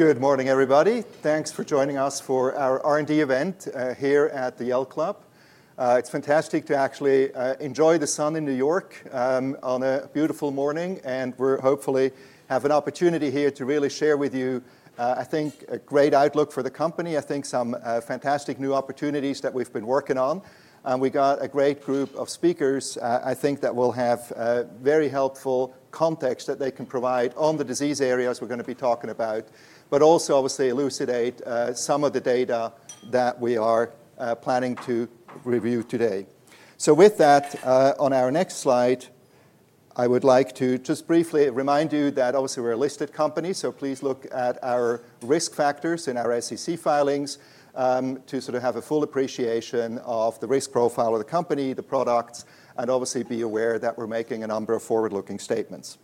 Good morning, everybody. Thanks for joining us for our R&D event here at the Yale Club. It's fantastic to actually enjoy the sun in New York on a beautiful morning, and we'll hopefully have an opportunity here to really share with you, I think, a great outlook for the company. I think some fantastic new opportunities that we've been working on. We got a great group of speakers, I think, that will have very helpful context that they can provide on the disease areas we're going to be talking about, but also, obviously, elucidate some of the data that we are planning to review today. With that, on our next slide, I would like to just briefly remind you that, obviously, we're a listed company, so please look at our risk factors in our SEC filings to sort of have a full appreciation of the risk profile of the company, the products, and obviously be aware that we're making a number of forward-looking statements.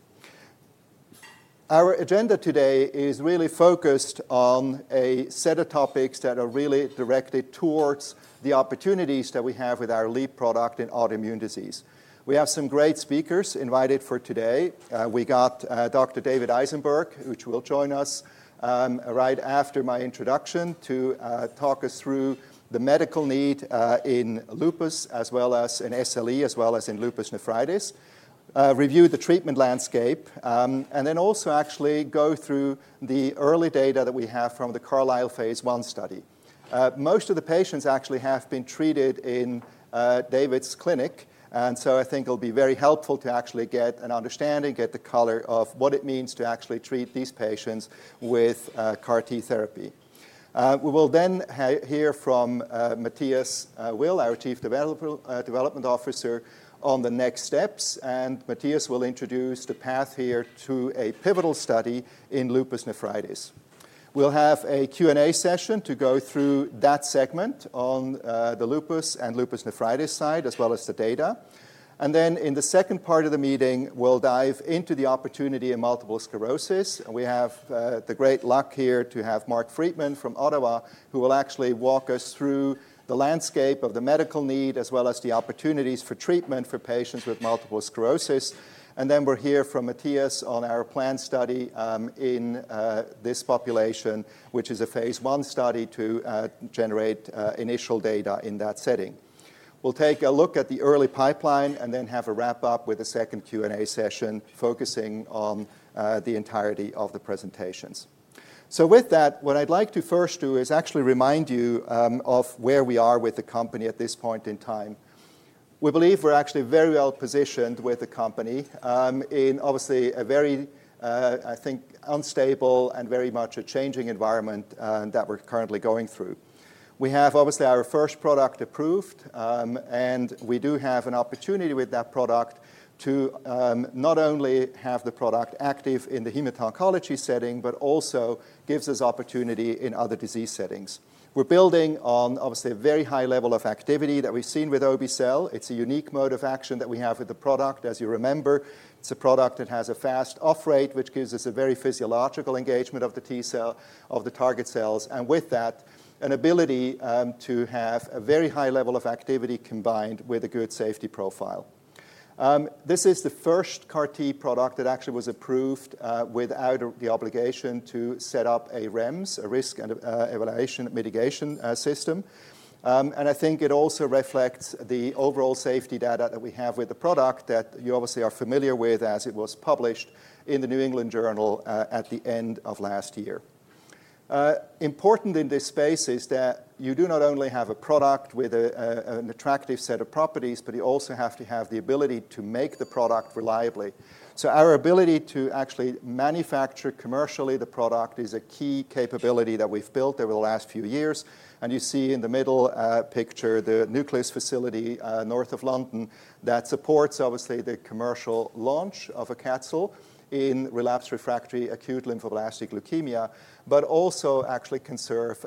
Our agenda today is really focused on a set of topics that are really directed towards the opportunities that we have with our lead product in autoimmune disease. We have some great speakers invited for today. We got Dr. David Eisenberg, who will join us right after my introduction to talk us through the medical need in lupus, as well as in SLE, as well as in lupus nephritis, review the treatment landscape, and then also actually go through the early data that we have from the CARLYSLE phase I study. Most of the patients actually have been treated in David's clinic, and so I think it'll be very helpful to actually get an understanding, get the color of what it means to actually treat these patients with CAR T therapy. We will then hear from Matthias Will, our Chief Development Officer, on the next steps, and Matthias will introduce the path here to a pivotal study in lupus nephritis. We'll have a Q&A session to go through that segment on the lupus and lupus nephritis side, as well as the data. In the second part of the meeting, we'll dive into the opportunity in multiple sclerosis. We have the great luck here to have Mark Freedman from Ottawa, who will actually walk us through the landscape of the medical need, as well as the opportunities for treatment for patients with multiple sclerosis. Then we'll hear from Matthias on our planned study in this population, which is a phase I study to generate initial data in that setting. We'll take a look at the early pipeline and then have a wrap-up with a second Q&A session focusing on the entirety of the presentations. With that, what I'd like to first do is actually remind you of where we are with the company at this point in time. We believe we're actually very well positioned with the company in, obviously, a very, I think, unstable and very much a changing environment that we're currently going through. We have, obviously, our first product approved, and we do have an opportunity with that product to not only have the product active in the hematology setting, but also gives us opportunity in other disease settings. We're building on, obviously, a very high level of activity that we've seen with Obe-cel It's a unique mode of action that we have with the product. As you remember, it's a product that has a fast off-rate, which gives us a very physiological engagement of the T cell, of the target cells, and with that, an ability to have a very high level of activity combined with a good safety profile. This is the first CAR T product that actually was approved without the obligation to set up a REMS, a risk and evaluation mitigation system. I think it also reflects the overall safety data that we have with the product that you obviously are familiar with as it was published in the New England Journal at the end of last year. Important in this space is that you do not only have a product with an attractive set of properties, but you also have to have the ability to make the product reliably. Our ability to actually manufacture commercially the product is a key capability that we've built over the last few years. You see in the middle picture the nucleus facility north of London that supports, obviously, the commercial launch of Obe-cel in relapsed refractory acute lymphoblastic leukemia, but also actually can serve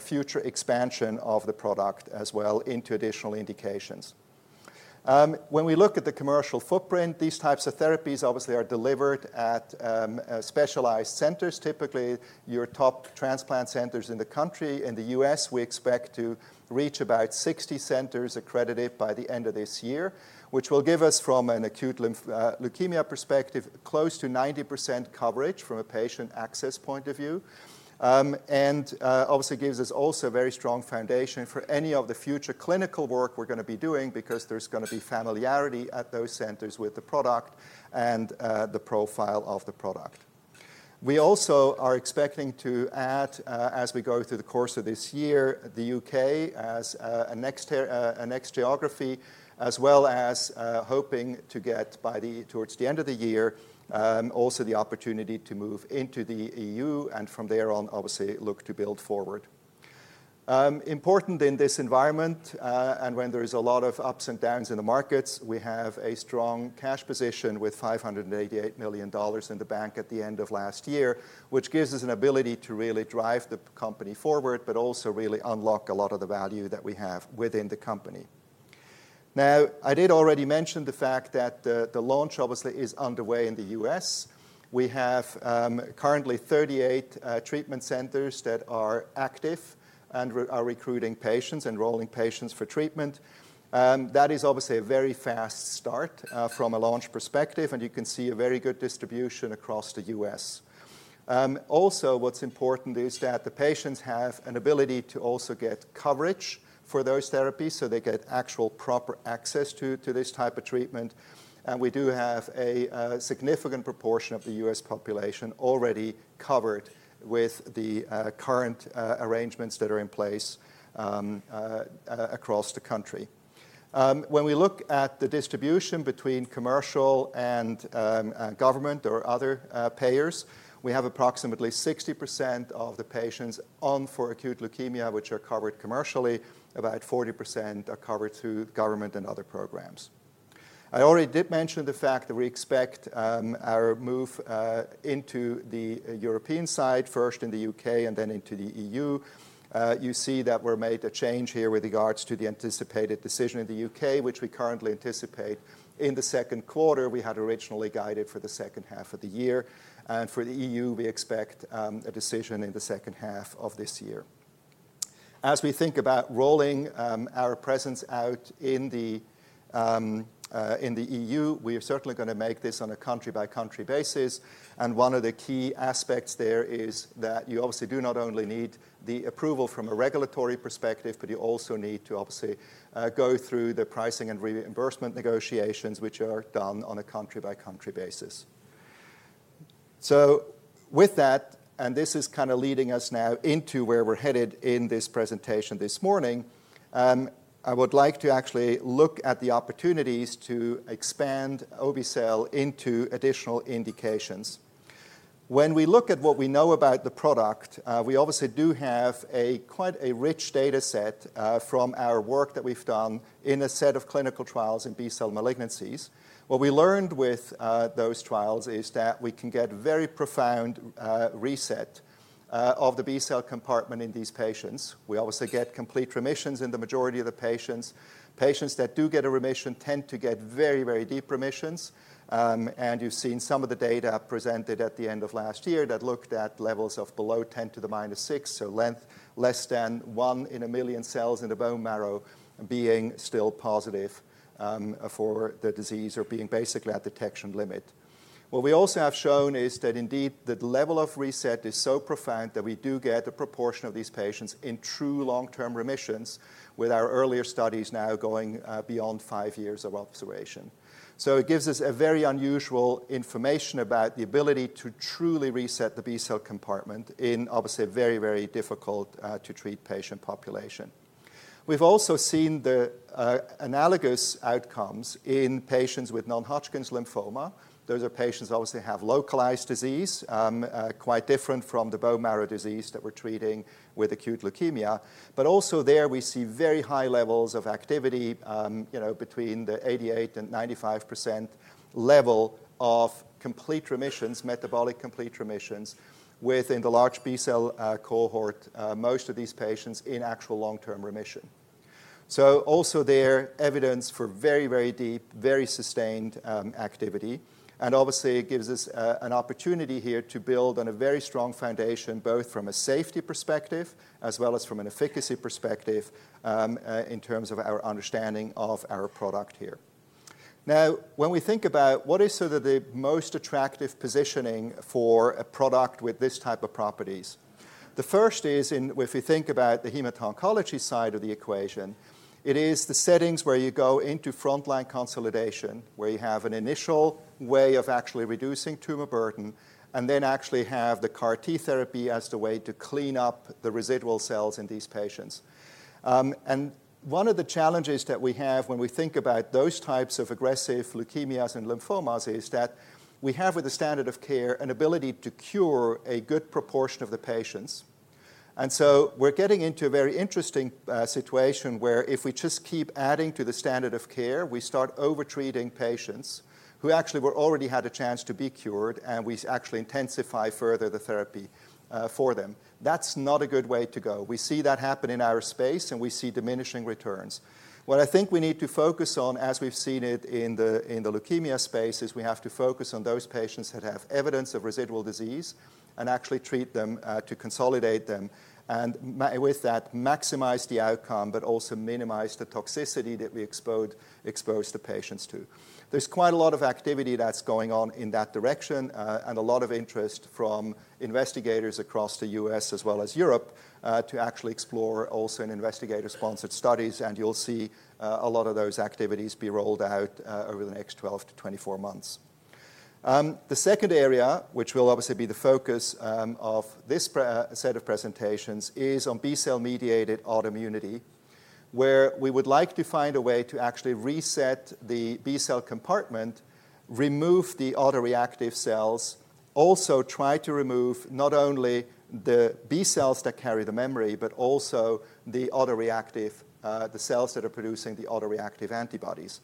future expansion of the product as well into additional indications. When we look at the commercial footprint, these types of therapies, obviously, are delivered at specialized centers, typically your top transplant centers in the country. In the U.S., we expect to reach about 60 centers accredited by the end of this year, which will give us, from an acute lymphoblastic leukemia perspective, close to 90% coverage from a patient access point of view, and obviously gives us also a very strong foundation for any of the future clinical work we're going to be doing, because there's going to be familiarity at those centers with the product and the profile of the product. We also are expecting to add, as we go through the course of this year, the U.K. as a next geography, as well as hoping to get, towards the end of the year, also the opportunity to move into the EU, and from there on, obviously, look to build forward. Important in this environment, and when there is a lot of ups and downs in the markets, we have a strong cash position with £ 588 million in the bank at the end of last year, which gives us an ability to really drive the company forward, but also really unlock a lot of the value that we have within the company. Now, I did already mention the fact that the launch, obviously, is underway in the U.S. We have currently 38 treatment centers that are active and are recruiting patients, enrolling patients for treatment. That is, obviously, a very fast start from a launch perspective, and you can see a very good distribution across the U.S. Also, what's important is that the patients have an ability to also get coverage for those therapies, so they get actual proper access to this type of treatment. We do have a significant proportion of the U.S. population already covered with the current arrangements that are in place across the country. When we look at the distribution between commercial and government or other payers, we have approximately 60% of the patients on for acute leukemia, which are covered commercially. About 40% are covered through government and other programs. I already did mention the fact that we expect our move into the European side, first in the U.K. and then into the EU. You see that we've made a change here with regards to the anticipated decision in the U.K., which we currently anticipate in the second quarter. We had originally guided for the second half of the year. For the EU, we expect a decision in the second half of this year. As we think about rolling our presence out in the EU, we are certainly going to make this on a country-by-country basis. One of the key aspects there is that you obviously do not only need the approval from a regulatory perspective, but you also need to, obviously, go through the pricing and reimbursement negotiations, which are done on a country-by-country basis. With that, and this is kind of leading us now into where we're headed in this presentation this morning, I would like to actually look at the opportunities to expand Obe cel into additional indications. When we look at what we know about the product, we obviously do have quite a rich data set from our work that we've done in a set of clinical trials in B cell malignancies. What we learned with those trials is that we can get very profound reset of the B cell compartment in these patients. We obviously get complete remissions in the majority of the patients. Patients that do get a remission tend to get very, very deep remissions. You have seen some of the data presented at the end of last year that looked at levels of below 10 to the minus 6, so less than 1 in a million cells in the bone marrow being still positive for the disease or being basically at detection limit. What we also have shown is that, indeed, the level of reset is so profound that we do get a proportion of these patients in true long-term remissions, with our earlier studies now going beyond five years of observation. It gives us very unusual information about the ability to truly reset the B cell compartment in, obviously, a very, very difficult-to-treat patient population. We've also seen the analogous outcomes in patients with non-Hodgkin's lymphoma. Those are patients that obviously have localized disease, quite different from the bone marrow disease that we're treating with acute leukemia. Also there, we see very high levels of activity between the 88%-95% level of complete remissions, metabolic complete remissions, within the large B cell cohort, most of these patients in actual long-term remission. Also there, evidence for very, very deep, very sustained activity. Obviously, it gives us an opportunity here to build on a very strong foundation, both from a safety perspective as well as from an efficacy perspective in terms of our understanding of our product here. Now, when we think about what is sort of the most attractive positioning for a product with this type of properties, the first is, if we think about the hematology side of the equation, it is the settings where you go into frontline consolidation, where you have an initial way of actually reducing tumor burden, and then actually have the CAR T therapy as the way to clean up the residual cells in these patients. One of the challenges that we have when we think about those types of aggressive leukemias and lymphomas is that we have, with the standard of care, an ability to cure a good proportion of the patients. We're getting into a very interesting situation where, if we just keep adding to the standard of care, we start overtreating patients who actually already had a chance to be cured, and we actually intensify further the therapy for them. That's not a good way to go. We see that happen in our space, and we see diminishing returns. What I think we need to focus on, as we've seen it in the leukemia space, is we have to focus on those patients that have evidence of residual disease and actually treat them to consolidate them, and with that, maximize the outcome, but also minimize the toxicity that we expose the patients to. There's quite a lot of activity that's going on in that direction, and a lot of interest from investigators across the U.S. as well as Europe to actually explore also in investigator-sponsored studies. You will see a lot of those activities be rolled out over the next 12 to 24 months. The second area, which will obviously be the focus of this set of presentations, is on B cell-mediated autoimmunity, where we would like to find a way to actually reset the B cell compartment, remove the autoreactive cells, also try to remove not only the B cells that carry the memory, but also the autoreactive, the cells that are producing the autoreactive antibodies.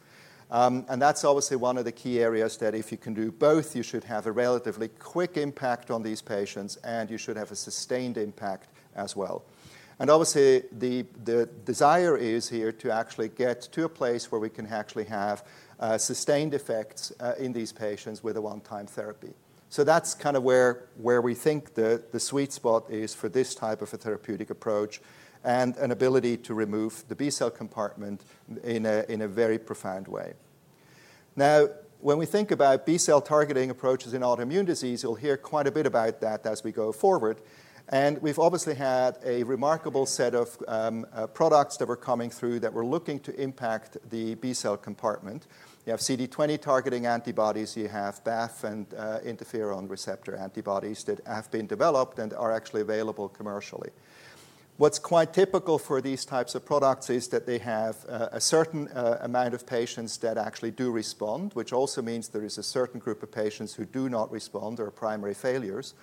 That is obviously one of the key areas that, if you can do both, you should have a relatively quick impact on these patients, and you should have a sustained impact as well. Obviously, the desire is here to actually get to a place where we can actually have sustained effects in these patients with a one-time therapy. That's kind of where we think the sweet spot is for this type of a therapeutic approach and an ability to remove the B cell compartment in a very profound way. Now, when we think about B cell targeting approaches in autoimmune disease, you'll hear quite a bit about that as we go forward. We've obviously had a remarkable set of products that were coming through that were looking to impact the B cell compartment. You have CD20 targeting antibodies. You have BAF and interferon receptor antibodies that have been developed and are actually available commercially. What's quite typical for these types of products is that they have a certain amount of patients that actually do respond, which also means there is a certain group of patients who do not respond or are primary failures.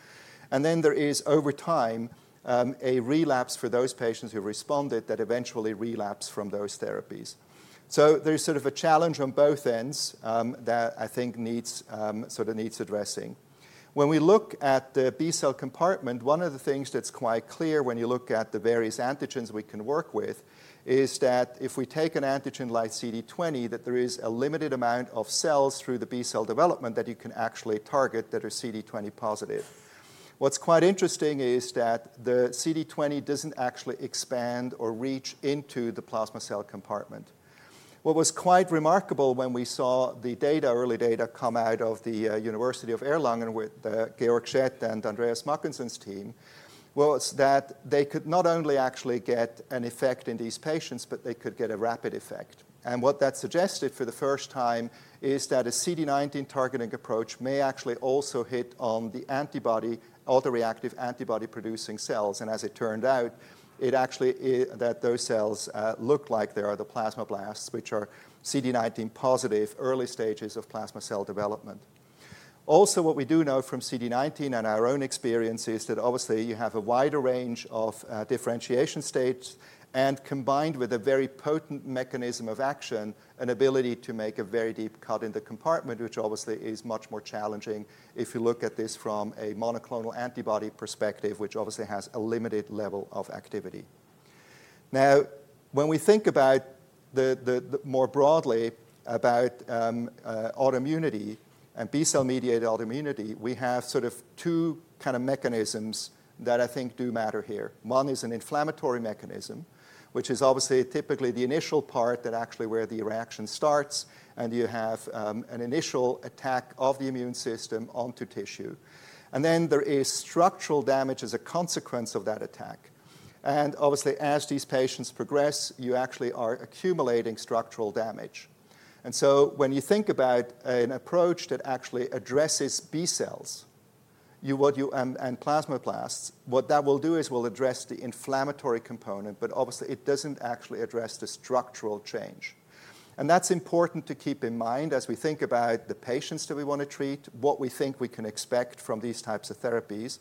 There is, over time, a relapse for those patients who responded that eventually relapse from those therapies. There is sort of a challenge on both ends that I think sort of needs addressing. When we look at the B cell compartment, one of the things that's quite clear when you look at the various antigens we can work with is that if we take an antigen like CD20, there is a limited amount of cells through the B cell development that you can actually target that are CD20 positive. What's quite interesting is that the CD20 doesn't actually expand or reach into the plasma cell compartment. What was quite remarkable when we saw the early data come out of the University of Erlangen with Georg Schett and Andreas Mackensen's team was that they could not only actually get an effect in these patients, they could get a rapid effect. What that suggested for the first time is that a CD19 targeting approach may actually also hit on the autoreactive antibody-producing cells. As it turned out, it actually that those cells look like they are the plasma blasts, which are CD19 positive, early stages of plasma cell development. Also, what we do know from CD19 and our own experience is that, obviously, you have a wider range of differentiation states, and combined with a very potent mechanism of action, an ability to make a very deep cut in the compartment, which obviously is much more challenging if you look at this from a monoclonal antibody perspective, which obviously has a limited level of activity. Now, when we think more broadly about autoimmunity and B cell-mediated autoimmunity, we have sort of two kind of mechanisms that I think do matter here. One is an inflammatory mechanism, which is obviously typically the initial part that actually where the reaction starts, and you have an initial attack of the immune system onto tissue. There is structural damage as a consequence of that attack. Obviously, as these patients progress, you actually are accumulating structural damage. When you think about an approach that actually addresses B cells and plasma blasts, what that will do is will address the inflammatory component, but obviously, it doesn't actually address the structural change. That's important to keep in mind as we think about the patients that we want to treat, what we think we can expect from these types of therapies.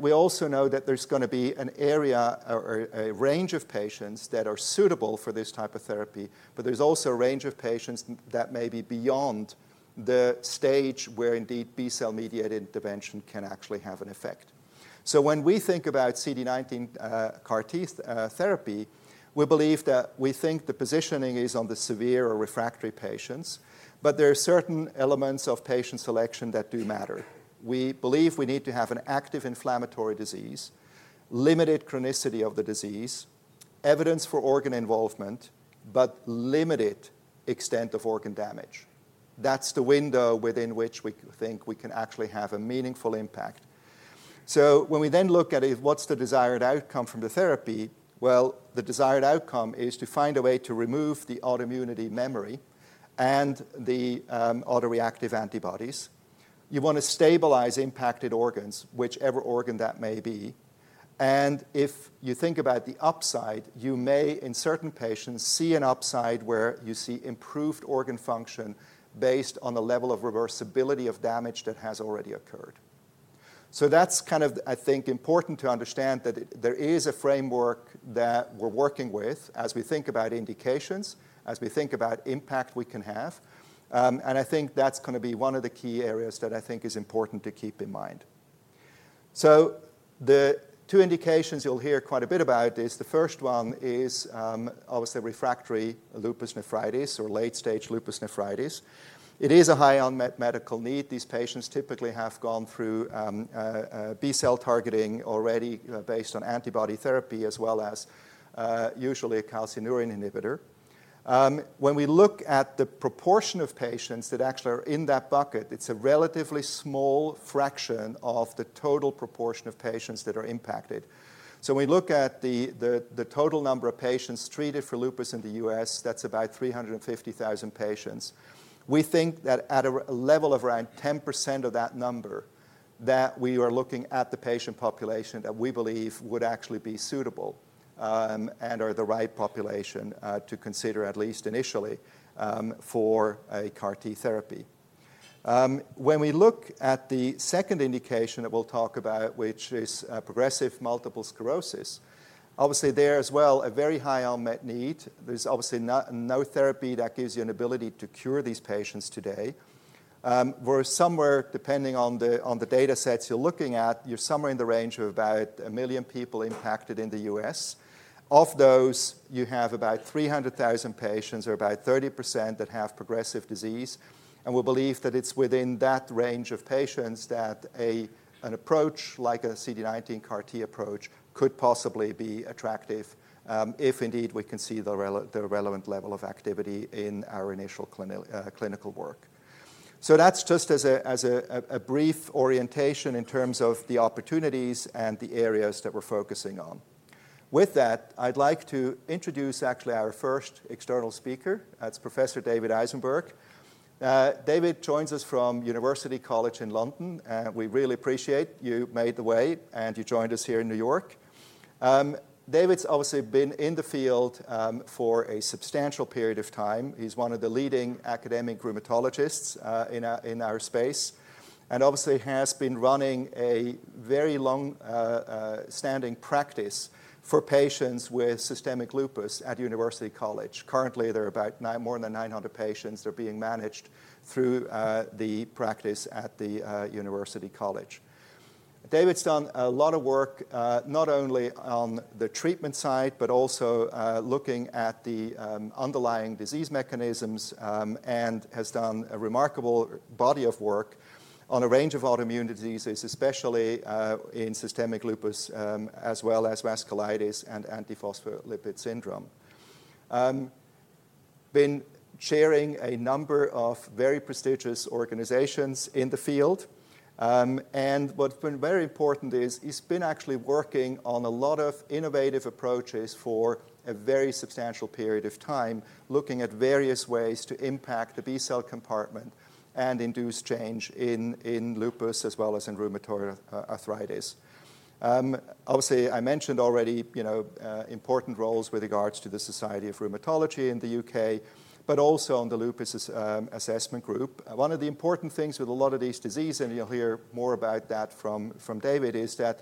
We also know that there's going to be a range of patients that are suitable for this type of therapy, but there's also a range of patients that may be beyond the stage where, indeed, B cell-mediated intervention can actually have an effect. When we think about CD19 CAR T therapy, we believe that we think the positioning is on the severe or refractory patients, but there are certain elements of patient selection that do matter. We believe we need to have an active inflammatory disease, limited chronicity of the disease, evidence for organ involvement, but limited extent of organ damage. That is the window within which we think we can actually have a meaningful impact. When we then look at what is the desired outcome from the therapy, the desired outcome is to find a way to remove the autoimmunity memory and the autoreactive antibodies. You want to stabilize impacted organs, whichever organ that may be. If you think about the upside, you may, in certain patients, see an upside where you see improved organ function based on the level of reversibility of damage that has already occurred. That is kind of, I think, important to understand that there is a framework that we are working with as we think about indications, as we think about impact we can have. I think that's going to be one of the key areas that I think is important to keep in mind. The two indications you'll hear quite a bit about are the first one, which is obviously refractory lupus nephritis or late-stage lupus nephritis. It is a high-end medical need. These patients typically have gone through B cell targeting already based on antibody therapy as well as usually a calcineurin inhibitor. When we look at the proportion of patients that actually are in that bucket, it's a relatively small fraction of the total proportion of patients that are impacted. When we look at the total number of patients treated for lupus in the US, that's about 350,000 patients. We think that at a level of around 10% of that number, that we are looking at the patient population that we believe would actually be suitable and are the right population to consider, at least initially, for a CAR T therapy. When we look at the second indication that we'll talk about, which is progressive multiple sclerosis, obviously, there as well, a very high-end need. There's obviously no therapy that gives you an ability to cure these patients today. Whereas somewhere, depending on the data sets you're looking at, you're somewhere in the range of about a million people impacted in the US. Of those, you have about 300,000 patients, or about 30%, that have progressive disease. We believe that it's within that range of patients that an approach like a CD19 CAR T approach could possibly be attractive if, indeed, we can see the relevant level of activity in our initial clinical work. That's just as a brief orientation in terms of the opportunities and the areas that we're focusing on. With that, I'd like to introduce actually our first external speaker. That's Professor David Eisenberg. David joins us from University College London. We really appreciate you made the way, and you joined us here in New York. David's obviously been in the field for a substantial period of time. He's one of the leading academic rheumatologists in our space and obviously has been running a very long-standing practice for patients with systemic lupus at University College. Currently, there are about more than 900 patients that are being managed through the practice at the University College London. David's done a lot of work not only on the treatment side, but also looking at the underlying disease mechanisms and has done a remarkable body of work on a range of autoimmune diseases, especially in systemic lupus as well as vasculitis and antiphospholipid syndrome. Been chairing a number of very prestigious organizations in the field. What's been very important is he's been actually working on a lot of innovative approaches for a very substantial period of time, looking at various ways to impact the B cell compartment and induce change in lupus as well as in rheumatoid arthritis. Obviously, I mentioned already important roles with regards to the Society of Rheumatology in the U.K., but also on the lupus assessment group. One of the important things with a lot of these diseases, and you'll hear more about that from David, is that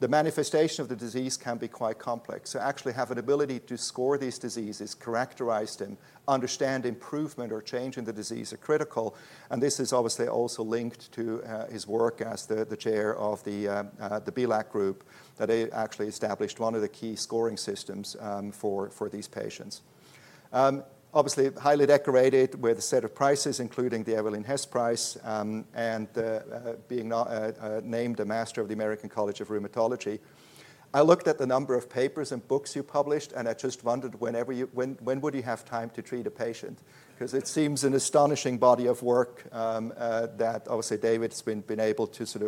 the manifestation of the disease can be quite complex. Actually having the ability to score these diseases, characterize them, understand improvement or change in the disease are critical. This is obviously also linked to his work as the chair of the BILAG group that actually established one of the key scoring systems for these patients. Obviously, highly decorated with a set of prizes, including the Evelyn Hess Prize and being named a Master of the American College of Rheumatology. I looked at the number of papers and books you published, and I just wondered, when would you have time to treat a patient? Because it seems an astonishing body of work that obviously David's been able to sort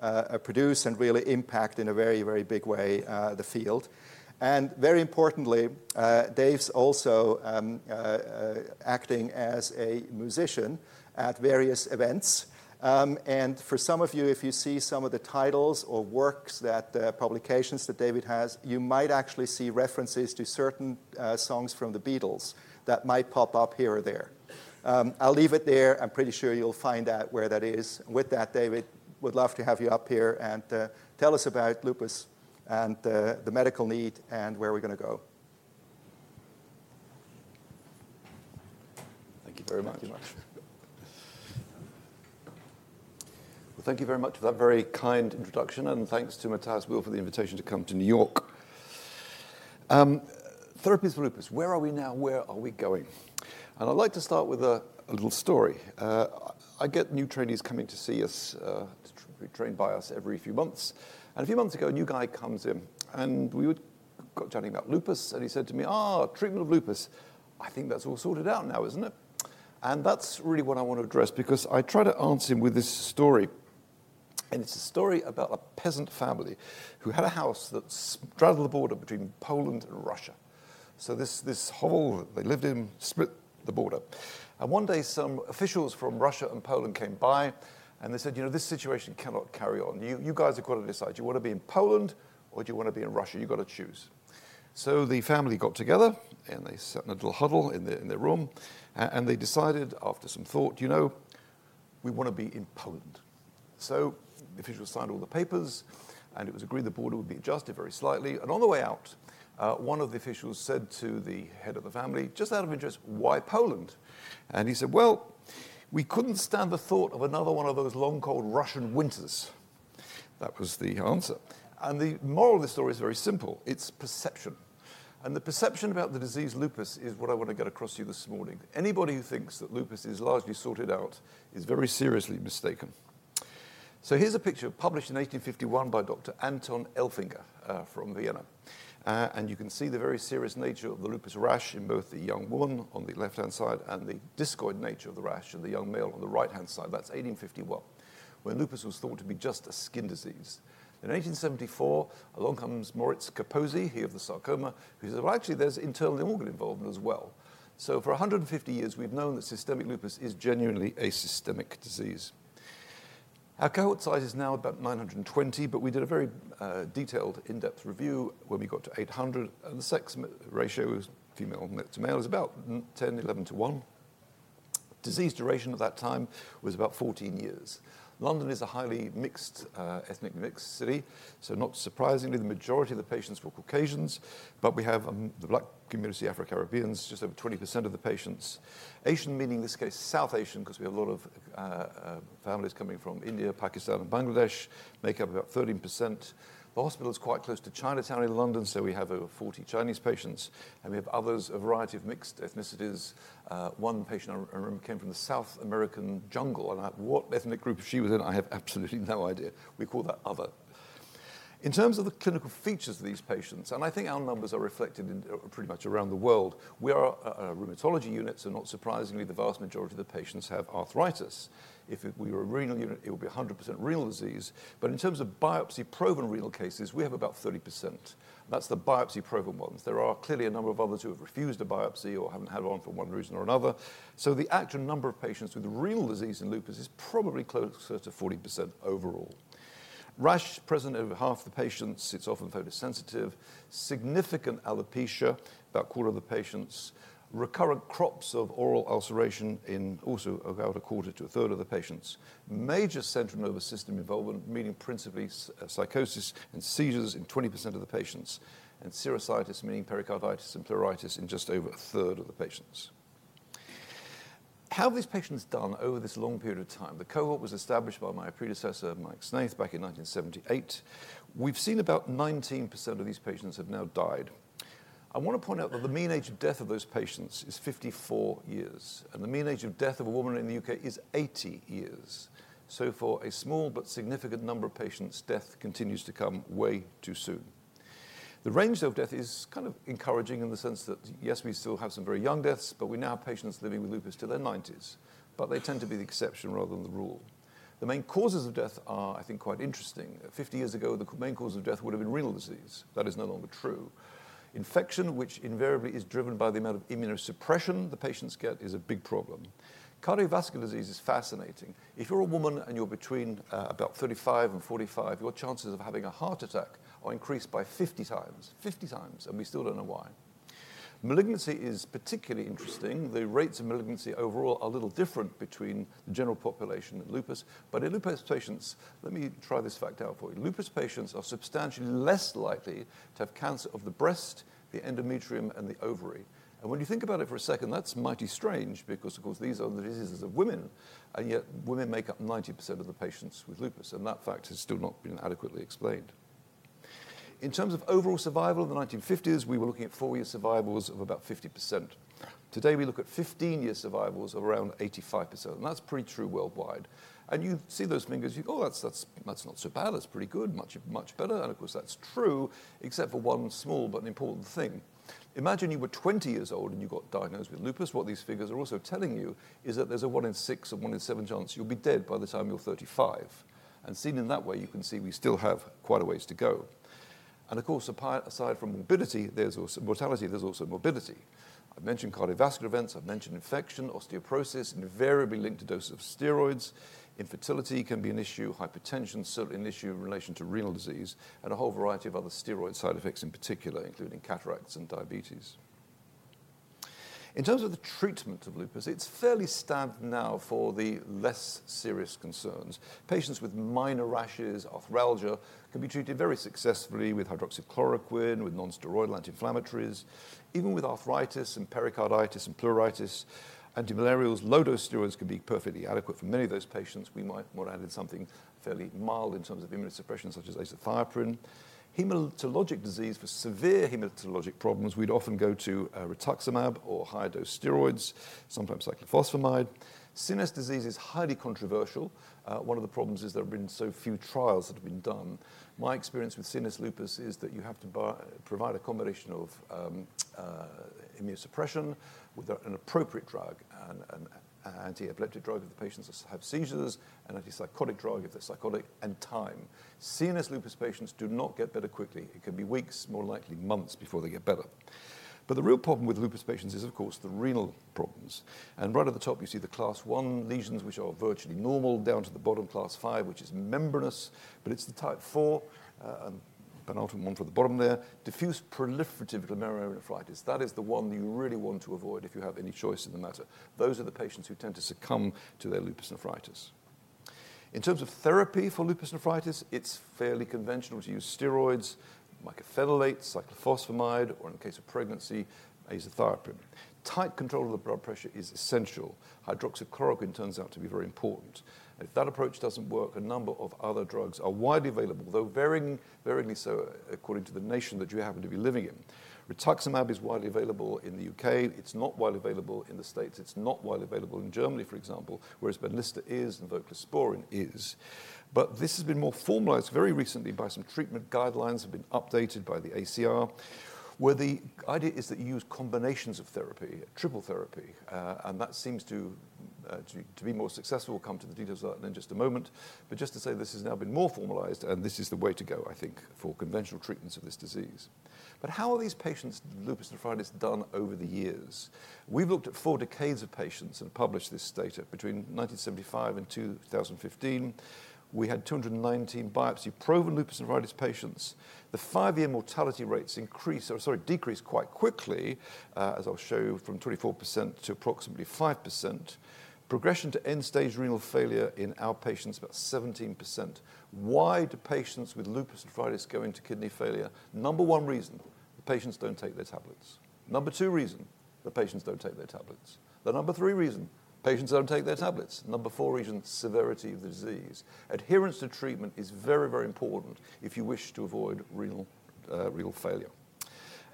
of produce and really impact in a very, very big way the field. Very importantly, Dave's also acting as a musician at various events. For some of you, if you see some of the titles or works, the publications that David has, you might actually see references to certain songs from the Beatles that might pop up here or there. I'll leave it there. I'm pretty sure you'll find out where that is. With that, David, would love to have you up here and tell us about lupus and the medical need and where we're going to go. Thank you very much. Thank you very much for that very kind introduction, and thanks to Matthias Wuhl for the invitation to come to New York. Therapies for lupus. Where are we now? Where are we going? I would like to start with a little story. I get new trainees coming to see us, to be trained by us every few months. A few months ago, a new guy comes in, and we were chatting about lupus, and he said to me, "Treatment of lupus. I think that's all sorted out now, isn't it?" That is really what I want to address because I try to answer him with this story. It is a story about a peasant family who had a house that straddled the border between Poland and Russia. This hovel they lived in split the border. One day, some officials from Russia and Poland came by, and they said, "You know, this situation cannot carry on. You guys have got to decide. Do you want to be in Poland, or do you want to be in Russia? You've got to choose." The family got together, and they sat in a little huddle in their room, and they decided after some thought, "You know, we want to be in Poland." The officials signed all the papers, and it was agreed the border would be adjusted very slightly. On the way out, one of the officials said to the head of the family, "Just out of interest, why Poland?" He said, "Well, we couldn't stand the thought of another one of those long, cold Russian winters." That was the answer. The moral of the story is very simple. It's perception. The perception about the disease lupus is what I want to get across to you this morning. Anybody who thinks that lupus is largely sorted out is very seriously mistaken. Here is a picture published in 1851 by Dr. Anton Elfinger from Vienna. You can see the very serious nature of the lupus rash in both the young woman on the left-hand side and the discoid nature of the rash in the young male on the right-hand side. That is 1851, when lupus was thought to be just a skin disease. In 1874, along comes Moritz Kaposi, he of the sarcoma, who said, "Well, actually, there is internal organ involvement as well." For 150 years, we have known that systemic lupus is genuinely a systemic disease. Our cohort size is now about 920, but we did a very detailed in-depth review when we got to 800. The sex ratio female to male is about 10, 11 to 1. Disease duration at that time was about 14 years. London is a highly mixed ethnicity city, so not surprisingly, the majority of the patients were Caucasians, but we have the Black community, Afro-Caribbeans, just over 20% of the patients. Asian, meaning in this case, South Asian, because we have a lot of families coming from India, Pakistan, and Bangladesh, make up about 13%. The hospital is quite close to Chinatown in London, so we have over 40 Chinese patients. We have others, a variety of mixed ethnicities. One patient I remember came from the South American jungle, and what ethnic group she was in, I have absolutely no idea. We call that other. In terms of the clinical features of these patients, and I think our numbers are reflected pretty much around the world, we are a rheumatology unit, so not surprisingly, the vast majority of the patients have arthritis. If we were a renal unit, it would be 100% renal disease. In terms of biopsy-proven renal cases, we have about 30%. That is the biopsy-proven ones. There are clearly a number of others who have refused a biopsy or have not had one for one reason or another. The actual number of patients with renal disease and lupus is probably closer to 40% overall. Rash present in half of the patients. It is often photosensitive. Significant alopecia, about a quarter of the patients. Recurrent crops of oral ulceration in also about a quarter to a third of the patients. Major central nervous system involvement, meaning principally psychosis and seizures in 20% of the patients. Serositis, meaning pericarditis and pleuritis in just over a third of the patients. How have these patients done over this long period of time? The cohort was established by my predecessor, Mike Snath, back in 1978. We have seen about 19% of these patients have now died. I want to point out that the mean age of death of those patients is 54 years, and the mean age of death of a woman in the U.K. is 80 years. For a small but significant number of patients, death continues to come way too soon. The range of death is kind of encouraging in the sense that, yes, we still have some very young deaths, but we now have patients living with lupus till their 90s. They tend to be the exception rather than the rule. The main causes of death are, I think, quite interesting. Fifty years ago, the main cause of death would have been renal disease. That is no longer true. Infection, which invariably is driven by the amount of immunosuppression the patients get, is a big problem. Cardiovascular disease is fascinating. If you're a woman and you're between about 35 and 45, your chances of having a heart attack are increased by 50 times, 50 times, and we still don't know why. Malignancy is particularly interesting. The rates of malignancy overall are a little different between the general population and lupus. But in lupus patients, let me try this fact out for you. Lupus patients are substantially less likely to have cancer of the breast, the endometrium, and the ovary. When you think about it for a second, that's mighty strange because, of course, these are the diseases of women, and yet women make up 90% of the patients with lupus. That fact has still not been adequately explained. In terms of overall survival in the 1950s, we were looking at four-year survivals of about 50%. Today, we look at 15-year survivals of around 85%. That is pretty true worldwide. You see those figures, you go, "Oh, that's not so bad. That's pretty good, much better." Of course, that's true, except for one small but important thing. Imagine you were 20 years old and you got diagnosed with lupus. What these figures are also telling you is that there's a one in six or one in seven chance you'll be dead by the time you're 35. Seen in that way, you can see we still have quite a ways to go. Of course, aside from morbidity, there's also mortality. There's also morbidity. I've mentioned cardiovascular events. I've mentioned infection, osteoporosis, invariably linked to doses of steroids. Infertility can be an issue. Hypertension is certainly an issue in relation to renal disease, and a whole variety of other steroid side effects in particular, including cataracts and diabetes. In terms of the treatment of lupus, it's fairly standard now for the less serious concerns. Patients with minor rashes, arthralgia, can be treated very successfully with hydroxychloroquine, with nonsteroidal anti-inflammatories. Even with arthritis and pericarditis and pleuritis, antimalarials, low-dose steroids can be perfectly adequate for many of those patients. We might want to add in something fairly mild in terms of immunosuppression, such as azathioprine. Hematologic disease, for severe hematologic problems, we'd often go to rituximab or higher-dose steroids, sometimes cyclophosphamide. CNS disease is highly controversial. One of the problems is there have been so few trials that have been done. My experience with CNS lupus is that you have to provide a combination of immunosuppression with an appropriate drug, an anti-epileptic drug if the patients have seizures, an antipsychotic drug if they're psychotic, and time. CNS lupus patients do not get better quickly. It can be weeks, more likely months, before they get better. The real problem with lupus patients is, of course, the renal problems. Right at the top, you see the class I lesions, which are virtually normal, down to the bottom class V, which is membranous, but it's the type IV, penultimate one from the bottom there, diffuse proliferative glomerulonephritis. That is the one that you really want to avoid if you have any choice in the matter. Those are the patients who tend to succumb to their lupus nephritis. In terms of therapy for lupus nephritis, it's fairly conventional to use steroids, like mycophenolate, cyclophosphamide, or in the case of pregnancy, azathioprine. Tight control of the blood pressure is essential. Hydroxychloroquine turns out to be very important. If that approach doesn't work, a number of other drugs are widely available, though varyingly so according to the nation that you happen to be living in. Rituximab is widely available in the U.K. It's not widely available in the U.S. It's not widely available in Germany, for example, whereas belimumab is and voclosporin is. This has been more formalized very recently by some treatment guidelines that have been updated by the ACR, where the idea is that you use combinations of therapy, triple therapy, and that seems to be more successful. We will come to the details of that in just a moment. Just to say, this has now been more formalized, and this is the way to go, I think, for conventional treatments of this disease. How have these patients' lupus nephritis done over the years? We have looked at four decades of patients and published this data between 1975 and 2015. We had 219 biopsy-proven lupus nephritis patients. The five-year mortality rates decreased quite quickly, as I will show you, from 24% to approximately 5%. Progression to end-stage renal failure in our patients, about 17%. Why do patients with lupus nephritis go into kidney failure? Number one reason, patients don't take their tablets. Number two reason, the patients don't take their tablets. The number three reason, patients don't take their tablets. Number four reason, severity of the disease. Adherence to treatment is very, very important if you wish to avoid renal failure.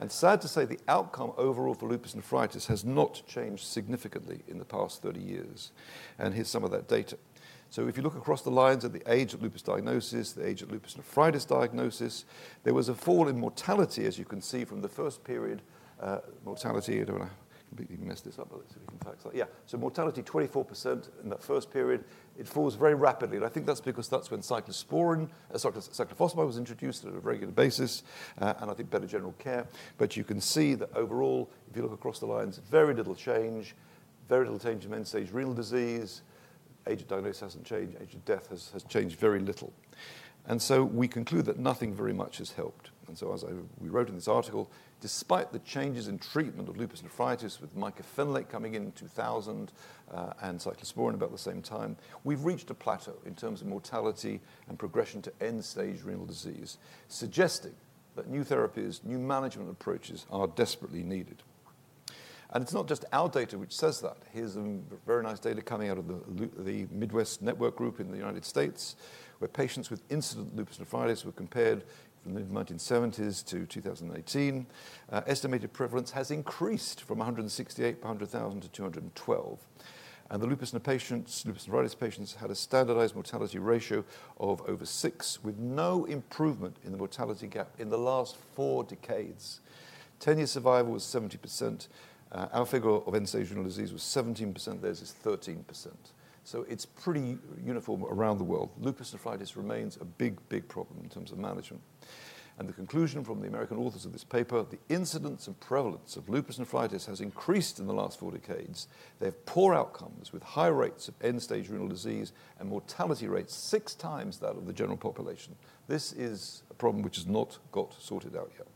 Sad to say, the outcome overall for lupus nephritis has not changed significantly in the past 30 years. Here's some of that data. If you look across the lines at the age of lupus diagnosis, the age of lupus nephritis diagnosis, there was a fall in mortality, as you can see, from the first period. Mortality, I don't want to completely mess this up, but let's see if we can fix that. Yeah. Mortality, 24% in that first period. It falls very rapidly. I think that's because that's when cyclophosphamide was introduced on a regular basis, and I think better general care. You can see that overall, if you look across the lines, very little change, very little change in end-stage renal disease. Age of diagnosis hasn't changed. Age of death has changed very little. We conclude that nothing very much has helped. As we wrote in this article, despite the changes in treatment of lupus nephritis with mycophenolate coming in in 2000 and cyclosporine about the same time, we've reached a plateau in terms of mortality and progression to end-stage renal disease, suggesting that new therapies, new management approaches are desperately needed. It's not just our data which says that. Here's some very nice data coming out of the Midwest Network Group in the United States, where patients with incident lupus nephritis were compared from the mid-1970s to 2018. Estimated prevalence has increased from 168 per 100,000 to 212. And the lupus nephritis patients had a standardized mortality ratio of over 6, with no improvement in the mortality gap in the last four decades. 10-year survival was 70%. Our figure of end-stage renal disease was 17%. Theirs is 13%. So it's pretty uniform around the world. Lupus nephritis remains a big, big problem in terms of management. And the conclusion from the American authors of this paper, the incidence and prevalence of lupus nephritis has increased in the last four decades. They have poor outcomes with high rates of end-stage renal disease and mortality rates six times that of the general population. This is a problem which has not got sorted out yet.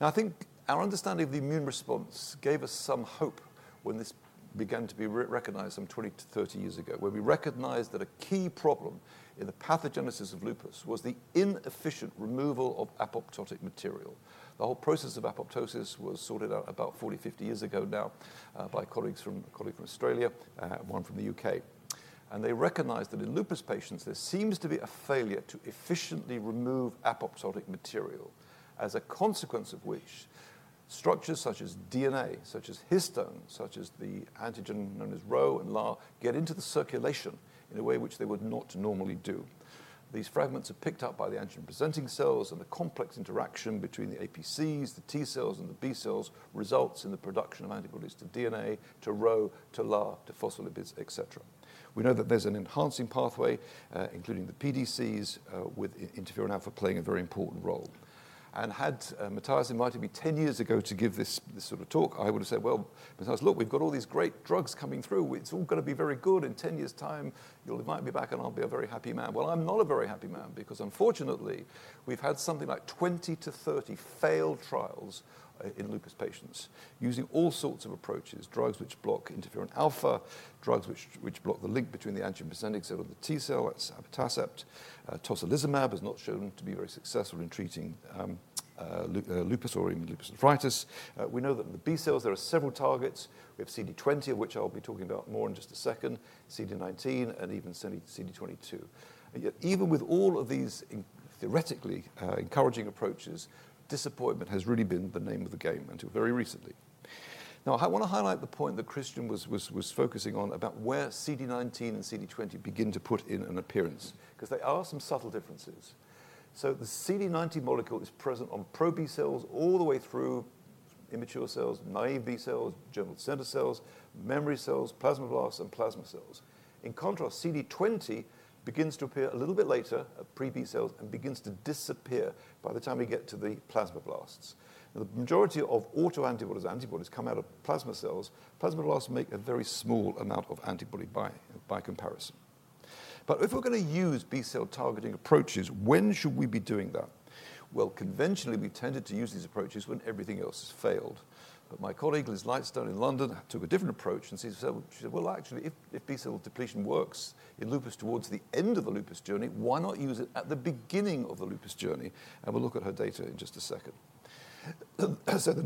Now, I think our understanding of the immune response gave us some hope when this began to be recognized some 20 to 30 years ago, where we recognized that a key problem in the pathogenesis of lupus was the inefficient removal of apoptotic material. The whole process of apoptosis was sorted out about 40, 50 years ago now by a colleague from Australia, one from the U.K. They recognized that in lupus patients, there seems to be a failure to efficiently remove apoptotic material, as a consequence of which structures such as DNA, such as histone, such as the antigen known as RO and LA get into the circulation in a way which they would not normally do. These fragments are picked up by the antigen-presenting cells, and the complex interaction between the APCs, the T cells, and the B cells results in the production of antibodies to DNA, to RO, to LA, to phospholipids, etc. We know that there's an enhancing pathway, including the PDCs, with interferon alpha playing a very important role. Had Mathias and Marty met me 10 years ago to give this sort of talk, I would have said, "Well, Mathias, look, we've got all these great drugs coming through. It's all going to be very good. In 10 years' time, you'll invite me back, and I'll be a very happy man. I am not a very happy man because, unfortunately, we've had something like 20-30 failed trials in lupus patients using all sorts of approaches, drugs which block interferon alpha, drugs which block the link between the antigen-presenting cell and the T cell, that's epitassept. Tocilizumab has not shown to be very successful in treating lupus or even lupus nephritis. We know that in the B cells, there are several targets. We have CD20, of which I'll be talking about more in just a second, CD19, and even CD22. Even with all of these theoretically encouraging approaches, disappointment has really been the name of the game until very recently. Now, I want to highlight the point that Christian was focusing on about where CD19 and CD20 begin to put in an appearance because there are some subtle differences. The CD19 molecule is present on pro-B cells all the way through immature cells, naive B cells, germ cells, memory cells, plasma blasts, and plasma cells. In contrast, CD20 begins to appear a little bit later at pre-B cells and begins to disappear by the time we get to the plasma blasts. The majority of autoantibodies and antibodies come out of plasma cells. Plasma blasts make a very small amount of antibody by comparison. If we're going to use B cell targeting approaches, when should we be doing that? Conventionally, we tended to use these approaches when everything else has failed. My colleague, Liz Lightstone in London, took a different approach and said, "Well, actually, if B cell depletion works in lupus towards the end of the lupus journey, why not use it at the beginning of the lupus journey?" We'll look at her data in just a second. The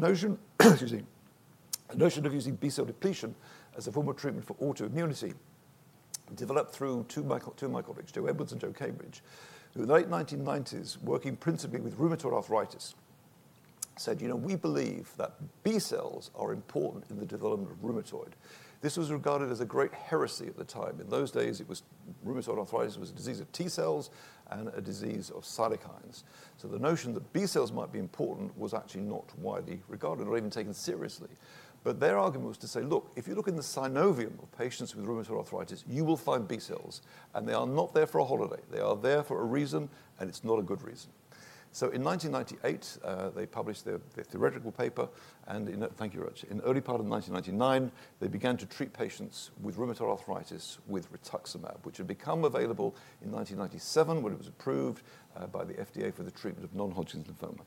notion of using B cell depletion as a form of treatment for autoimmunity developed through two of my colleagues, Joe Edwards and Joe Cambridge, who in the late 1990s, working principally with rheumatoid arthritis, said, "You know, we believe that B cells are important in the development of rheumatoid." This was regarded as a great heresy at the time. In those days, rheumatoid arthritis was a disease of T cells and a disease of cytokines. The notion that B cells might be important was actually not widely regarded or even taken seriously. Their argument was to say, "Look, if you look in the synovium of patients with rheumatoid arthritis, you will find B cells, and they are not there for a holiday. They are there for a reason, and it's not a good reason." In 1998, they published their theoretical paper. Thank you, Roger. In the early part of 1999, they began to treat patients with rheumatoid arthritis with rituximab, which had become available in 1997 when it was approved by the FDA for the treatment of non-Hodgkin's lymphoma.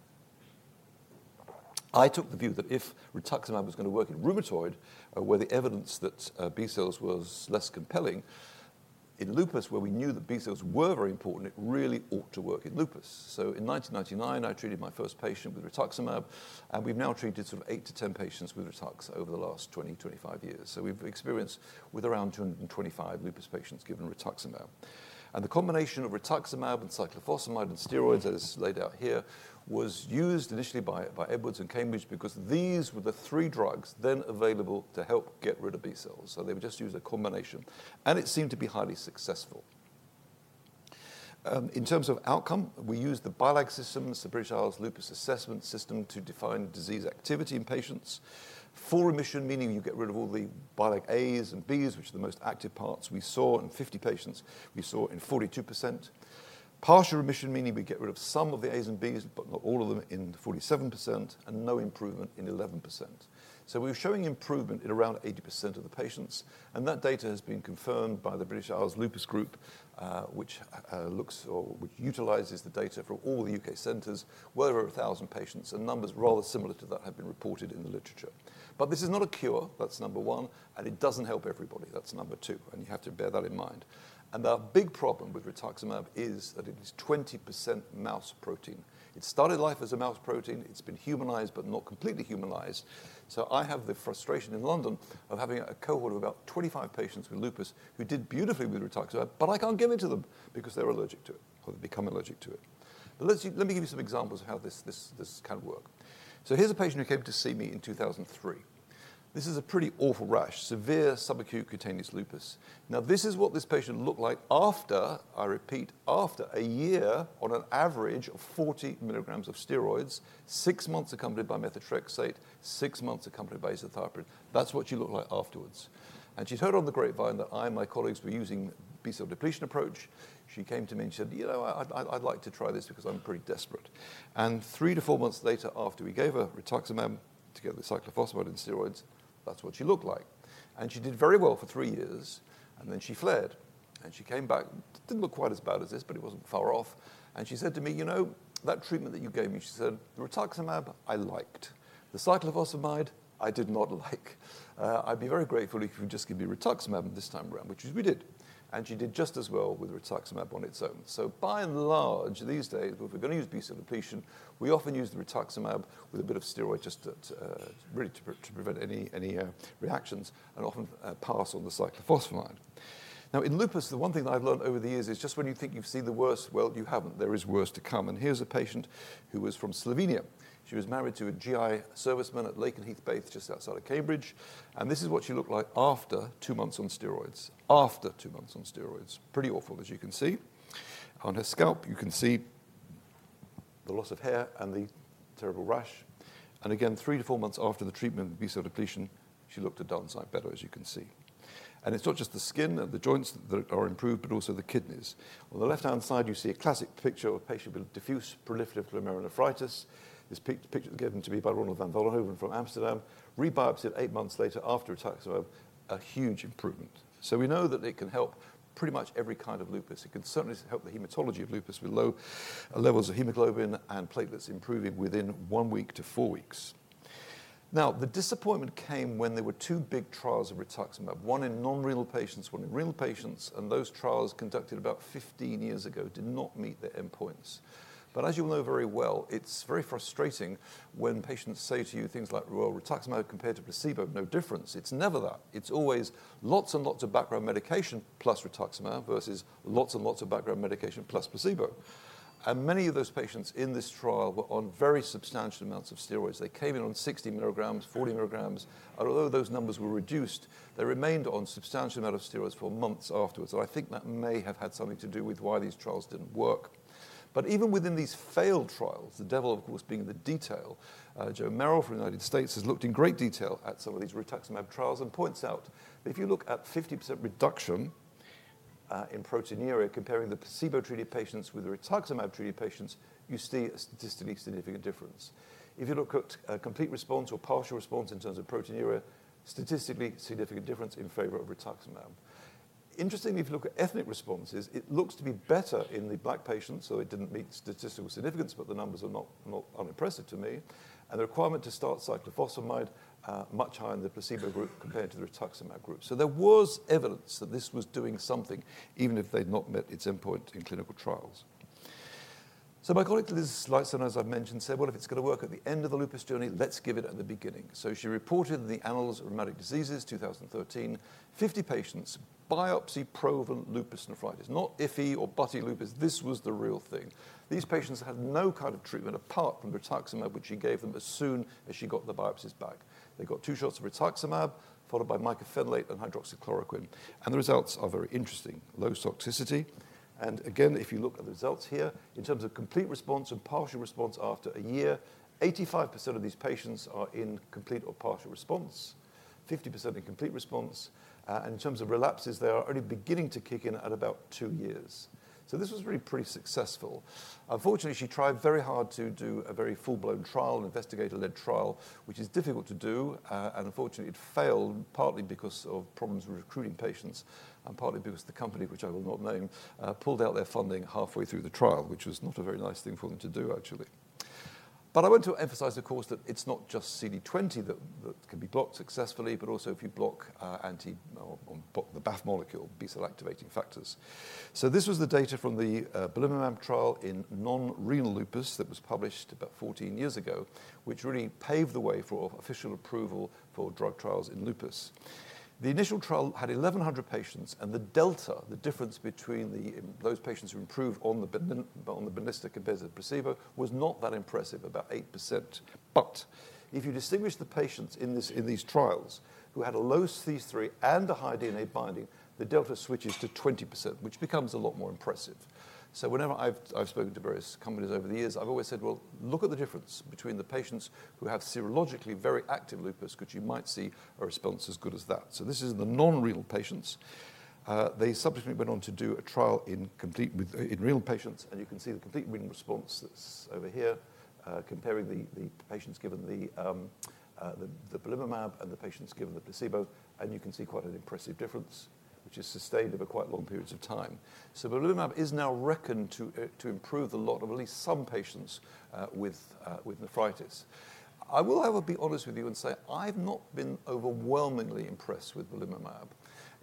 I took the view that if rituximab was going to work in rheumatoid, where the evidence that B cells was less compelling, in lupus, where we knew that B cells were very important, it really ought to work in lupus. In 1999, I treated my first patient with rituximab, and we've now treated sort of 8 to 10 patients with rituximab over the last 20, 25 years. We've experienced with around 225 lupus patients given rituximab. The combination of rituximab and cyclophosphamide and steroids, as laid out here, was used initially by Edwards and Cambridge because these were the three drugs then available to help get rid of B cells. They were just used as a combination, and it seemed to be highly successful. In terms of outcome, we used the BILAG system, the British Isles Lupus Assessment Group index, to define disease activity in patients. Full remission, meaning you get rid of all the BILAG A's and B's, which are the most active parts, we saw in 50 patients. We saw in 42%. Partial remission, meaning we get rid of some of the A's and B's, but not all of them, in 47%, and no improvement in 11%. We were showing improvement in around 80% of the patients. That data has been confirmed by the British Isles Lupus Group, which utilizes the data from all the U.K. centers, where there are 1,000 patients. Numbers rather similar to that have been reported in the literature. This is not a cure. That's number one. It doesn't help everybody. That's number two. You have to bear that in mind. The big problem with rituximab is that it is 20% mouse protein. It started life as a mouse protein. It's been humanized, but not completely humanized. I have the frustration in London of having a cohort of about 25 patients with lupus who did beautifully with rituximab, but I can't give it to them because they're allergic to it or they've become allergic to it. Let me give you some examples of how this can work. Here's a patient who came to see me in 2003. This is a pretty awful rash, severe subacute cutaneous lupus. This is what this patient looked like after, I repeat, after a year on an average of 40 milligrams of steroids, six months accompanied by methotrexate, six months accompanied by azathioprine. That's what she looked like afterwards. She'd heard on the grapevine that I and my colleagues were using B cell depletion approach. She came to me and she said, "You know, I'd like to try this because I'm pretty desperate." Three to four months later, after we gave her rituximab together with cyclophosphamide and steroids, that's what she looked like. She did very well for three years, and then she fled. She came back. It didn't look quite as bad as this, but it wasn't far off. She said to me, "You know, that treatment that you gave me," she said, "the rituximab, I liked. The cyclophosphamide, I did not like. I'd be very grateful if you could just give me rituximab this time around," which we did. She did just as well with rituximab on its own. By and large, these days, if we're going to use B cell depletion, we often use the rituximab with a bit of steroid just really to prevent any reactions and often pass on the cyclophosphamide. In lupus, the one thing that I've learned over the years is just when you think you've seen the worst, you haven't. There is worse to come. Here's a patient who was from Slovenia. She was married to a GI serviceman at Lake and Heath Bath, just outside of Cambridge. This is what she looked like after two months on steroids, after two months on steroids. Pretty awful, as you can see. On her scalp, you can see the loss of hair and the terrible rash. Again, three to four months after the treatment of B cell depletion, she looked a darn sight better, as you can see. It is not just the skin and the joints that are improved, but also the kidneys. On the left-hand side, you see a classic picture of a patient with diffuse proliferative glomerulonephritis. This picture was given to me by Ronald van Valehoven from Amsterdam. Re-biopsied eight months later after rituximab, a huge improvement. We know that it can help pretty much every kind of lupus. It can certainly help the hematology of lupus with low levels of hemoglobin and platelets improving within one week to four weeks. The disappointment came when there were two big trials of rituximab, one in non-renal patients, one in renal patients. Those trials conducted about 15 years ago did not meet their endpoints. As you know very well, it is very frustrating when patients say to you things like, "Well, rituximab compared to placebo, no difference." It is never that. It's always lots and lots of background medication plus rituximab versus lots and lots of background medication plus placebo. Many of those patients in this trial were on very substantial amounts of steroids. They came in on 60 milligrams, 40 milligrams. Although those numbers were reduced, they remained on substantial amounts of steroids for months afterwards. I think that may have had something to do with why these trials didn't work. Even within these failed trials, the devil, of course, being the detail, Joe Merrill from the United States has looked in great detail at some of these rituximab trials and points out that if you look at 50% reduction in proteinuria comparing the placebo-treated patients with the rituximab-treated patients, you see a statistically significant difference. If you look at complete response or partial response in terms of proteinuria, statistically significant difference in favor of rituximab. Interestingly, if you look at ethnic responses, it looks to be better in the Black patients. It did not meet statistical significance, but the numbers are not unimpressive to me. The requirement to start cyclophosphamide is much higher in the placebo group compared to the rituximab group. There was evidence that this was doing something, even if they had not met its endpoint in clinical trials. My colleague, Liz Lightstone, as I have mentioned, said, "Well, if it is going to work at the end of the lupus journey, let's give it at the beginning." She reported in the Annals of Rheumatic Diseases, 2013, 50 patients biopsy-proven lupus nephritis, not iffy or butting lupus. This was the real thing. These patients had no kind of treatment apart from rituximab, which she gave them as soon as she got the biopsies back. They got two shots of rituximab followed by mycophenolate and hydroxychloroquine. The results are very interesting, low toxicity. If you look at the results here, in terms of complete response and partial response after a year, 85% of these patients are in complete or partial response, 50% in complete response. In terms of relapses, they are only beginning to kick in at about two years. This was really pretty successful. Unfortunately, she tried very hard to do a very full-blown trial, an investigator-led trial, which is difficult to do. Unfortunately, it failed partly because of problems recruiting patients and partly because the company, which I will not name, pulled out their funding halfway through the trial, which was not a very nice thing for them to do, actually. I want to emphasize, of course, that it's not just CD20 that can be blocked successfully, but also if you block the BAFF molecule, B cell activating factors. This was the data from the belimumab trial in non-renal lupus that was published about 14 years ago, which really paved the way for official approval for drug trials in lupus. The initial trial had 1,100 patients, and the delta, the difference between those patients who improved on the belimumab compared to the placebo, was not that impressive, about 8%. If you distinguish the patients in these trials who had a low C3 and a high DNA binding, the delta switches to 20%, which becomes a lot more impressive. Whenever I've spoken to various companies over the years, I've always said, "Well, look at the difference between the patients who have serologically very active lupus, which you might see a response as good as that." This is in the non-renal patients. They subsequently went on to do a trial in renal patients. You can see the complete renal response that's over here, comparing the patients given the Belimumab and the patients given the placebo. You can see quite an impressive difference, which is sustained over quite long periods of time. Belimumab is now reckoned to improve the lot of at least some patients with nephritis. I will, however, be honest with you and say I've not been overwhelmingly impressed with Belimumab.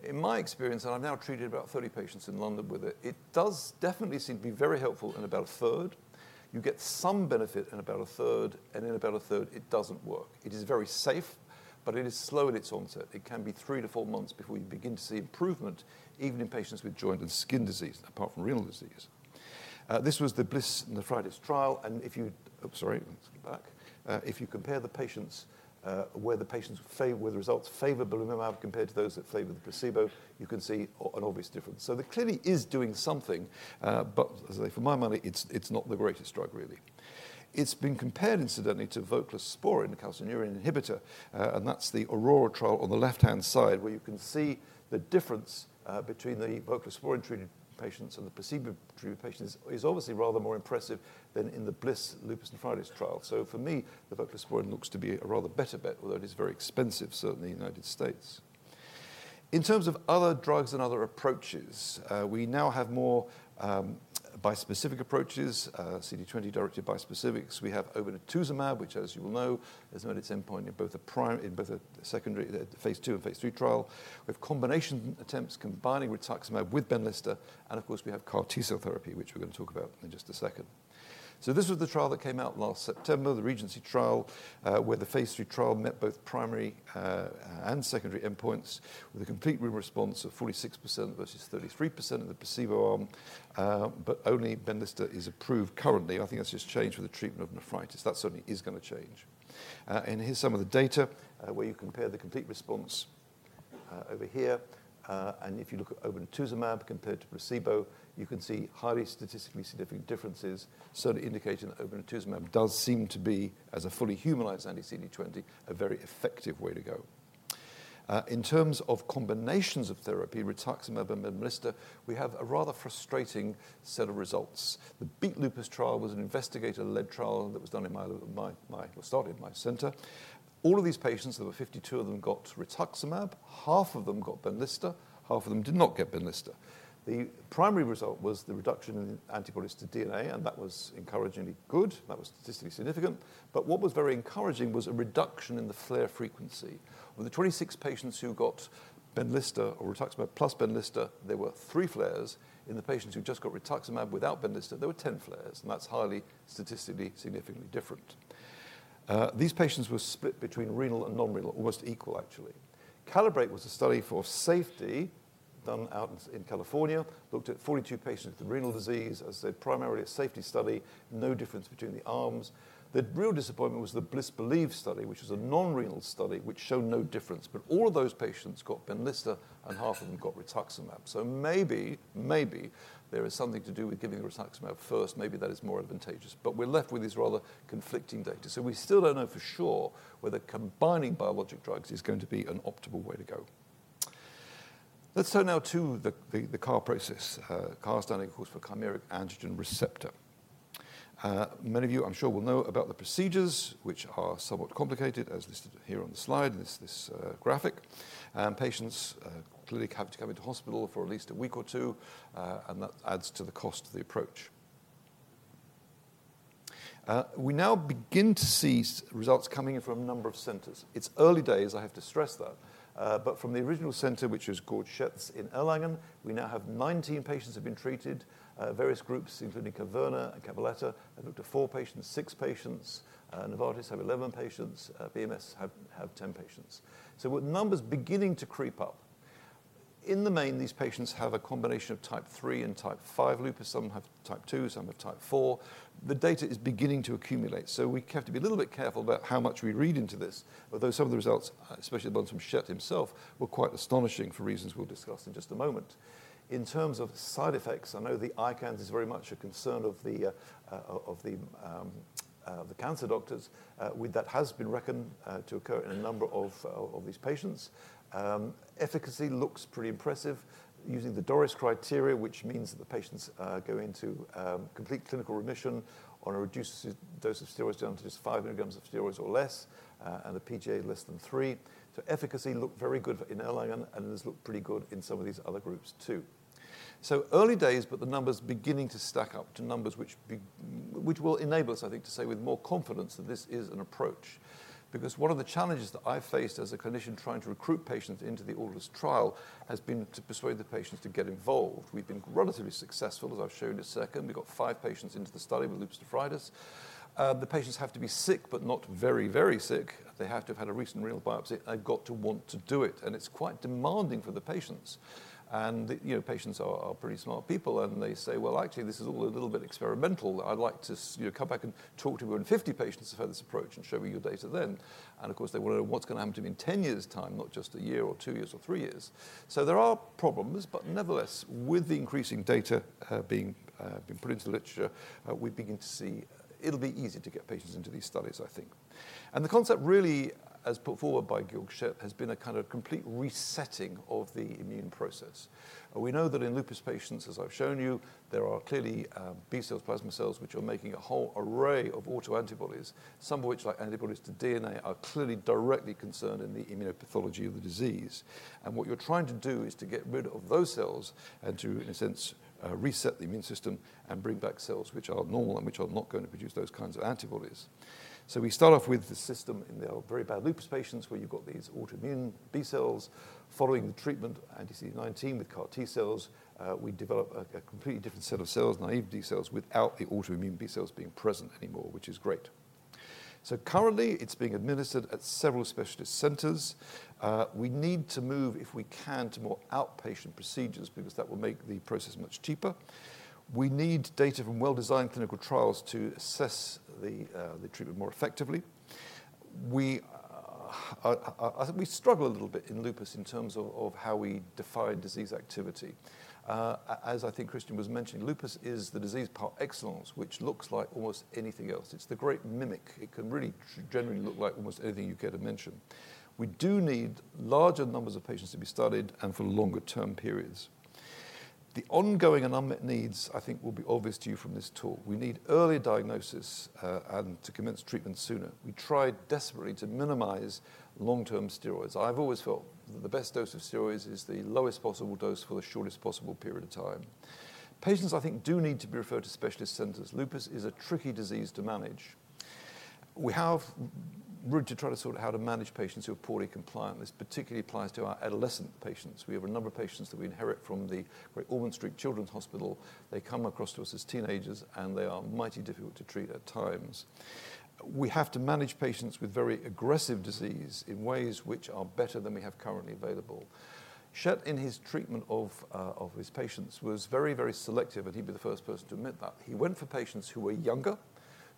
In my experience, and I've now treated about 30 patients in London with it, it does definitely seem to be very helpful in about a third. You get some benefit in about a third, and in about a third, it doesn't work. It is very safe, but it is slow in its onset. It can be three to four months before you begin to see improvement, even in patients with joint and skin disease, apart from renal disease. This was the BLIS nephritis trial. If you—sorry, let's go back. If you compare the patients where the patients favored the results favor Belimumab compared to those that favored the placebo, you can see an obvious difference. It clearly is doing something, but as I say, for my money, it's not the greatest drug, really. It's been compared, incidentally, to Voclosporin, a calcineurin inhibitor. That's the Aurora trial on the left-hand side, where you can see the difference between the voclosporin-treated patients and the placebo-treated patients is obviously rather more impressive than in the BLIS lupus nephritis trial. For me, the voclosporin looks to be a rather better bet, although it is very expensive, certainly, in the United States. In terms of other drugs and other approaches, we now have more bispecific approaches, CD20-directed bispecifics. We have obinutuzumab, which, as you will know, has met its endpoint in both the secondary phase two and phase three trial. We have combination attempts combining rituximab with belimumab. Of course, we have CAR T cell therapy, which we're going to talk about in just a second. This was the trial that came out last September, the Regency trial, where the phase three trial met both primary and secondary endpoints with a complete renal response of 46% versus 33% of the placebo arm. Only belimumab is approved currently. I think that's just changed with the treatment of nephritis. That certainly is going to change. Here's some of the data where you compare the complete response over here. If you look at obinutuzumab compared to placebo, you can see highly statistically significant differences, certainly indicating that obinutuzumab does seem to be, as a fully humanized anti-CD20, a very effective way to go. In terms of combinations of therapy, rituximab and belimumab, we have a rather frustrating set of results. The Beat Lupus trial was an investigator-led trial that was started in my center. All of these patients, there were 52 of them, got rituximab. Half of them got belimumab. Half of them did not get belimumab. The primary result was the reduction in antibodies to DNA, and that was encouragingly good. That was statistically significant. What was very encouraging was a reduction in the flare frequency. Of the 26 patients who got belimumab or rituximab plus belimumab, there were three flares. In the patients who just got rituximab without belimumab, there were 10 flares. That is highly statistically significantly different. These patients were split between renal and non-renal, almost equal, actually. CALIBRATE was a study for safety done out in California, looked at 42 patients with renal disease. As I said, primarily a safety study, no difference between the arms. The real disappointment was the BLISS-BELIEVE study, which was a non-renal study which showed no difference. All of those patients got belimumab, and half of them got rituximab. Maybe there is something to do with giving rituximab first. Maybe that is more advantageous. We are left with these rather conflicting data. We still do not know for sure whether combining biologic drugs is going to be an optimal way to go. Let's turn now to the CAR process, CAR T, of course, for chimeric antigen receptor. Many of you, I am sure, will know about the procedures, which are somewhat complicated, as listed here on the slide, this graphic. Patients clearly have to come into hospital for at least a week or two, and that adds to the cost of the approach. We now begin to see results coming in from a number of centers. It is early days, I have to stress that. From the original center, which was Schett in Erlangen, we now have 19 patients who have been treated, various groups, including Caverna and Cavaletta. They've looked at four patients, six patients. Novartis have 11 patients. BMS have 10 patients. With numbers beginning to creep up, in the main, these patients have a combination of type 3 and type 5 lupus. Some have type 2, some have type 4. The data is beginning to accumulate. We have to be a little bit careful about how much we read into this. Although some of the results, especially the ones from Schett himself, were quite astonishing for reasons we'll discuss in just a moment. In terms of side effects, I know the ICANS is very much a concern of the cancer doctors, with that has been reckoned to occur in a number of these patients. Efficacy looks pretty impressive using the DORIS criteria, which means that the patients go into complete clinical remission on a reduced dose of steroids down to just 5 milligrams of steroids or less, and the PGA less than 3. Efficacy looked very good in Erlangen, and it has looked pretty good in some of these other groups too. Early days, but the numbers beginning to stack up to numbers which will enable us, I think, to say with more confidence that this is an approach. Because one of the challenges that I've faced as a clinician trying to recruit patients into the AUCATZYL trial has been to persuade the patients to get involved. We've been relatively successful, as I've shown in a second. We got five patients into the study with lupus nephritis. The patients have to be sick, but not very, very sick. They have to have had a recent renal biopsy and got to want to do it. It's quite demanding for the patients. Patients are pretty smart people, and they say, "Well, actually, this is all a little bit experimental. I'd like to come back and talk to 150 patients to further this approach and show me your data then." They want to know what's going to happen to me in 10 years' time, not just a year or two years or three years. There are problems. Nevertheless, with the increasing data being put into the literature, we're beginning to see it'll be easy to get patients into these studies, I think. The concept really, as put forward by Georg Schett, has been a kind of complete resetting of the immune process. We know that in lupus patients, as I've shown you, there are clearly B cells, plasma cells, which are making a whole array of autoantibodies, some of which, like antibodies to DNA, are clearly directly concerned in the immunopathology of the disease. What you're trying to do is to get rid of those cells and to, in a sense, reset the immune system and bring back cells which are normal and which are not going to produce those kinds of antibodies. We start off with the system in the very bad lupus patients where you've got these autoimmune B cells. Following the treatment, anti-CD19 with CAR T cells, we develop a completely different set of cells, naive B cells, without the autoimmune B cells being present anymore, which is great. Currently, it's being administered at several specialist centers. We need to move, if we can, to more outpatient procedures because that will make the process much cheaper. We need data from well-designed clinical trials to assess the treatment more effectively. We struggle a little bit in lupus in terms of how we define disease activity. As I think Christian was mentioning, lupus is the disease par excellence, which looks like almost anything else. It's the great mimic. It can really generally look like almost anything you care to mention. We do need larger numbers of patients to be studied and for longer-term periods. The ongoing and unmet needs, I think, will be obvious to you from this talk. We need early diagnosis and to commence treatment sooner. We try desperately to minimize long-term steroids. I've always felt that the best dose of steroids is the lowest possible dose for the shortest possible period of time. Patients, I think, do need to be referred to specialist centers. Lupus is a tricky disease to manage. We have room to try to sort out how to manage patients who are poorly compliant. This particularly applies to our adolescent patients. We have a number of patients that we inherit from the Great Ormond Street Hospital. They come across to us as teenagers, and they are mighty difficult to treat at times. We have to manage patients with very aggressive disease in ways which are better than we have currently available. Schett, in his treatment of his patients, was very, very selective, and he'd be the first person to admit that. He went for patients who were younger,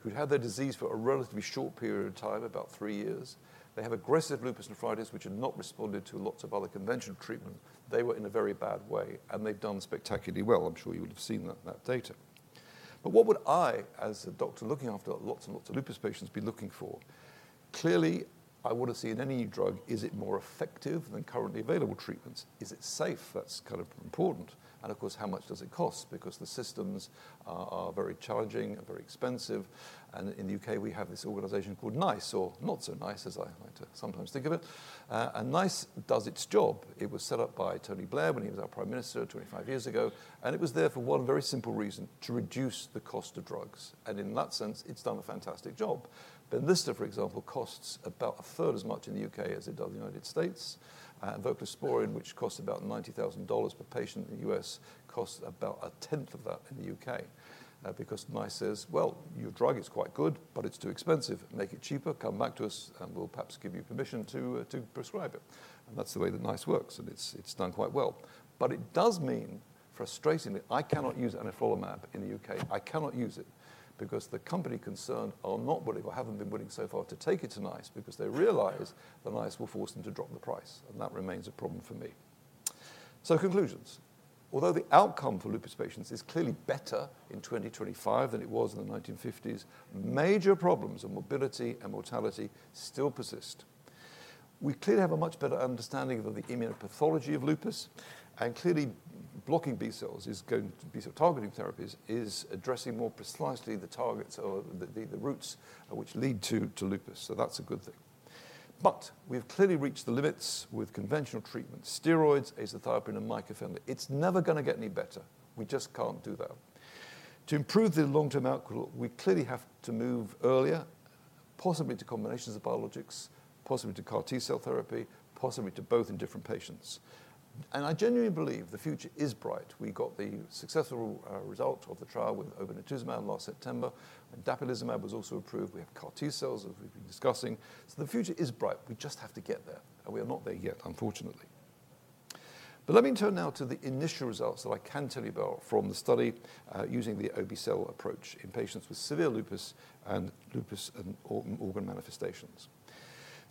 who'd had their disease for a relatively short period of time, about three years. They have aggressive lupus nephritis, which had not responded to lots of other conventional treatments. They were in a very bad way, and they've done spectacularly well. I'm sure you would have seen that data. What would I, as a doctor looking after lots and lots of lupus patients, be looking for? Clearly, I want to see in any drug, is it more effective than currently available treatments? Is it safe? That's kind of important. Of course, how much does it cost? Because the systems are very challenging and very expensive. In the U.K., we have this organization called NICE, or Not So Nice, as I like to sometimes think of it. NICE does its job. It was set up by Tony Blair when he was our prime minister 25 years ago. It was there for one very simple reason: to reduce the cost of drugs. In that sense, it's done a fantastic job. Belimumab, for example, costs about a third as much in the U.K. as it does in the United States. Voclosporin, which costs about £ 90,000 per patient in the U.S., costs about a tenth of that in the U.K. NICE says, "Well, your drug is quite good, but it's too expensive. Make it cheaper, come back to us, and we'll perhaps give you permission to prescribe it." That is the way that NICE works, and it has done quite well. It does mean, frustratingly, I cannot use anifrolumab in the U.K. I cannot use it because the company concerned are not willing or have not been willing so far to take it to NICE because they realize that NICE will force them to drop the price. That remains a problem for me. So conclusions. Although the outcome for lupus patients is clearly better in 2025 than it was in the 1950s, major problems of mobility and mortality still persist. We clearly have a much better understanding of the immunopathology of lupus. Clearly, blocking B cells is going to be targeting therapies is addressing more precisely the targets or the roots which lead to lupus. That is a good thing. We have clearly reached the limits with conventional treatment: steroids, azathioprine, and mycophenolate. It is never going to get any better. We just cannot do that. To improve the long-term outcome, we clearly have to move earlier, possibly to combinations of biologics, possibly to CAR T cell therapy, possibly to both in different patients. I genuinely believe the future is bright. We got the successful result of the trial with obinutuzumab last September. Indapilizumab was also approved. We have CAR T cells that we have been discussing. The future is bright. We just have to get there. We are not there yet, unfortunately. Let me turn now to the initial results that I can tell you about from the study using the Obe cel approach in patients with severe lupus and lupus and organ manifestations.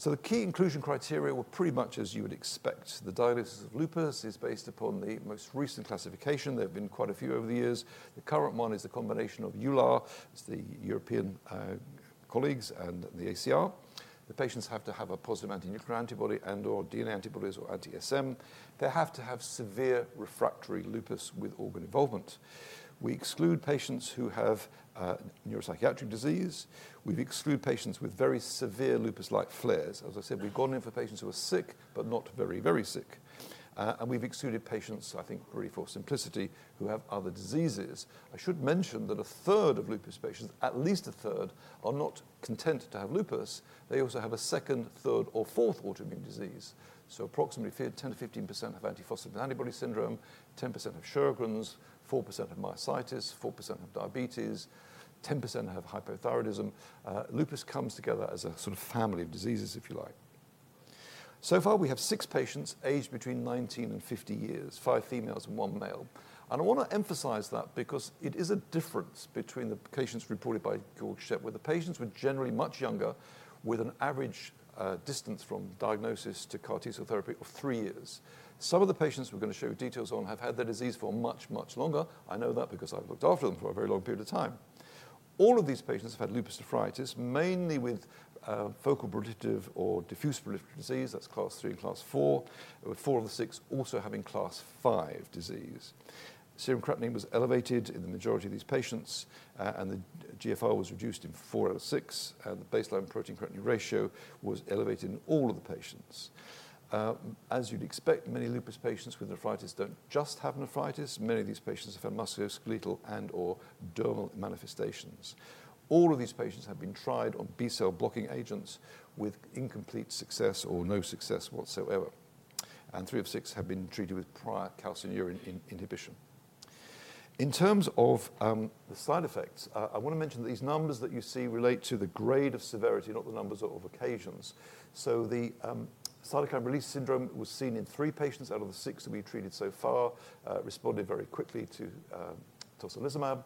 The key inclusion criteria were pretty much as you would expect. The diagnosis of lupus is based upon the most recent classification. There have been quite a few over the years. The current one is a combination of EULAR, the European colleagues, and the ACR. The patients have to have a positive anti-nuclear antibody and/or DNA antibodies or anti-SM. They have to have severe refractory lupus with organ involvement. We exclude patients who have neuropsychiatric disease. We've excluded patients with very severe lupus-like flares. As I said, we've gone in for patients who are sick but not very, very sick. We've excluded patients, I think, really for simplicity, who have other diseases. I should mention that a third of lupus patients, at least a third, are not content to have lupus. They also have a second, third, or fourth autoimmune disease. Approximately 10-15% have antiphospholipid antibody syndrome, 10% have Sjögren's, 4% have myositis, 4% have diabetes, 10% have hypothyroidism. Lupus comes together as a sort of family of diseases, if you like. So far, we have six patients aged between 19 and 50 years, five females and one male. I want to emphasize that because it is a difference between the patients reported by Georg Schett, where the patients were generally much younger, with an average distance from diagnosis to CAR T cell therapy of three years. Some of the patients we're going to show you details on have had their disease for much, much longer. I know that because I've looked after them for a very long period of time. All of these patients have had lupus nephritis, mainly with focal proliferative or diffuse proliferative disease. That's class three and class four, with four of the six also having class five disease. Serum creatinine was elevated in the majority of these patients, and the GFR was reduced in four out of six. The baseline protein-creatinine ratio was elevated in all of the patients. As you'd expect, many lupus patients with nephritis don't just have nephritis. Many of these patients have had musculoskeletal and/or dermal manifestations. All of these patients have been tried on B cell blocking agents with incomplete success or no success whatsoever. Three of six have been treated with prior calcineurin inhibition. In terms of the side effects, I want to mention that these numbers that you see relate to the grade of severity, not the numbers of occasions. The cytokine release syndrome was seen in three patients out of the six that we've treated so far, responded very quickly to tocilizumab.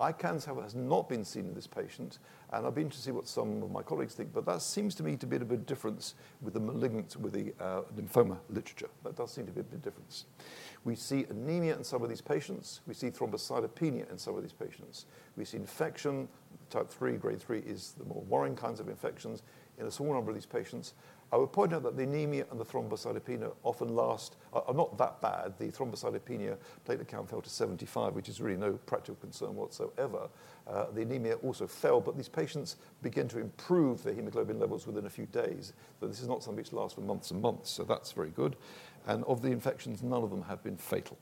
ICANS, however, has not been seen in this patient. I'll be interested to see what some of my colleagues think. That seems to me to be a bit of a difference with the malignant, with the lymphoma literature. That does seem to be a bit of a difference. We see anemia in some of these patients. We see thrombocytopenia in some of these patients. We see infection, type 3, grade 3 is the more worrying kinds of infections in a small number of these patients. I will point out that the anemia and the thrombocytopenia often last are not that bad. The thrombocytopenia platelet count fell to 75, which is really no practical concern whatsoever. The anemia also fell. These patients begin to improve their hemoglobin levels within a few days. This is not something which lasts for months and months. That is very good. Of the infections, none of them have been fatal.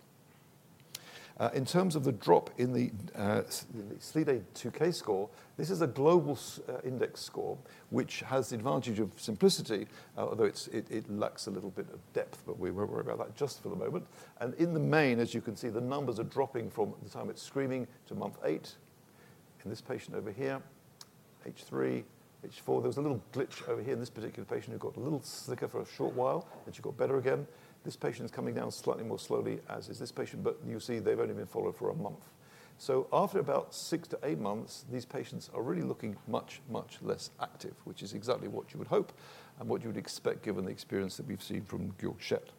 In terms of the drop in the SLEDA2K score, this is a global index score which has the advantage of simplicity, although it lacks a little bit of depth. We will not worry about that just for the moment. In the main, as you can see, the numbers are dropping from the time it's screaming to month eight. In this patient over here, H3, H4, there was a little glitch over here in this particular patient who got a little sicker for a short while, and she got better again. This patient is coming down slightly more slowly, as is this patient. You see they've only been followed for a month. After about six to eight months, these patients are really looking much, much less active, which is exactly what you would hope and what you would expect given the experience that we've seen from Georg Schett.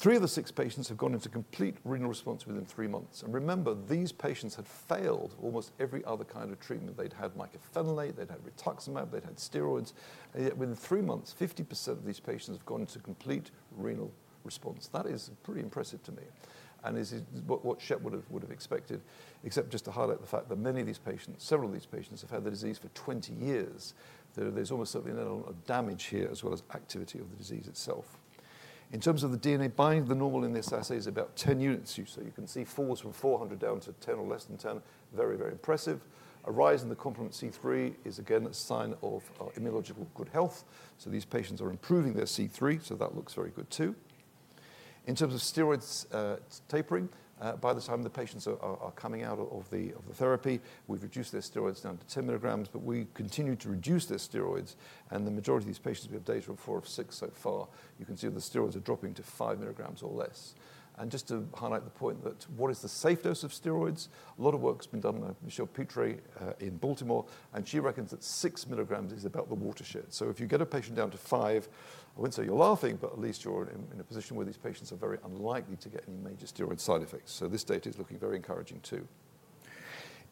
Three of the six patients have gone into complete renal response within three months. Remember, these patients had failed almost every other kind of treatment they'd had, mycophenolate. They'd had rituximab. They'd had steroids. Yet within three months, 50% of these patients have gone into complete renal response. That is pretty impressive to me. It is what Schett would have expected, except just to highlight the fact that many of these patients, several of these patients, have had the disease for 20 years. There is almost certainly not a lot of damage here, as well as activity of the disease itself. In terms of the DNA binding, the normal in this assay is about 10 units. You can see falls from 400 down to 10 or less than 10. Very, very impressive. A rise in the complement C3 is, again, a sign of immunological good health. These patients are improving their C3. That looks very good too. In terms of steroids tapering, by the time the patients are coming out of the therapy, we've reduced their steroids down to 10 milligrams. We continue to reduce their steroids. The majority of these patients, we have data from four of six so far, you can see that the steroids are dropping to 5 milligrams or less. Just to highlight the point that what is the safe dose of steroids, a lot of work has been done by Michele Petri in Baltimore. She reckons that 6 milligrams is about the watershed. If you get a patient down to 5, I wouldn't say you're laughing, but at least you're in a position where these patients are very unlikely to get any major steroid side effects. This data is looking very encouraging too.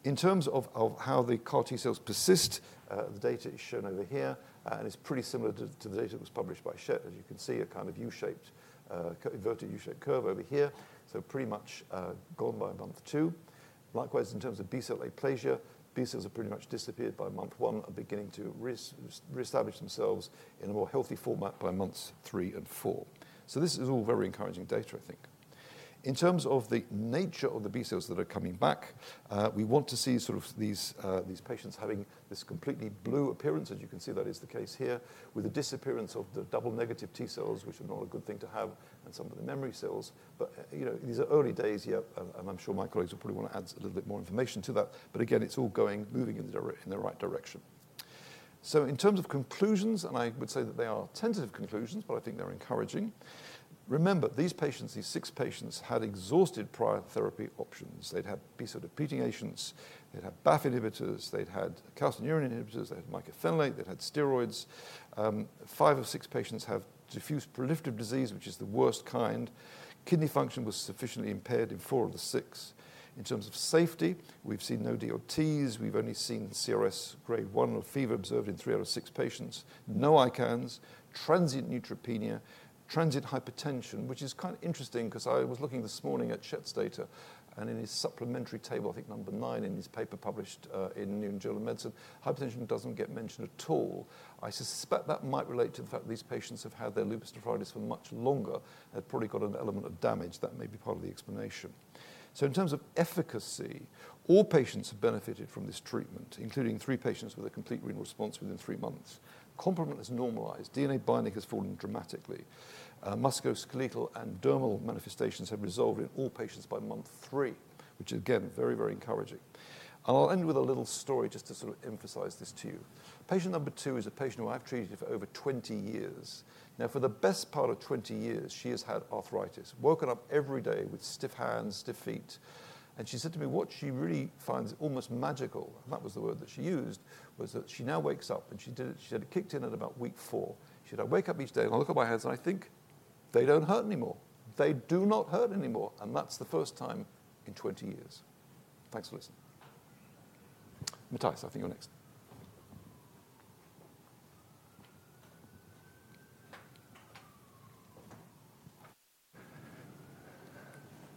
In terms of how the CAR T cells persist, the data is shown over here. It is pretty similar to the data that was published by Schett, as you can see, a kind of U-shaped, inverted U-shaped curve over here. Pretty much gone by month two. Likewise, in terms of B cell aplasia, B cells have pretty much disappeared by month one and beginning to reestablish themselves in a more healthy format by months three and four. This is all very encouraging data, I think. In terms of the nature of the B cells that are coming back, we want to see sort of these patients having this completely blue appearance. As you can see, that is the case here, with the disappearance of the double negative T-cells, which are not a good thing to have, and some of the memory cells. These are early days. I'm sure my colleagues will probably want to add a little bit more information to that. Again, it's all moving in the right direction. In terms of conclusions, and I would say that they are tentative conclusions, but I think they're encouraging. Remember, these patients, these six patients, had exhausted prior therapy options. They'd had B cell depleting agents. They'd had BAF inhibitors. They'd had calcineurin inhibitors. They'd had mycophenolate. They'd had steroids. Five of six patients have diffuse proliferative disease, which is the worst kind. Kidney function was sufficiently impaired in four of the six. In terms of safety, we've seen no DOTs. We've only seen CRS grade 1 or fever observed in three out of six patients. No ICANS. Transient neutropenia, transient hypertension, which is kind of interesting because I was looking this morning at Schett's data. In his supplementary table, I think number nine in his paper published in New England Journal of Medicine, hypertension does not get mentioned at all. I suspect that might relate to the fact that these patients have had their lupus nephritis for much longer. They have probably got an element of damage. That may be part of the explanation. In terms of efficacy, all patients have benefited from this treatment, including three patients with a complete renal response within three months. Complement has normalized. DNA binding has fallen dramatically. Musculoskeletal and dermal manifestations have resolved in all patients by month three, which is, again, very, very encouraging. I will end with a little story just to sort of emphasize this to you. Patient number two is a patient who I have treated for over 20 years. Now, for the best part of 20 years, she has had arthritis, woken up every day with stiff hands, stiff feet. She said to me what she really finds almost magical, and that was the word that she used, was that she now wakes up. She said it kicked in at about week four. She said, "I wake up each day and I look at my hands and I think they don't hurt anymore. They do not hurt anymore." That is the first time in 20 years. Thanks for listening. Matthias, I think you're next.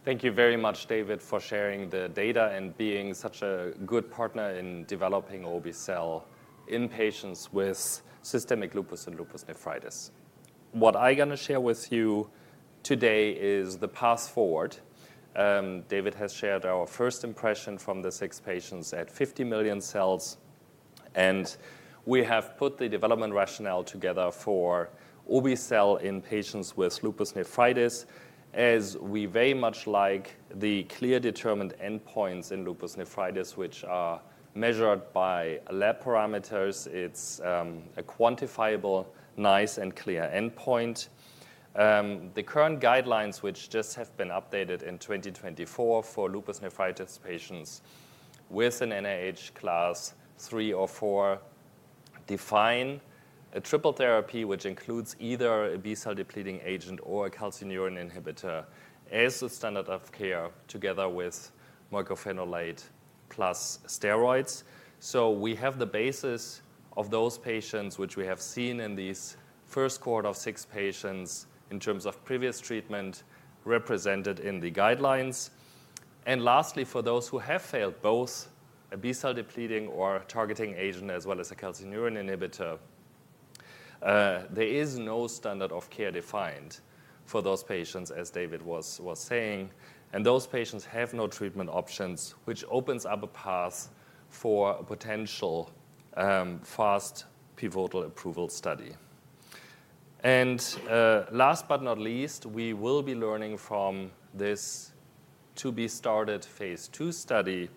Thank you very much, David, for sharing the data and being such a good partner in developing Obe cel in patients with systemic lupus and lupus nephritis. What I'm going to share with you today is the path forward. David has shared our first impression from the six patients at 50 million cells. We have put the development rationale together for Obe cel in patients with lupus nephritis, as we very much like the clear determined endpoints in lupus nephritis, which are measured by lab parameters. It is a quantifiable, nice, and clear endpoint. The current guidelines, which just have been updated in 2024 for lupus nephritis patients with an NIH class three or four, define a triple therapy, which includes either a B cell depleting agent or a calcineurin inhibitor as a standard of care together with mycophenolate plus steroids. We have the basis of those patients, which we have seen in this first quarter of six patients in terms of previous treatment represented in the guidelines. Lastly, for those who have failed both a B cell depleting or targeting agent as well as a calcineurin inhibitor, there is no standard of care defined for those patients, as David was saying. Those patients have no treatment options, which opens up a path for a potential fast pivotal approval study. Last but not least, we will be learning from this to be started phase two study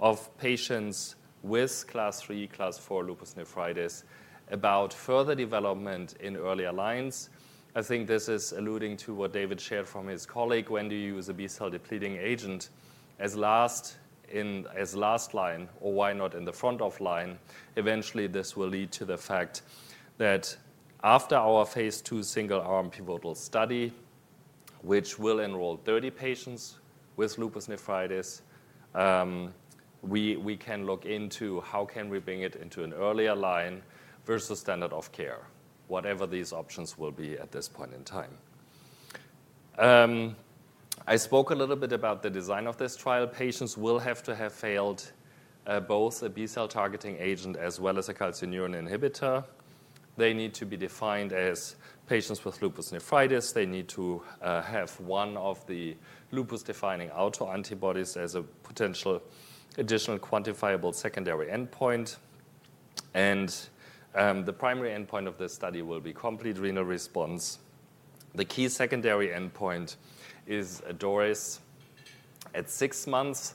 of patients with class three, class four lupus nephritis about further development in early alliance. I think this is alluding to what David shared from his colleague, when do you use a B cell depleting agent as last in as last line or why not in the front of line? Eventually, this will lead to the fact that after our phase two single arm pivotal study, which will enroll 30 patients with lupus nephritis, we can look into how can we bring it into an earlier line versus standard of care, whatever these options will be at this point in time. I spoke a little bit about the design of this trial. Patients will have to have failed both a B cell targeting agent as well as a calcineurin inhibitor. They need to be defined as patients with lupus nephritis. They need to have one of the lupus-defining autoantibodies as a potential additional quantifiable secondary endpoint. The primary endpoint of this study will be complete renal response. The key secondary endpoint is a DORIS at six months.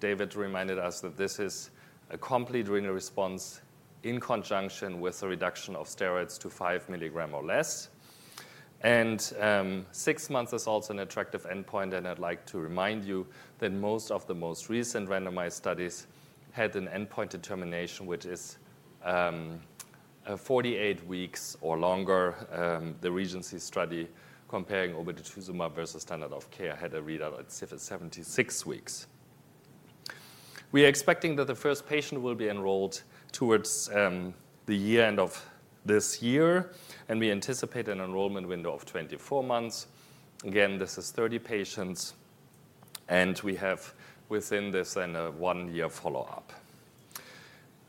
David reminded us that this is a complete renal response in conjunction with a reduction of steroids to 5 milligram or less. Six months is also an attractive endpoint. I'd like to remind you that most of the most recent randomized studies had an endpoint determination, which is 48 weeks or longer. The Regency study comparing obinutuzumab versus standard of care had a readout at 76 weeks. We are expecting that the first patient will be enrolled towards the year end of this year. We anticipate an enrollment window of 24 months. This is 30 patients. We have within this a one-year follow-up.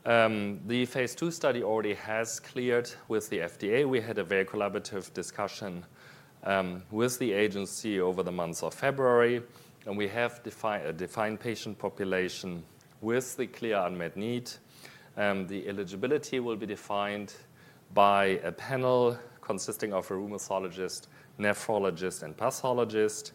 The phase two study already has cleared with the FDA. We had a very collaborative discussion with the agency over the months of February. We have defined patient population with the clear unmet need. The eligibility will be defined by a panel consisting of a rheumatologist, nephrologist, and pathologist.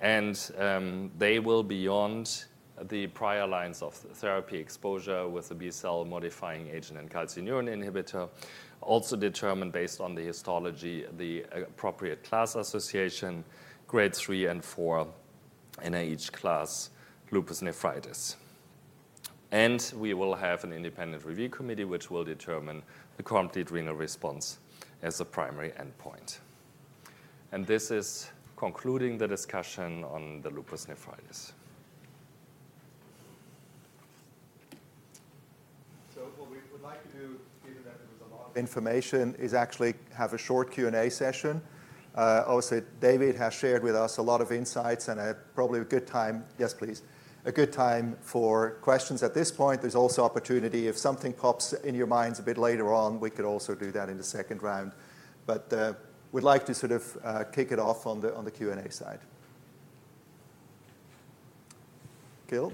They will be beyond the prior lines of therapy exposure with a B cell modifying agent and calcineurin inhibitor, also determined based on the histology, the appropriate class association, grade 3 and 4 NIH class lupus nephritis. We will have an independent review committee, which will determine the complete renal response as a primary endpoint. This is concluding the discussion on the lupus nephritis. What we would like to do, given that there was a lot of information, is actually have a short Q&A session. Also, David has shared with us a lot of insights. Probably a good time, yes, please. A good time for questions at this point. There is also opportunity if something pops in your minds a bit later on, we could also do that in the second round. We would like to sort of kick it off on the Q&A side. Gil?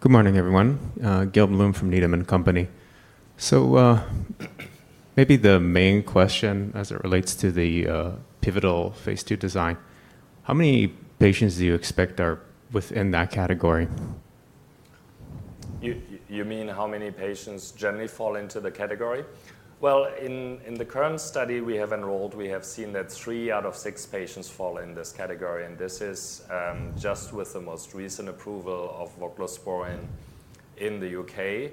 Good morning, everyone. Gil Blum from Needham & Company. Maybe the main question as it relates to the pivotal phase two design, how many patients do you expect are within that category? You mean how many patients generally fall into the category? In the current study we have enrolled, we have seen that three out of six patients fall in this category. This is just with the most recent approval of voclosporin in the U.K.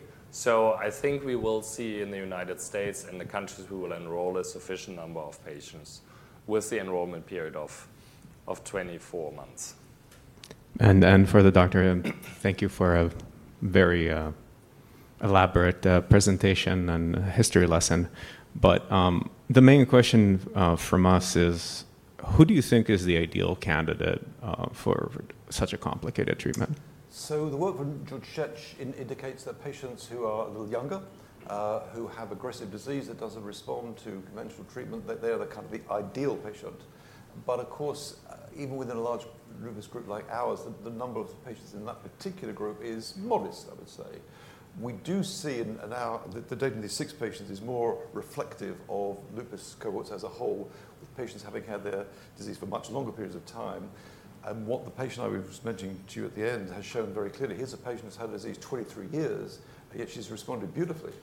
I think we will see in the U.S. and the countries who will enroll a sufficient number of patients with the enrollment period of 24 months. For the doctor, thank you for a very elaborate presentation and history lesson. The main question from us is, who do you think is the ideal candidate for such a complicated treatment? The work from Schett indicates that patients who are a little younger, who have aggressive disease that does not respond to conventional treatment, that they are kind of the ideal patient. Of course, even within a large lupus group like ours, the number of patients in that particular group is modest, I would say. We do see now that the data in these six patients is more reflective of lupus cohorts as a whole, with patients having had their disease for much longer periods of time. What the patient I was mentioning to you at the end has shown very clearly. Here is a patient who has had the disease 23 years, and yet she has responded beautifully,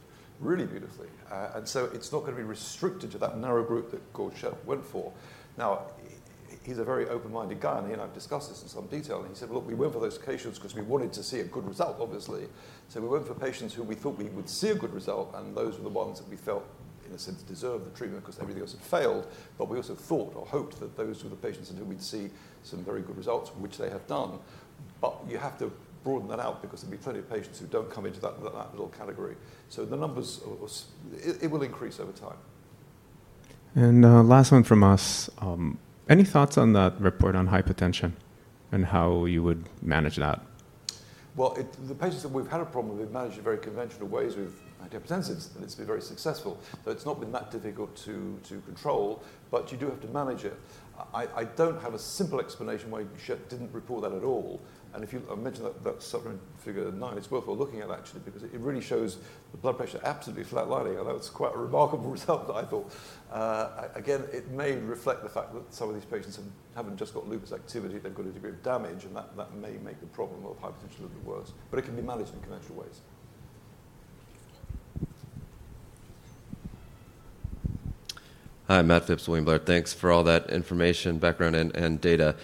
really beautifully. It is not going to be restricted to that narrow group that Georg Schett went for. He is a very open-minded guy. He and I have discussed this in some detail. He said, well, we went for those patients because we wanted to see a good result, obviously. We went for patients who we thought we would see a good result. Those were the ones that we felt, in a sense, deserved the treatment because everything else had failed. We also thought or hoped that those were the patients that we'd see some very good results, which they have done. You have to broaden that out because there will be plenty of patients who do not come into that little category. The numbers, it will increase over time. Last one from us. Any thoughts on that report on hypertension and how you would manage that? The patients that we've had a problem with managing very conventional ways with antihypertensives, and it's been very successful. It's not been that difficult to control. You do have to manage it. I don't have a simple explanation why Schett didn't report that at all. If you mentioned that suffering figure nine, it's worthwhile looking at that, actually, because it really shows the blood pressure absolutely flatlining. That was quite a remarkable result, I thought. Again, it may reflect the fact that some of these patients haven't just got lupus activity. They've got a degree of damage. That may make the problem of hypertension a little bit worse. It can be managed in conventional ways. Hi, Matthew William Barr. Thanks for all that information, background, and data.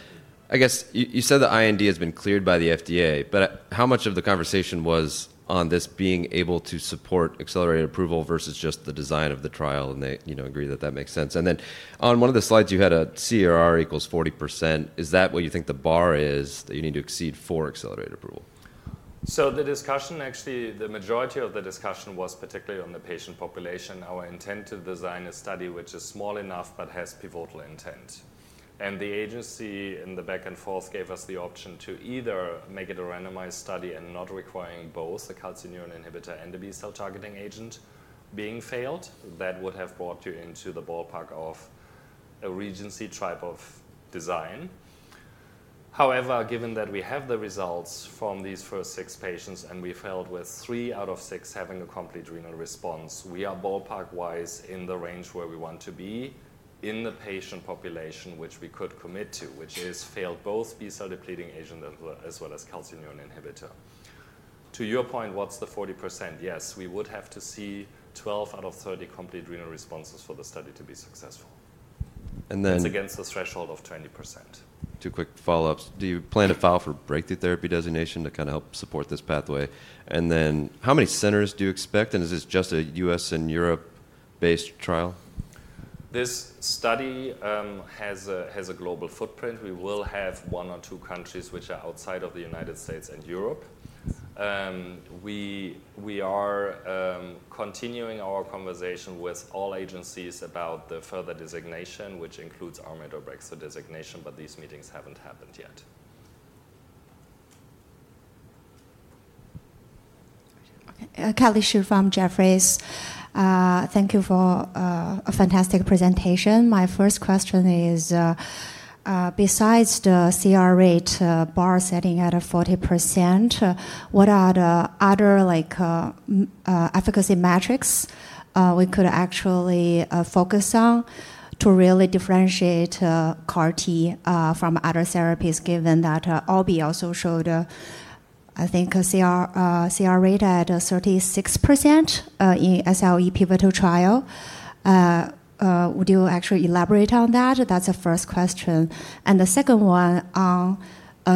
I guess you said the IND has been cleared by the FDA. How much of the conversation was on this being able to support accelerated approval versus just the design of the trial? They agree that that makes sense. On one of the slides, you had a CRR equals 40%. Is that what you think the bar is that you need to exceed for accelerated approval? The discussion, actually, the majority of the discussion was particularly on the patient population. Our intent to design a study which is small enough but has pivotal intent. The agency in the back and forth gave us the option to either make it a randomized study and not requiring both a calcineurin inhibitor and a B cell targeting agent being failed. That would have brought you into the ballpark of a Regency type of design. However, given that we have the results from these first six patients and we failed with three out of six having a complete renal response, we are ballpark-wise in the range where we want to be in the patient population which we could commit to, which is failed both B cell depleting agent as well as calcineurin inhibitor. To your point, what's the 40%? Yes, we would have to see 12 out of 30 complete renal responses for the study to be successful. And then. It's against the threshold of 20%. Two quick follow-ups. Do you plan to file for breakthrough therapy designation to kind of help support this pathway? Do you expect how many centers? Is this just a US and Europe-based trial? This study has a global footprint. We will have one or two countries which are outside of the U.S. and Europe. We are continuing our conversation with all agencies about the further designation, which includes Armando Brexter designation. These meetings have not happened yet. Cali Shi from Jefferies. Thank you for a fantastic presentation. My first question is, besides the CR rate bar setting at 40%, what are the other efficacy metrics we could actually focus on to really differentiate CAR T from other therapies, given that OB also showed, I think, a CR rate at 36% in SLE pivotal trial? Would you actually elaborate on that? That's the first question. The second one,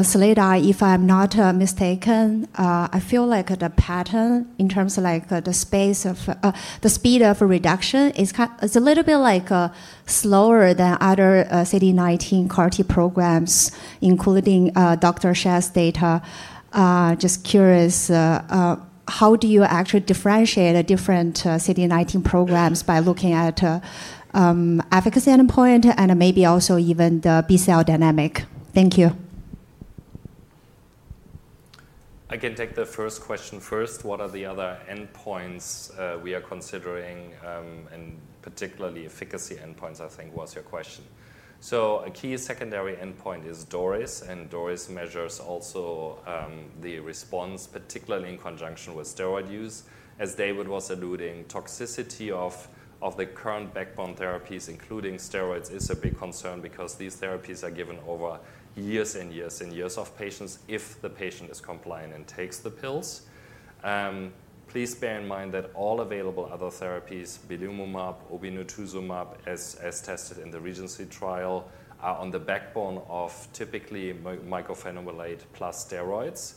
Selena, if I'm not mistaken, I feel like the pattern in terms of the speed of reduction is a little bit like slower than other CD19 CAR T programs, including Dr. Schett's data. Just curious, how do you actually differentiate different CD19 programs by looking at efficacy endpoint and maybe also even the B cell dynamic? Thank you. I can take the first question first. What are the other endpoints we are considering, and particularly efficacy endpoints, I think, was your question. A key secondary endpoint is DORIS. DORIS measures also the response, particularly in conjunction with steroid use. As David was alluding, toxicity of the current backbone therapies, including steroids, is a big concern because these therapies are given over years and years and years of patients if the patient is compliant and takes the pills. Please bear in mind that all available other therapies, belimumab, obinutuzumab, as tested in the Regency trial, are on the backbone of typically mycophenolate plus steroids.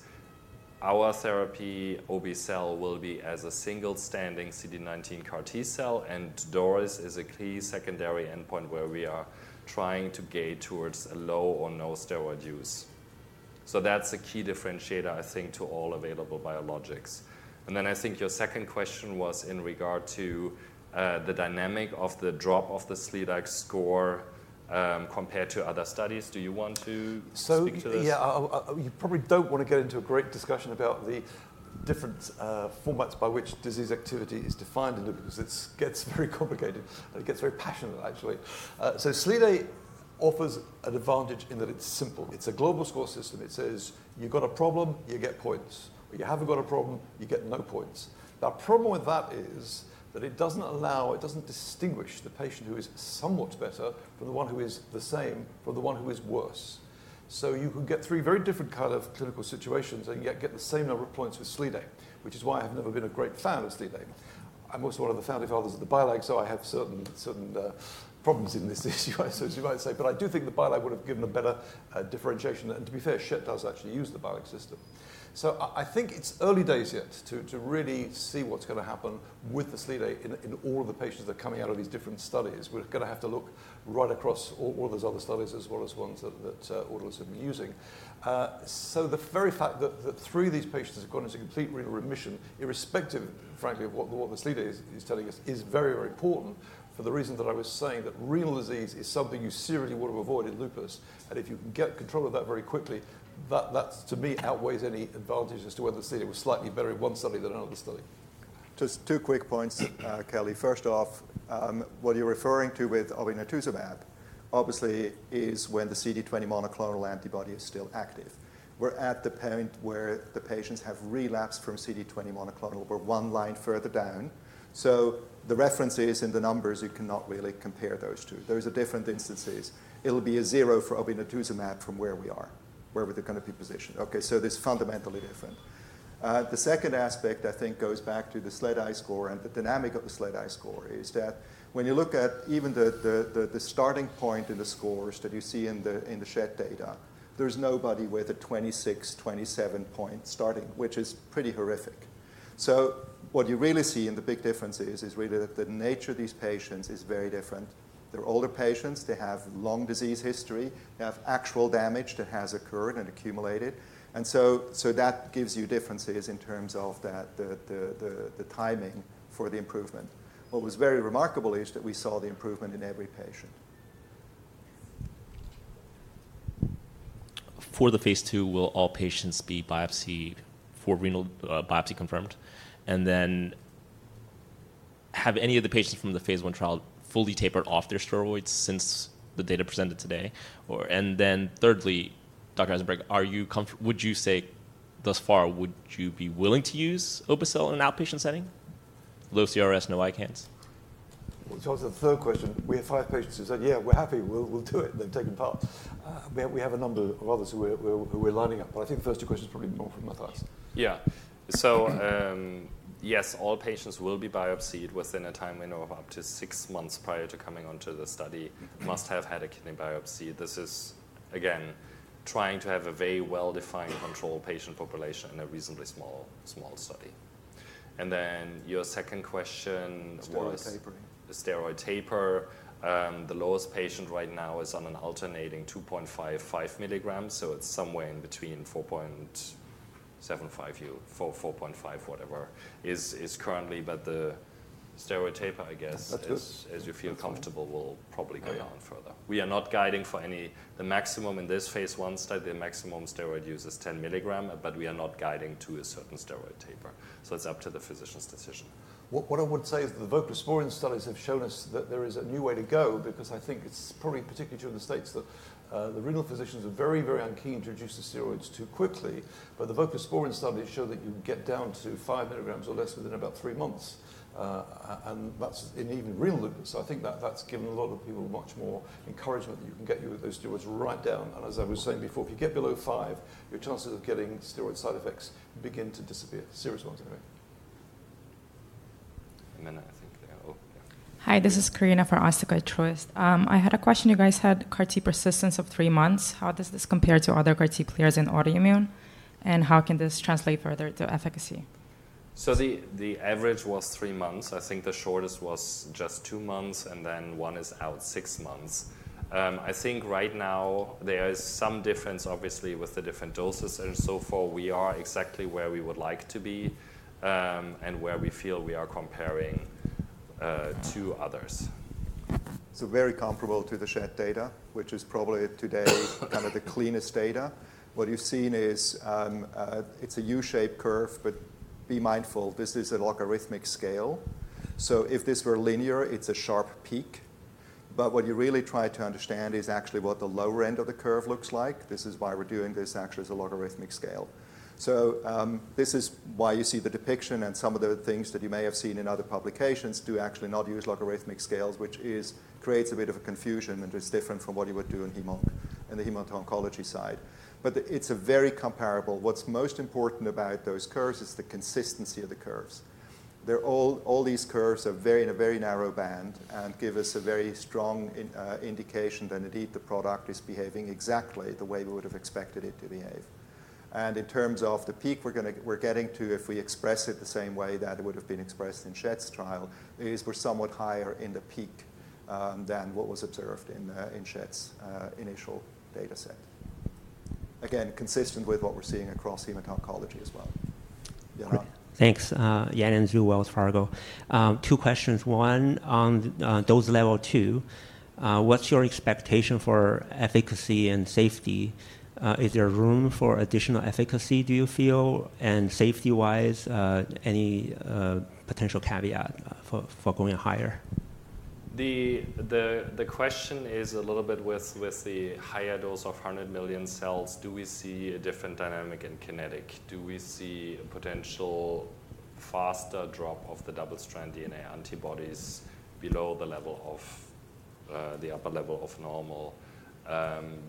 Our therapy, Obe cel, will be as a single standing CD19 CAR T cell. DORIS is a key secondary endpoint where we are trying to gauge towards a low or no steroid use. That is a key differentiator, I think, to all available biologics. I think your second question was in regard to the dynamic of the drop of the SLEDAI score compared to other studies. Do you want to speak to this? Yeah, you probably don't want to get into a great discussion about the different formats by which disease activity is defined in it because it gets very complicated. It gets very passionate, actually. SLEDAI offers an advantage in that it's simple. It's a global score system. It says, you've got a problem, you get points. Or you haven't got a problem, you get no points. The problem with that is that it doesn't allow, it doesn't distinguish the patient who is somewhat better from the one who is the same from the one who is worse. You could get three very different kinds of clinical situations and yet get the same number of points with SLEDAI, which is why I have never been a great fan of SLEDAI. I'm also one of the founding fathers of the BILAG. I have certain problems in this issue, as you might say. I do think the BILAG would have given a better differentiation. To be fair, Schett does actually use the BILAG system. I think it's early days yet to really see what's going to happen with the SLEDAI in all of the patients that are coming out of these different studies. We're going to have to look right across all those other studies as well as ones that all of us have been using. The very fact that three of these patients have gone into complete renal remission, irrespective, frankly, of what the SLEDAI is telling us, is very, very important for the reason that I was saying that renal disease is something you seriously would have avoided lupus. If you can get control of that very quickly, that, to me, outweighs any advantages to whether SLEDAI was slightly better in one study than another study. Just two quick points, Cali. First off, what you're referring to with obinutuzumab, obviously, is when the CD20 monoclonal antibody is still active. We're at the point where the patients have relapsed from CD20 monoclonal over one line further down. The references and the numbers, you cannot really compare those two. Those are different instances. It'll be a 0 for obinutuzumab from where we are, where we're going to be positioned. This is fundamentally different. The second aspect, I think, goes back to the SLEDAI score. The dynamic of the SLEDAI score is that when you look at even the starting point in the scores that you see in the Schett data, there's nobody with a 26, 27 point starting, which is pretty horrific. What you really see in the big difference is really that the nature of these patients is very different. They're older patients. They have long disease history. They have actual damage that has occurred and accumulated. That gives you differences in terms of the timing for the improvement. What was very remarkable is that we saw the improvement in every patient. For the phase two, will all patients be biopsy confirmed? Have any of the patients from the phase one trial fully tapered off their steroids since the data presented today? Thirdly, Dr. Eisenberg, would you say thus far, would you be willing to use obe-cel in an outpatient setting? Low CRS, no ICANS? In terms of the third question, we have five patients who said, yeah, we're happy. We'll do it. They've taken part. We have a number of others who are lining up. I think the first two questions are probably more from my thoughts. Yeah. Yes, all patients will be biopsied within a time window of up to six months prior to coming onto the study, must have had a kidney biopsy. This is, again, trying to have a very well-defined control patient population in a reasonably small study. Then your second question was. Steroid tapering. Steroid taper. The lowest patient right now is on an alternating 2.55 milligrams. It is somewhere in between 4.75, 4.5, whatever, is currently. The steroid taper, I guess, as you feel comfortable, will probably go down further. We are not guiding for any. The maximum in this phase I study, the maximum steroid use is 10 milligrams. We are not guiding to a certain steroid taper. It is up to the physician's decision. What I would say is the voclosporin studies have shown us that there is a new way to go because I think it's probably particularly true in the U.S. that the renal physicians are very, very unkeen to reduce the steroids too quickly. The voclosporin studies show that you can get down to 5 milligrams or less within about three months. That is in even renal lupus. I think that has given a lot of people much more encouragement that you can get those steroids right down. As I was saying before, if you get below five, your chances of getting steroid side effects begin to disappear, serious ones anyway. I think they're all here. Hi, this is Carina from OsteoCultureist. I had a question. You guys had CAR T persistence of three months. How does this compare to other CAR T players in autoimmune? How can this translate further to efficacy? The average was three months. I think the shortest was just two months. One is out six months. I think right now there is some difference, obviously, with the different doses. So far, we are exactly where we would like to be and where we feel we are comparing to others. Very comparable to the Schett data, which is probably today kind of the cleanest data. What you've seen is it's a U-shaped curve. Be mindful, this is a logarithmic scale. If this were linear, it's a sharp peak. What you really try to understand is actually what the lower end of the curve looks like. This is why we're doing this, actually, as a logarithmic scale. This is why you see the depiction. Some of the things that you may have seen in other publications do actually not use logarithmic scales, which creates a bit of a confusion. It's different from what you would do in hem-onc and the hem-onto oncology side. It's very comparable. What's most important about those curves is the consistency of the curves. All these curves are in a very narrow band and give us a very strong indication that indeed the product is behaving exactly the way we would have expected it to behave. In terms of the peak we're getting to, if we express it the same way that it would have been expressed in Schett's trial, we're somewhat higher in the peak than what was observed in Schett's initial data set. Again, consistent with what we're seeing across hem-onto oncology as well. Thanks. Yan and Drew Wells-Fargo. Two questions. One on dose level two. What's your expectation for efficacy and safety? Is there room for additional efficacy, do you feel? Safety-wise, any potential caveat for going higher? The question is a little bit with the higher dose of 100 million cells. Do we see a different dynamic in kinetic? Do we see a potential faster drop of the double-strand DNA antibodies below the upper level of normal?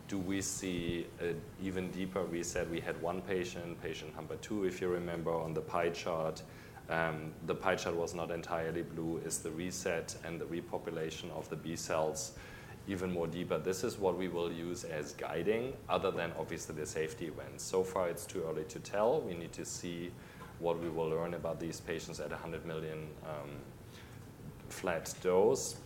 Do we see an even deeper reset? We had one patient, patient number two, if you remember, on the pie chart. The pie chart was not entirely blue. Is the reset and the repopulation of the B cells even more deeper? This is what we will use as guiding, other than, obviously, the safety events. So far, it's too early to tell. We need to see what we will learn about these patients at 100 million flat dose.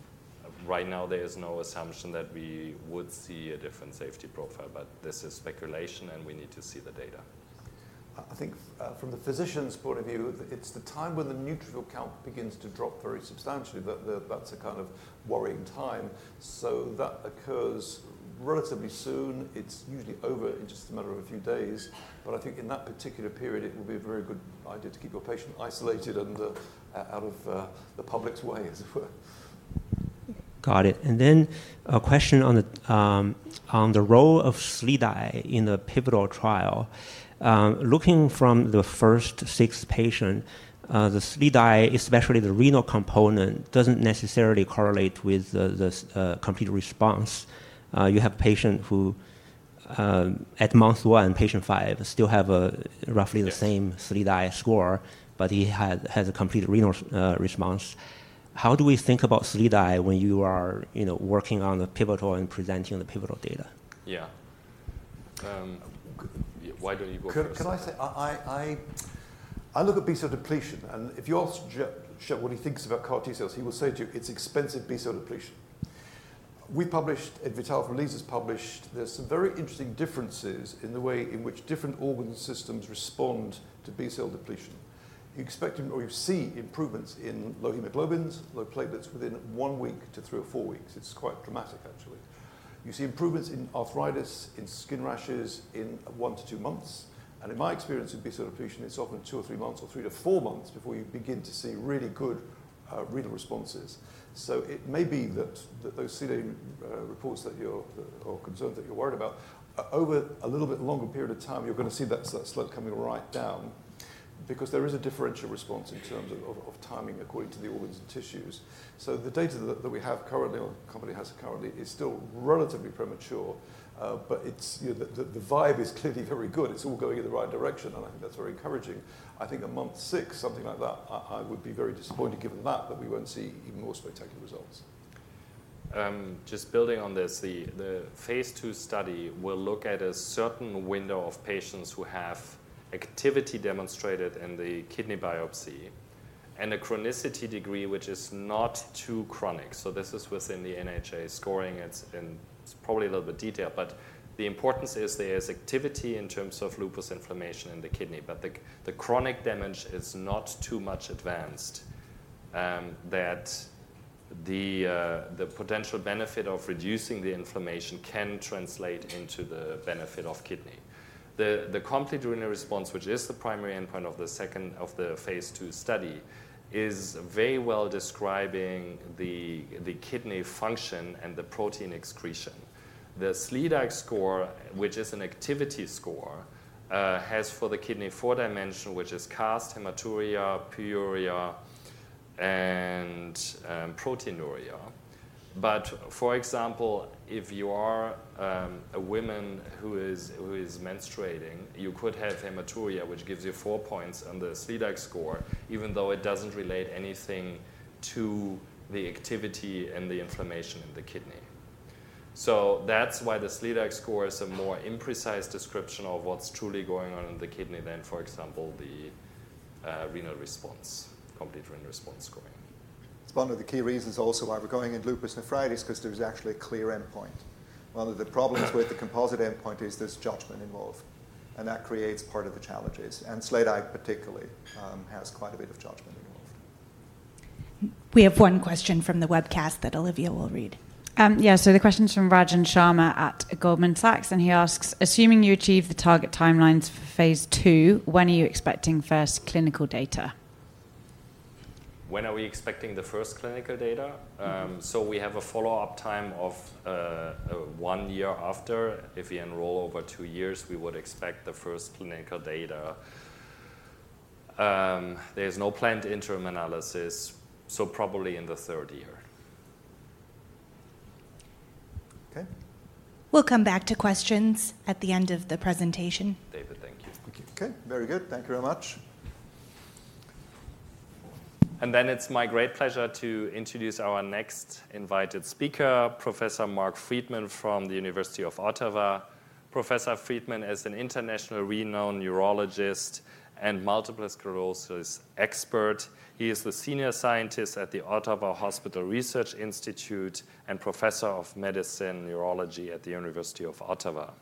Right now, there is no assumption that we would see a different safety profile. This is speculation. We need to see the data. I think from the physician's point of view, it's the time when the neutrophil count begins to drop very substantially. That's a kind of worrying time. That occurs relatively soon. It's usually over in just a matter of a few days. I think in that particular period, it would be a very good idea to keep your patient isolated and out of the public's way, as it were. Got it. A question on the role of SLEDAI in the pivotal trial. Looking from the first six patients, the SLEDAI, especially the renal component, does not necessarily correlate with the complete response. You have a patient who at month one and patient five still have roughly the same SLEDAI score, but he has a complete renal response. How do we think about SLEDAI when you are working on the pivotal and presenting the pivotal data? Yeah. Why don't you go first? Can I say? I look at B cell depletion. If you ask Schett what he thinks about CAR T cells, he will say to you, it's expensive B cell depletion. We published, Ed Vitale from Leeds has published, there are some very interesting differences in the way in which different organ systems respond to B cell depletion. You expect or you see improvements in low hemoglobins, low platelets within one week to three or four weeks. It's quite dramatic, actually. You see improvements in arthritis, in skin rashes in one to two months. In my experience with B cell depletion, it's often two or three months or three to four months before you begin to see really good renal responses. It may be that those SLEDAI reports that you're or concerns that you're worried about, over a little bit longer period of time, you're going to see that slope coming right down because there is a differential response in terms of timing according to the organs and tissues. The data that we have currently, or the company has currently, is still relatively premature. The vibe is clearly very good. It's all going in the right direction. I think that's very encouraging. I think at month six, something like that, I would be very disappointed given that, that we won't see even more spectacular results. Just building on this, the phase two study will look at a certain window of patients who have activity demonstrated in the kidney biopsy and a chronicity degree which is not too chronic. This is within the NHA scoring. It's probably a little bit detailed. The importance is there is activity in terms of lupus inflammation in the kidney. The chronic damage is not too much advanced that the potential benefit of reducing the inflammation can translate into the benefit of kidney. The complete renal response, which is the primary endpoint of the phase two study, is very well describing the kidney function and the protein excretion. The SLEDAI score, which is an activity score, has for the kidney four dimensions, which is cast, hematuria, pyuria, and proteinuria. For example, if you are a woman who is menstruating, you could have hematuria, which gives you four points on the SLEDAI score, even though it does not relate anything to the activity and the inflammation in the kidney. That is why the SLEDAI score is a more imprecise description of what is truly going on in the kidney than, for example, the complete renal response scoring. It's one of the key reasons also why we're going in lupus nephritis because there is actually a clear endpoint. One of the problems with the composite endpoint is there's judgment involved. That creates part of the challenges. SLEDAI particularly has quite a bit of judgment involved. We have one question from the webcast that Olivia will read. Yeah. The question's from Rajan Sharma at Goldman Sachs. He asks, assuming you achieve the target timelines for phase two, when are you expecting first clinical data? When are we expecting the first clinical data? We have a follow-up time of one year after. If we enroll over two years, we would expect the first clinical data. There is no planned interim analysis. Probably in the third year. We'll come back to questions at the end of the presentation. David, thank you. Thank you. OK, very good. Thank you very much. It is my great pleasure to introduce our next invited speaker, Professor Mark Freedman from the University of Ottawa. Professor Freedman is an internationally renowned neurologist and multiple sclerosis expert. He is the Senior Scientist at the Ottawa Hospital Research Institute and Professor of Medicine Neurology at the University of Ottawa.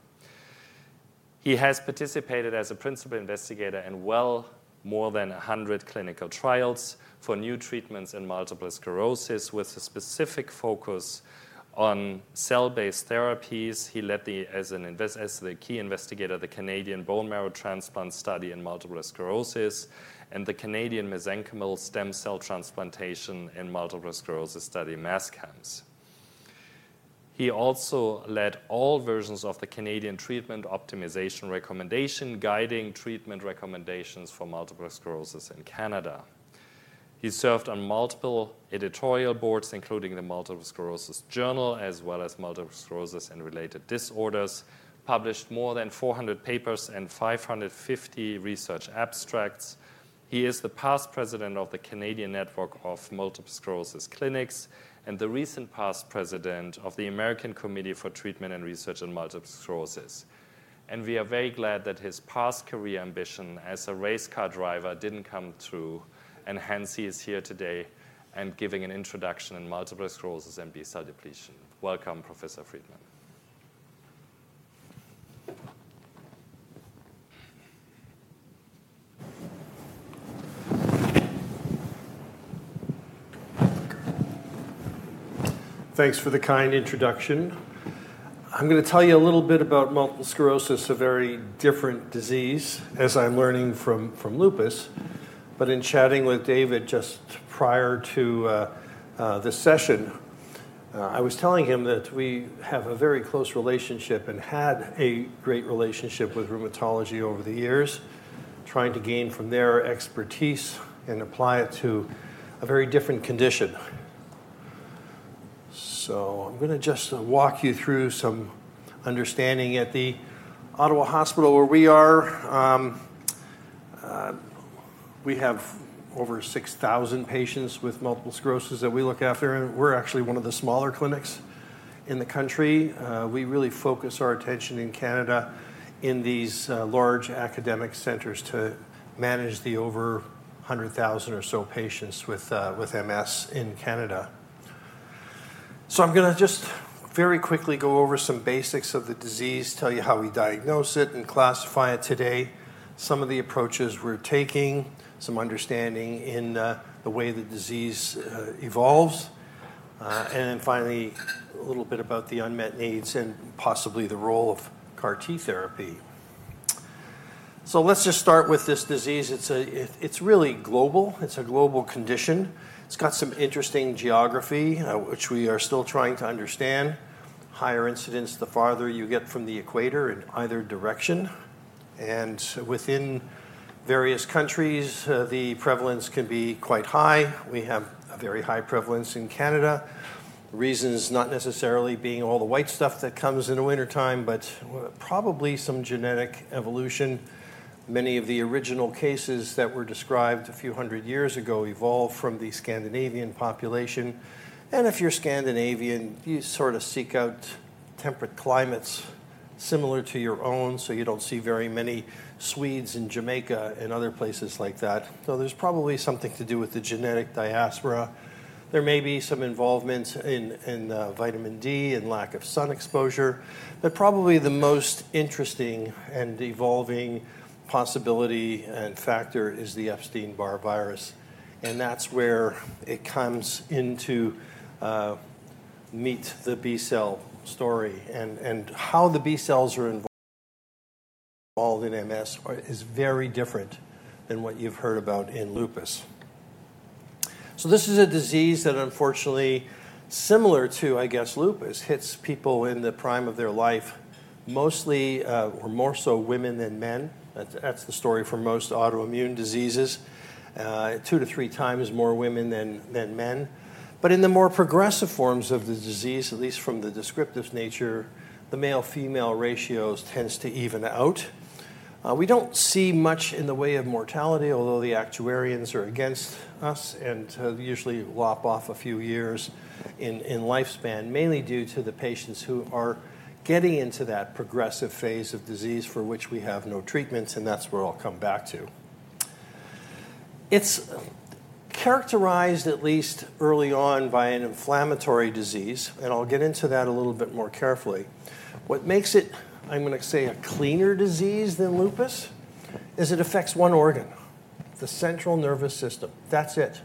He has participated as a principal investigator in well more than 100 clinical trials for new treatments in multiple sclerosis with a specific focus on cell-based therapies. He led as the key investigator the Canadian bone marrow transplant study in multiple sclerosis and the Canadian mesenchymal stem cell transplantation in multiple sclerosis study in MASCAMS. He also led all versions of the Canadian treatment optimization recommendation guiding treatment recommendations for multiple sclerosis in Canada. He served on multiple editorial boards, including the Multiple Sclerosis Journal as well as Multiple Sclerosis and Related Disorders, published more than 400 papers and 550 research abstracts. He is the past president of the Canadian Network of Multiple Sclerosis Clinics and the recent past president of the American Committee for Treatment and Research in Multiple Sclerosis. We are very glad that his past career ambition as a race car driver did not come true. Hence, he is here today and giving an introduction in multiple sclerosis and B cell depletion. Welcome, Professor Freedman. Thanks for the kind introduction. I'm going to tell you a little bit about multiple sclerosis, a very different disease, as I'm learning from lupus. In chatting with David just prior to this session, I was telling him that we have a very close relationship and had a great relationship with rheumatology over the years, trying to gain from their expertise and apply it to a very different condition. I'm going to just walk you through some understanding. At the Ottawa Hospital, where we are, we have over 6,000 patients with multiple sclerosis that we look after. We're actually one of the smaller clinics in the country. We really focus our attention in Canada in these large academic centers to manage the over 100,000 or so patients with MS in Canada. I'm going to just very quickly go over some basics of the disease, tell you how we diagnose it and classify it today, some of the approaches we're taking, some understanding in the way the disease evolves, and then finally, a little bit about the unmet needs and possibly the role of CAR T therapy. Let's just start with this disease. It's really global. It's a global condition. It's got some interesting geography, which we are still trying to understand. Higher incidence the farther you get from the equator in either direction. Within various countries, the prevalence can be quite high. We have a very high prevalence in Canada, reasons not necessarily being all the white stuff that comes in the wintertime, but probably some genetic evolution. Many of the original cases that were described a few hundred years ago evolved from the Scandinavian population. If you're Scandinavian, you sort of seek out temperate climates similar to your own. You don't see very many Swedes in Jamaica and other places like that. There's probably something to do with the genetic diaspora. There may be some involvement in vitamin D and lack of sun exposure. Probably the most interesting and evolving possibility and factor is the Epstein-Barr virus. That's where it comes into meet the B cell story. How the B cells are involved in MS is very different than what you've heard about in lupus. This is a disease that, unfortunately, similar to, I guess, lupus, hits people in the prime of their life, mostly or more so women than men. That's the story for most autoimmune diseases, two to three times more women than men. In the more progressive forms of the disease, at least from the descriptive nature, the male-female ratio tends to even out. We do not see much in the way of mortality, although the actuarians are against us and usually lop off a few years in lifespan, mainly due to the patients who are getting into that progressive phase of disease for which we have no treatments. That is where I will come back to. It is characterized, at least early on, by an inflammatory disease. I will get into that a little bit more carefully. What makes it, I am going to say, a cleaner disease than lupus is it affects one organ, the central nervous system. That is it.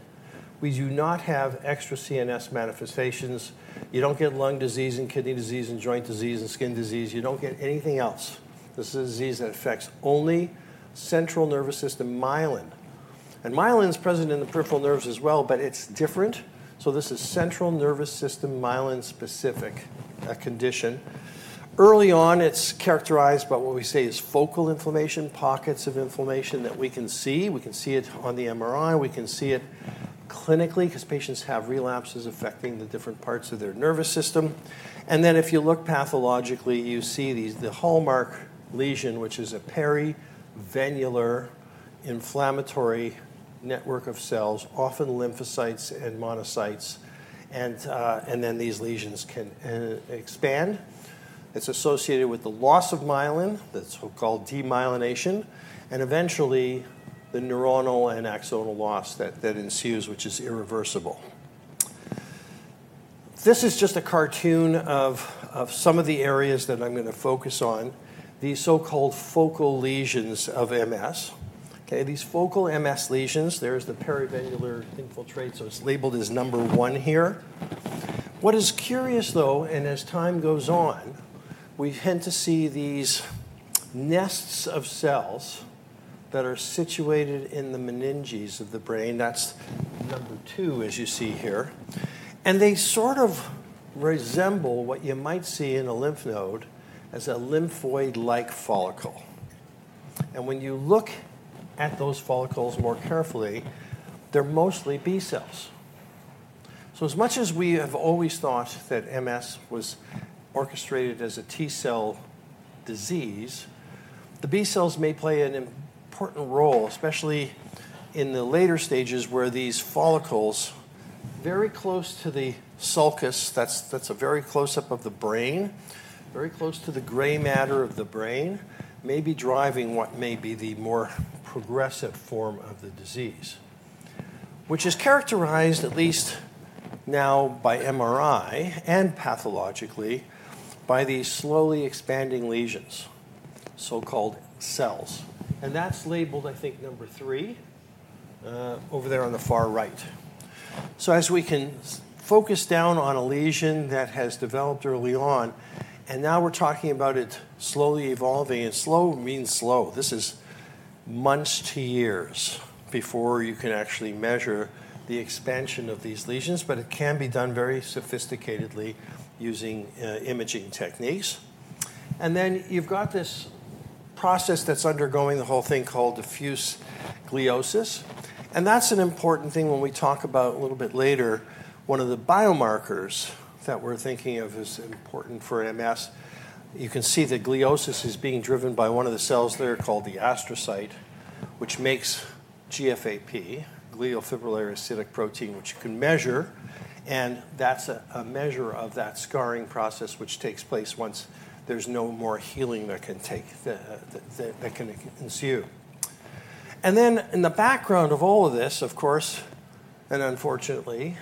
We do not have extra CNS manifestations. You do not get lung disease and kidney disease and joint disease and skin disease. You do not get anything else. This is a disease that affects only central nervous system myelin. Myelin is present in the peripheral nerves as well, but it's different. This is a central nervous system myelin-specific condition. Early on, it's characterized by what we say is focal inflammation, pockets of inflammation that we can see. We can see it on the MRI. We can see it clinically because patients have relapses affecting the different parts of their nervous system. If you look pathologically, you see the hallmark lesion, which is a perivenular inflammatory network of cells, often lymphocytes and monocytes. These lesions can expand. It's associated with the loss of myelin, the so-called demyelination, and eventually the neuronal and axonal loss that ensues, which is irreversible. This is just a cartoon of some of the areas that I'm going to focus on, the so-called focal lesions of MS. These focal MS lesions, there is the perivenular infiltrate. It is labeled as number one here. What is curious, though, as time goes on, we tend to see these nests of cells that are situated in the meninges of the brain. That is number two, as you see here. They sort of resemble what you might see in a lymph node as a lymphoid-like follicle. When you look at those follicles more carefully, they are mostly B cells. As much as we have always thought that MS was orchestrated as a T cell disease, the B cells may play an important role, especially in the later stages where these follicles very close to the sulcus, that's a very close-up of the brain, very close to the gray matter of the brain, may be driving what may be the more progressive form of the disease, which is characterized at least now by MRI and pathologically by these slowly expanding lesions, so-called cells. That's labeled, I think, number three over there on the far right. We can focus down on a lesion that has developed early on, and now we're talking about it slowly evolving. Slow means slow. This is months to years before you can actually measure the expansion of these lesions. It can be done very sophisticatedly using imaging techniques. You have this process that's undergoing the whole thing called diffuse gliosis. That's an important thing when we talk about a little bit later. One of the biomarkers that we're thinking of is important for MS. You can see the gliosis is being driven by one of the cells there called the astrocyte, which makes GFAP, glial fibrillary acidic protein, which you can measure. That's a measure of that scarring process, which takes place once there's no more healing that can ensue. In the background of all of this, of course, and unfortunately,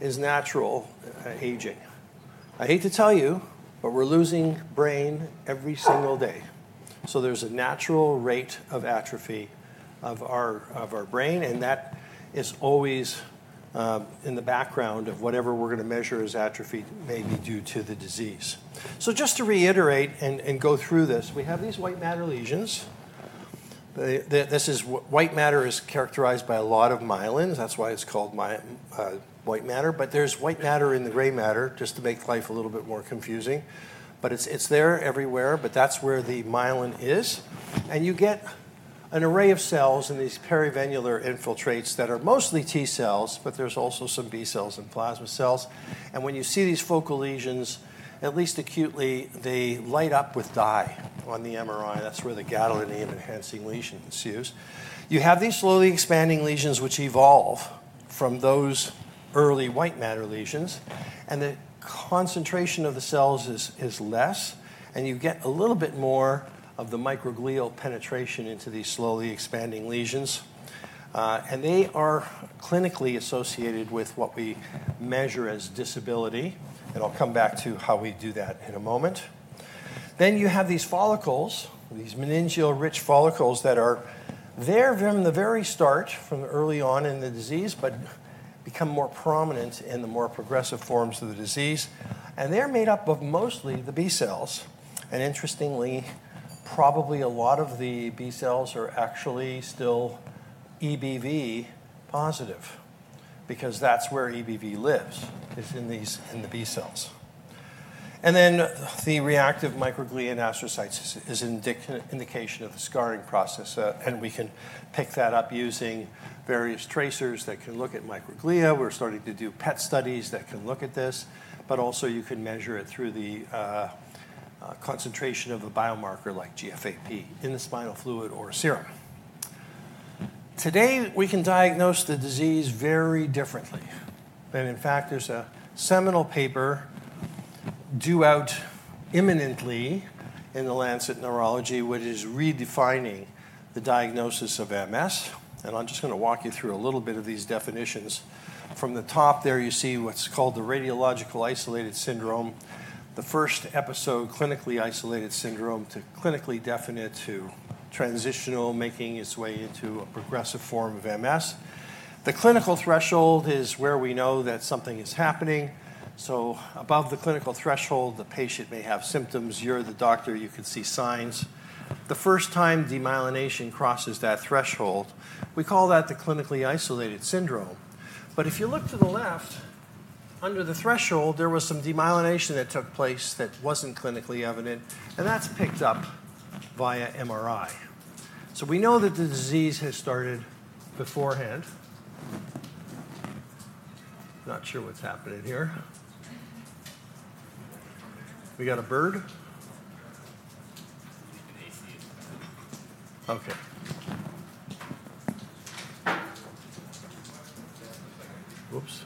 is natural aging. I hate to tell you, but we're losing brain every single day. There's a natural rate of atrophy of our brain. That is always in the background of whatever we're going to measure as atrophy may be due to the disease. Just to reiterate and go through this, we have these white matter lesions. This white matter is characterized by a lot of myelins. That's why it's called white matter. There's white matter in the gray matter, just to make life a little bit more confusing. It's there everywhere. That's where the myelin is. You get an array of cells in these perivenular infiltrates that are mostly T cells. There's also some B cells and plasma cells. When you see these focal lesions, at least acutely, they light up with dye on the MRI. That's where the gadolinium-enhancing lesion ensues. You have these slowly expanding lesions, which evolve from those early white matter lesions. The concentration of the cells is less. You get a little bit more of the microglial penetration into these slowly expanding lesions. They are clinically associated with what we measure as disability. I'll come back to how we do that in a moment. You have these follicles, these meningeal-rich follicles that are there from the very start, from early on in the disease, but become more prominent in the more progressive forms of the disease. They're made up of mostly the B cells. Interestingly, probably a lot of the B cells are actually still EBV positive because that's where EBV lives, is in the B cells. The reactive microglia and astrocytes is an indication of the scarring process. We can pick that up using various tracers that can look at microglia. We're starting to do PET studies that can look at this. Also, you can measure it through the concentration of a biomarker like GFAP in the spinal fluid or serum. Today, we can diagnose the disease very differently. In fact, there's a seminal paper due out imminently in The Lancet Neurology which is redefining the diagnosis of MS. I'm just going to walk you through a little bit of these definitions. From the top there, you see what's called the radiological isolated syndrome, the first episode clinically isolated syndrome to clinically definite to transitional making its way into a progressive form of MS. The clinical threshold is where we know that something is happening. Above the clinical threshold, the patient may have symptoms. You're the doctor. You can see signs. The first time demyelination crosses that threshold, we call that the clinically isolated syndrome. If you look to the left, under the threshold, there was some demyelination that took place that wasn't clinically evident. That's picked up via MRI. We know that the disease has started beforehand. Not sure what's happening here. We got a bird? OK. Oops.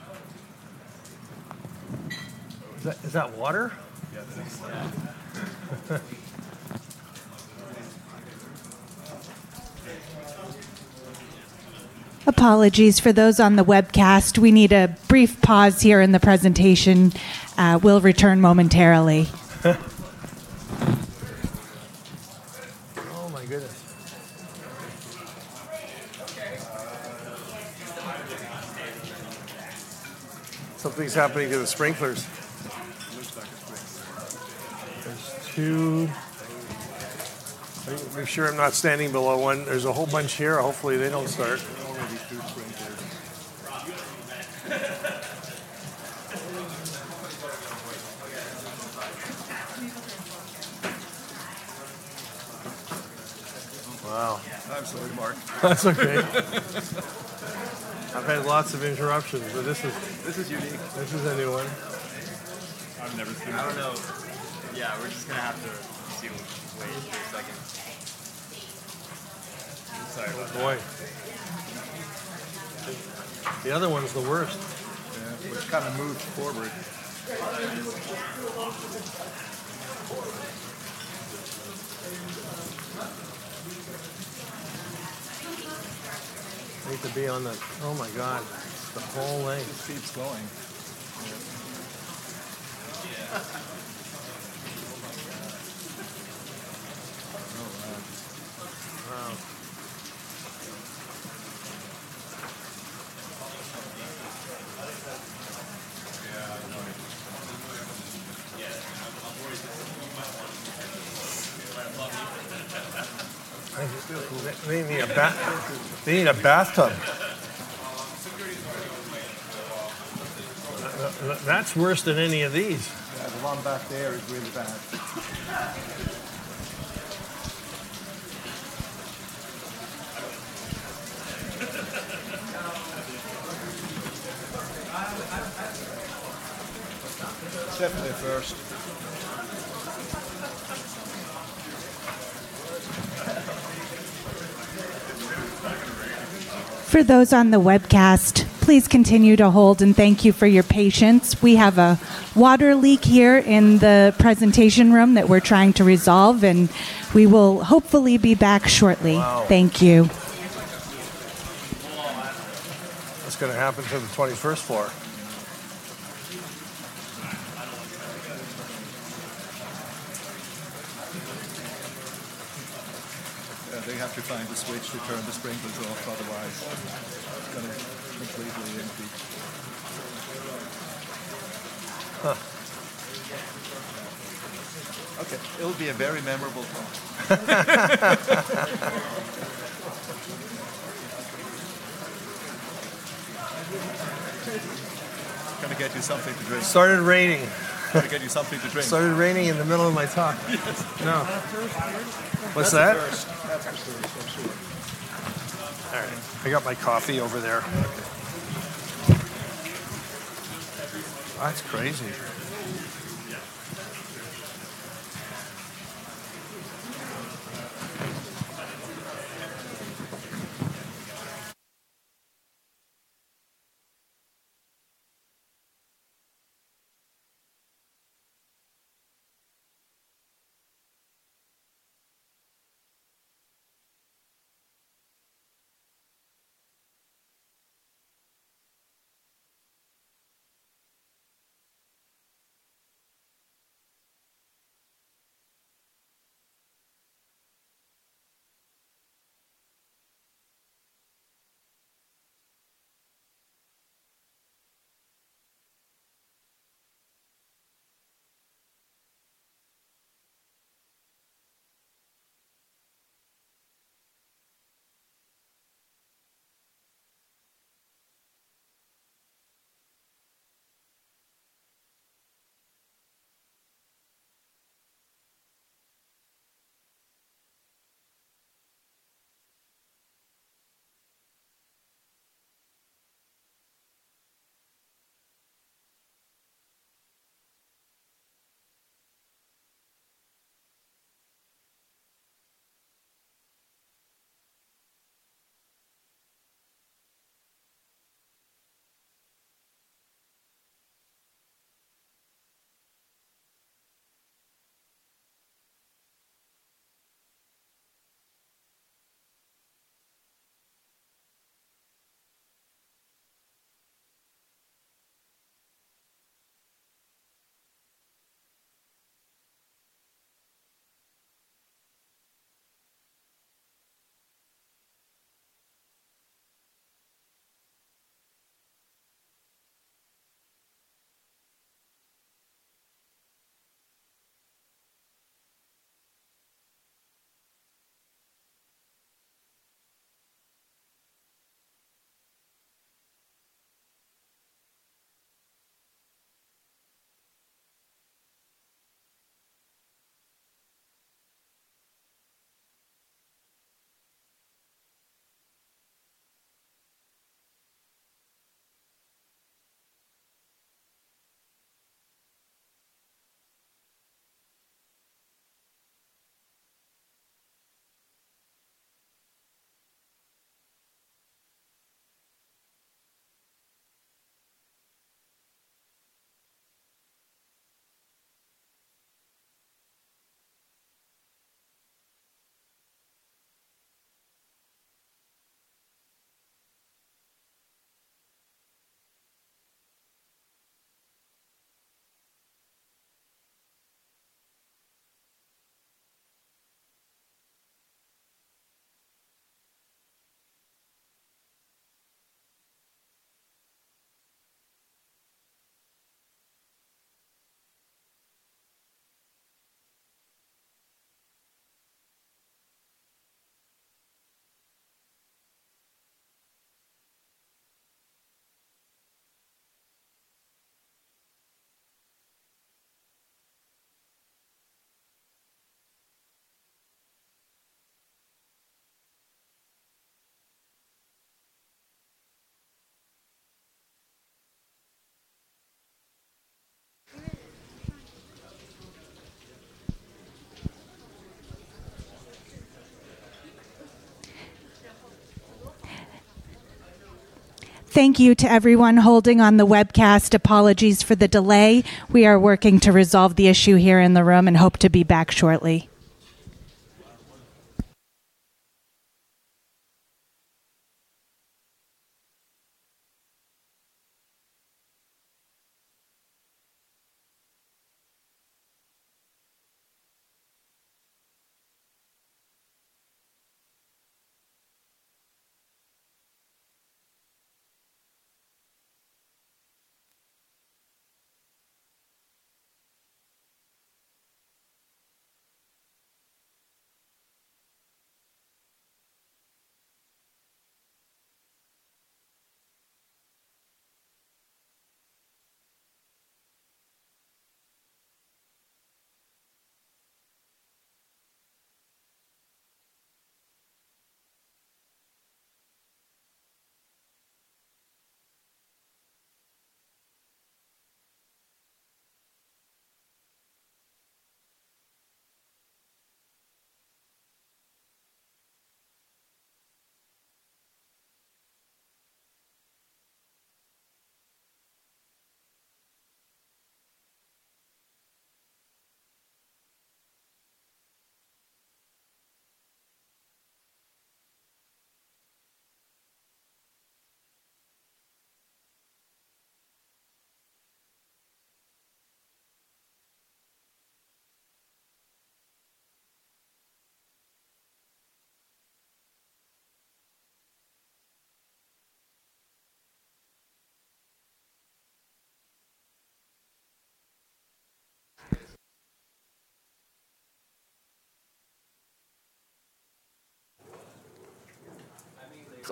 Is that water? Apologies for those on the webcast. We need a brief pause here in the presentation. We'll return momentarily. Oh, my goodness. Something's happening to the sprinklers. There's two. Are you sure I'm not standing below one? There's a whole bunch here. Hopefully, they don't start. Wow. I'm sorry, Mark. That's OK. I've had lots of interruptions. This is unique. This is a new one. I've never seen it. I don't know. Yeah, we're just going to have to wait for a second. Oh, boy. The other one's the worst, which kind of moves forward. I hate to be on the—oh, my God. The whole length. It keeps going. That's worse than any of these. Yeah, the one back there is really bad. It's definitely worse. For those on the webcast, please continue to hold. Thank you for your patience. We have a water leak here in the presentation room that we are trying to resolve. We will hopefully be back shortly. Thank you. What's going to happen to the 21st floor? They have to find a switch to turn the sprinklers off. Otherwise, it's going to completely empty. OK. It will be a very memorable thought. Going to get you something to drink. It started raining. Going to get you something to drink. It started raining in the middle of my talk. What's that? That's the first. All right. I got my coffee over there. That's crazy. Thank you to everyone holding on the webcast. Apologies for the delay. We are working to resolve the issue here in the room and hope to be back shortly.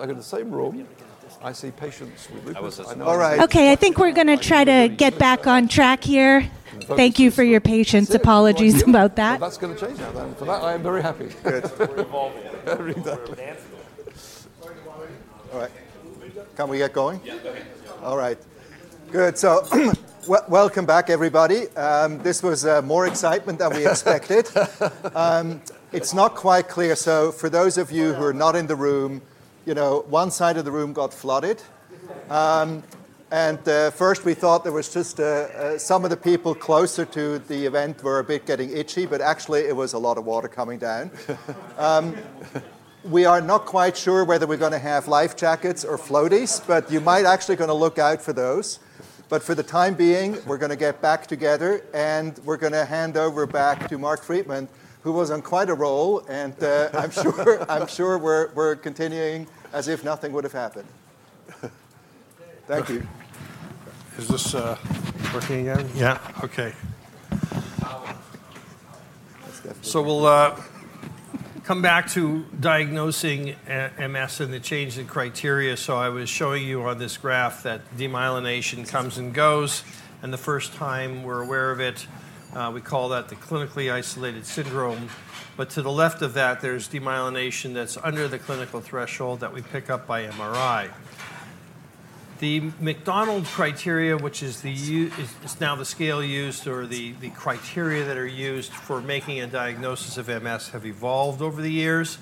It's like in the same room. I see patients with lupus. All right. OK, I think we're going to try to get back on track here. Thank you for your patience. Apologies about that. That's going to change now, then. For that, I am very happy. Good. All right. Can we get going? Yeah, go ahead. All right. Good. Welcome back, everybody. This was more excitement than we expected. It's not quite clear. For those of you who are not in the room, you know, one side of the room got flooded. First, we thought there was just some of the people closer to the event were a bit getting itchy. Actually, it was a lot of water coming down. We are not quite sure whether we're going to have life jackets or floaties. You might actually be going to look out for those. For the time being, we're going to get back together. We're going to hand over back to Mark Freedman, who was on quite a roll. I'm sure we're continuing as if nothing would have happened. Thank you. Is this working again? Yeah. OK. We'll come back to diagnosing MS and the change in criteria. I was showing you on this graph that demyelination comes and goes. The first time we're aware of it, we call that the clinically isolated syndrome. To the left of that, there's demyelination that's under the clinical threshold that we pick up by MRI. The McDonald criteria, which is now the scale used or the criteria that are used for making a diagnosis of MS, have evolved over the years.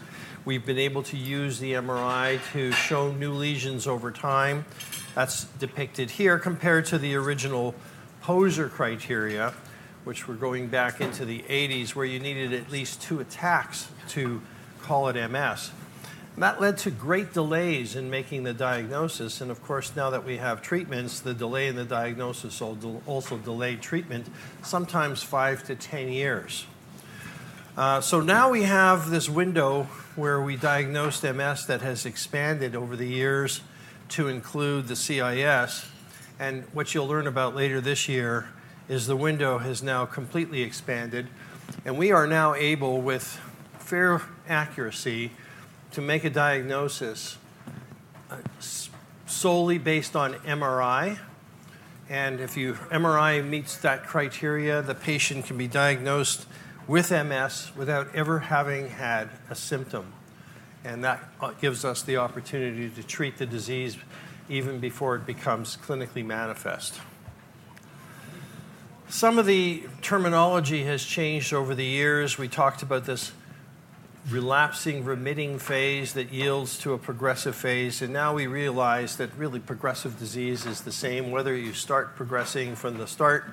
We've been able to use the MRI to show new lesions over time. That's depicted here compared to the original Poser criteria, which were going back into the 1980s, where you needed at least two attacks to call it MS. That led to great delays in making the diagnosis. Of course, now that we have treatments, the delay in the diagnosis also delayed treatment, sometimes 5-10 years. Now we have this window where we diagnosed MS that has expanded over the years to include the CIS. What you'll learn about later this year is the window has now completely expanded. We are now able, with fair accuracy, to make a diagnosis solely based on MRI. If MRI meets that criteria, the patient can be diagnosed with MS without ever having had a symptom. That gives us the opportunity to treat the disease even before it becomes clinically manifest. Some of the terminology has changed over the years. We talked about this relapsing, remitting phase that yields to a progressive phase. Now we realize that really progressive disease is the same. Whether you start progressing from the start,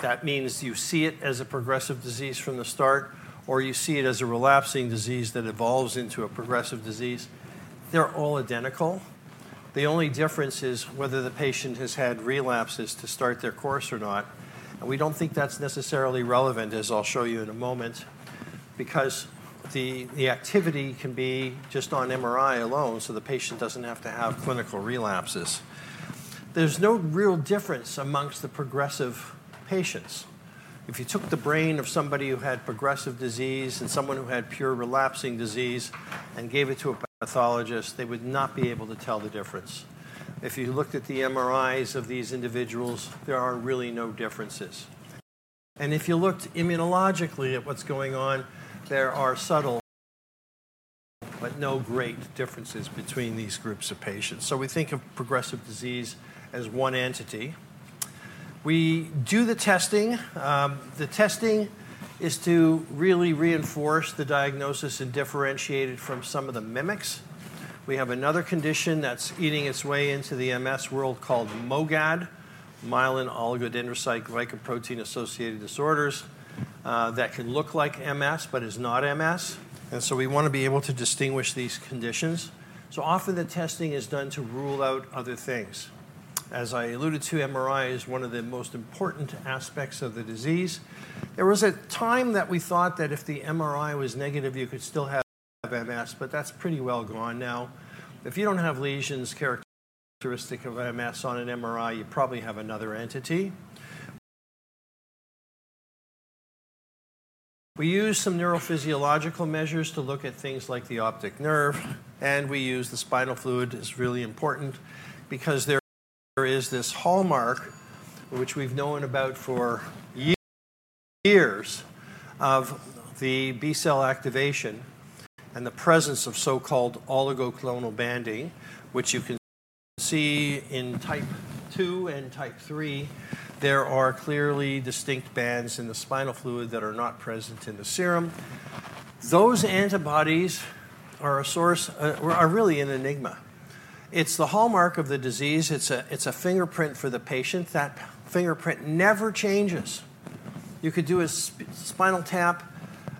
that means you see it as a progressive disease from the start, or you see it as a relapsing disease that evolves into a progressive disease, they are all identical. The only difference is whether the patient has had relapses to start their course or not. We do not think that is necessarily relevant, as I will show you in a moment, because the activity can be just on MRI alone, so the patient does not have to have clinical relapses. There is no real difference amongst the progressive patients. If you took the brain of somebody who had progressive disease and someone who had pure relapsing disease and gave it to a pathologist, they would not be able to tell the difference. If you looked at the MRIs of these individuals, there are really no differences. If you looked immunologically at what's going on, there are subtle but no great differences between these groups of patients. We think of progressive disease as one entity. We do the testing. The testing is to really reinforce the diagnosis and differentiate it from some of the mimics. We have another condition that's eating its way into the MS world called MOGAD, Myelin-Oligodendrocyte Glycoprotein-Associated Disorders, that can look like MS but is not MS. We want to be able to distinguish these conditions. Often, the testing is done to rule out other things. As I alluded to, MRI is one of the most important aspects of the disease. There was a time that we thought that if the MRI was negative, you could still have MS. That is pretty well gone now. If you do not have lesions characteristic of MS on an MRI, you probably have another entity. We use some neurophysiological measures to look at things like the optic nerve. We use the spinal fluid. It is really important because there is this hallmark which we have known about for years of the B-cell activation and the presence of so-called oligoclonal banding, which you can see in type 2 and type 3. There are clearly distinct bands in the spinal fluid that are not present in the serum. Those antibodies are a source or are really an enigma. It is the hallmark of the disease. It is a fingerprint for the patient. That fingerprint never changes. You could do a spinal tap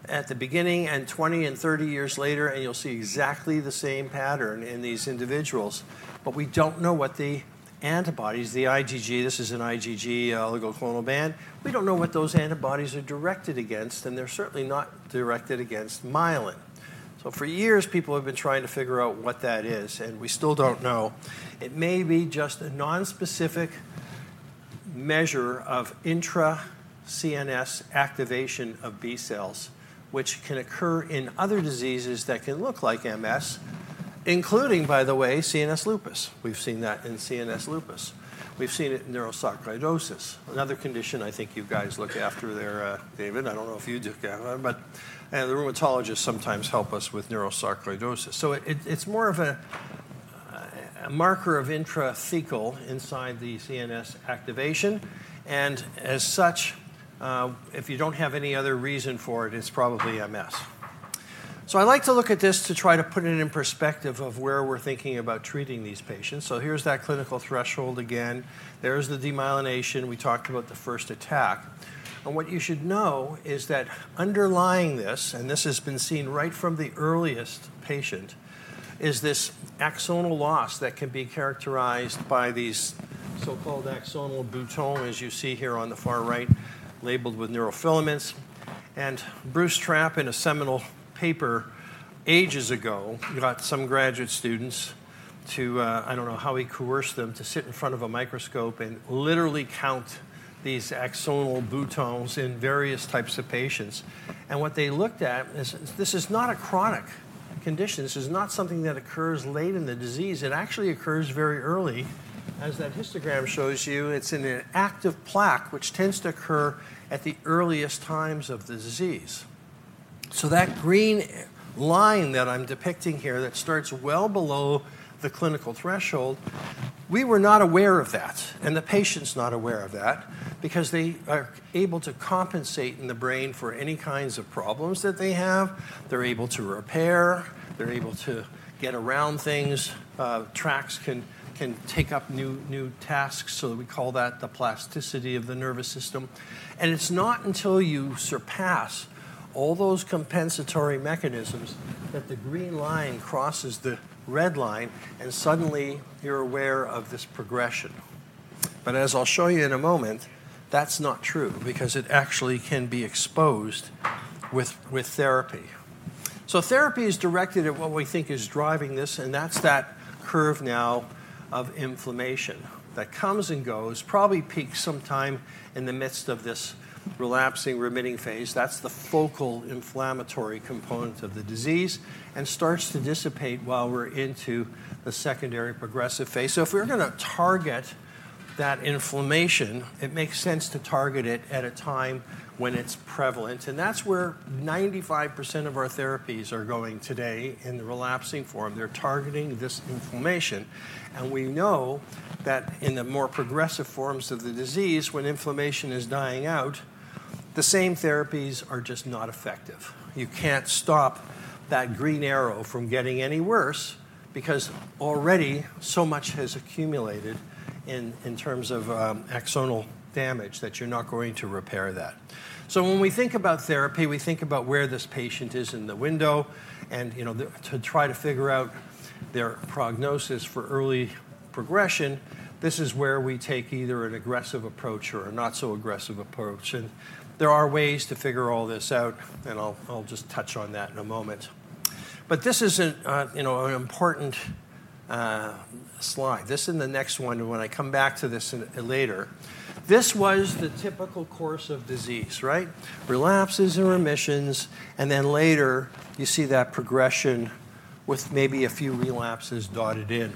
at the beginning and 20 and 30 years later, and you'll see exactly the same pattern in these individuals. We don't know what the antibodies, the IgG—this is an IgG oligoclonal band—we don't know what those antibodies are directed against. They're certainly not directed against myelin. For years, people have been trying to figure out what that is. We still don't know. It may be just a nonspecific measure of intra-CNS activation of B-cells, which can occur in other diseases that can look like MS, including, by the way, CNS lupus. We've seen that in CNS lupus. We've seen it in neurosarcoidosis, another condition I think you guys look after there, David. I don't know if you do care. The rheumatologists sometimes help us with neurosarcoidosis. It is more of a marker of intrathecal inside the CNS activation. As such, if you do not have any other reason for it, it is probably MS. I like to look at this to try to put it in perspective of where we are thinking about treating these patients. Here is that clinical threshold again. There is the demyelination. We talked about the first attack. What you should know is that underlying this—and this has been seen right from the earliest patient—is this axonal loss that can be characterized by these so-called axonal boutons, as you see here on the far right, labeled with neurofilaments. Bruce Trapp, in a seminal paper ages ago, got some graduate students to—I do not know how he coerced them to sit in front of a microscope and literally count these axonal boutons in various types of patients. What they looked at is this is not a chronic condition. This is not something that occurs late in the disease. It actually occurs very early. As that histogram shows you, it is an active plaque, which tends to occur at the earliest times of the disease. That green line that I am depicting here that starts well below the clinical threshold, we were not aware of that. The patient is not aware of that because they are able to compensate in the brain for any kinds of problems that they have. They are able to repair. They are able to get around things. Tracts can take up new tasks. We call that the plasticity of the nervous system. It is not until you surpass all those compensatory mechanisms that the green line crosses the red line. Suddenly, you are aware of this progression. As I'll show you in a moment, that's not true because it actually can be exposed with therapy. Therapy is directed at what we think is driving this. That's that curve now of inflammation that comes and goes, probably peaks sometime in the midst of this relapsing, remitting phase. That's the focal inflammatory component of the disease and starts to dissipate while we're into the secondary progressive phase. If we're going to target that inflammation, it makes sense to target it at a time when it's prevalent. That's where 95% of our therapies are going today in the relapsing form. They're targeting this inflammation. We know that in the more progressive forms of the disease, when inflammation is dying out, the same therapies are just not effective. You can't stop that green arrow from getting any worse because already so much has accumulated in terms of axonal damage that you're not going to repair that. When we think about therapy, we think about where this patient is in the window. To try to figure out their prognosis for early progression, this is where we take either an aggressive approach or a not-so-aggressive approach. There are ways to figure all this out. I'll just touch on that in a moment. This is an important slide. This is the next one when I come back to this later. This was the typical course of disease, right? Relapses and remissions. Later, you see that progression with maybe a few relapses dotted in.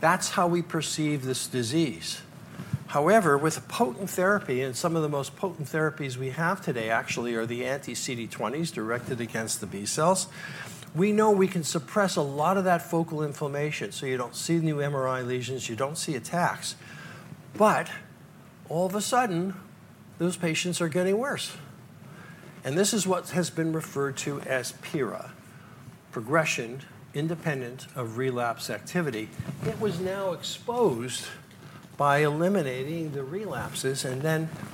That's how we perceive this disease. However, with potent therapy and some of the most potent therapies we have today actually are the anti-CD20s directed against the B-cells, we know we can suppress a lot of that focal inflammation. You do not see new MRI lesions. You do not see attacks. All of a sudden, those patients are getting worse. This is what has been referred to as PIRA, progression independent of relapse activity. It was now exposed by eliminating the relapses.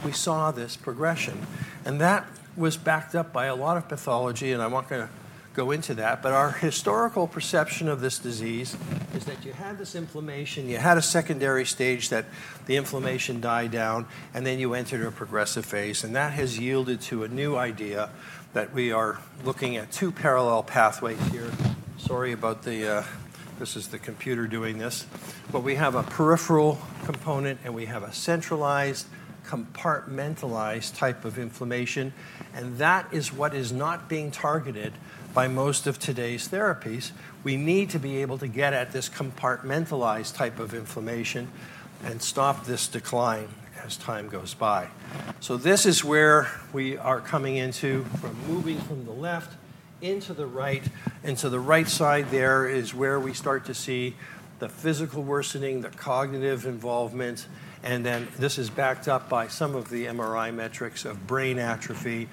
We saw this progression. That was backed up by a lot of pathology. I am not going to go into that. Our historical perception of this disease is that you had this inflammation. You had a secondary stage that the inflammation died down. You entered a progressive phase. That has yielded to a new idea that we are looking at two parallel pathways here. Sorry about this, this is the computer doing this. We have a peripheral component, and we have a centralized, compartmentalized type of inflammation. That is what is not being targeted by most of today's therapies. We need to be able to get at this compartmentalized type of inflammation and stop this decline as time goes by. This is where we are coming into from moving from the left into the right. To the right side, there is where we start to see the physical worsening, the cognitive involvement. This is backed up by some of the MRI metrics of brain atrophy.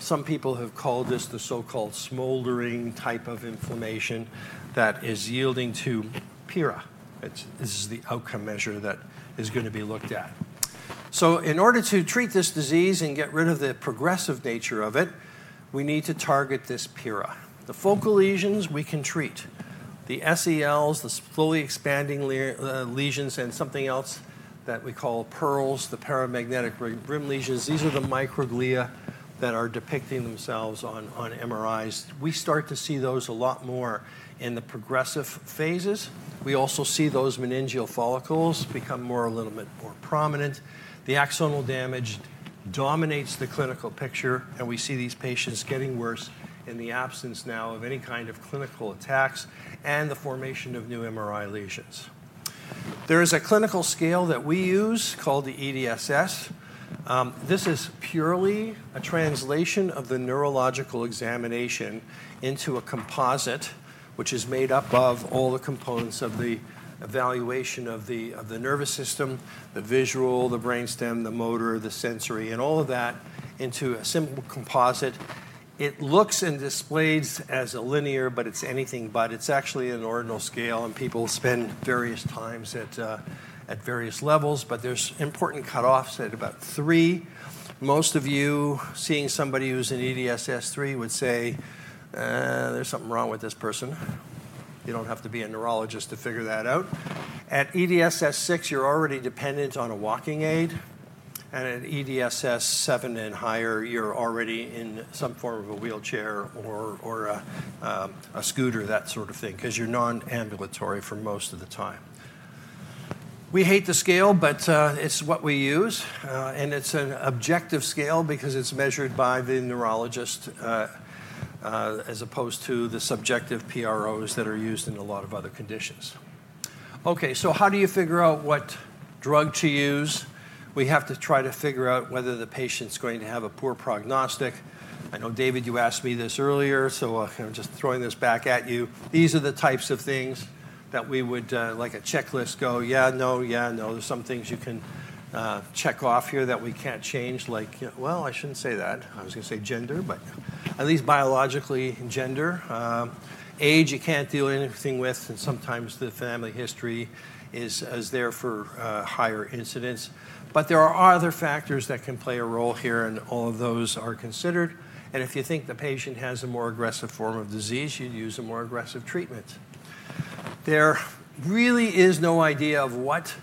Some people have called this the so-called smoldering type of inflammation that is yielding to PIRA. This is the outcome measure that is going to be looked at. In order to treat this disease and get rid of the progressive nature of it, we need to target this PIRA. The focal lesions, we can treat the SELs, the slowly expanding lesions, and something else that we call pearls, the paramagnetic rim lesions. These are the microglia that are depicting themselves on MRIs. We start to see those a lot more in the progressive phases. We also see those meningeal follicles become a little bit more prominent. The axonal damage dominates the clinical picture. We see these patients getting worse in the absence now of any kind of clinical attacks and the formation of new MRI lesions. There is a clinical scale that we use called the EDSS. This is purely a translation of the neurological examination into a composite, which is made up of all the components of the evaluation of the nervous system, the visual, the brainstem, the motor, the sensory, and all of that into a simple composite. It looks and displays as a linear, but it's anything but. It's actually an ordinal scale. People spend various times at various levels. There are important cutoffs at about 3. Most of you seeing somebody who's an EDSS 3 would say, "There's something wrong with this person." You don't have to be a neurologist to figure that out. At EDSS 6, you're already dependent on a walking aid. At EDSS 7 and higher, you're already in some form of a wheelchair or a scooter, that sort of thing, because you're non-ambulatory for most of the time. We hate the scale, but it's what we use. It's an objective scale because it's measured by the neurologist as opposed to the subjective PROs that are used in a lot of other conditions. OK, how do you figure out what drug to use? We have to try to figure out whether the patient's going to have a poor prognostic. I know, David, you asked me this earlier. I'm just throwing this back at you. These are the types of things that we would, like a checklist, go, "Yeah, no, yeah, no." There are some things you can check off here that we can't change, like, "I shouldn't say that. I was going to say gender." At least biologically, gender. Age you can't deal with. Sometimes the family history is there for higher incidence. There are other factors that can play a role here. All of those are considered. If you think the patient has a more aggressive form of disease, you'd use a more aggressive treatment. There really is no idea of what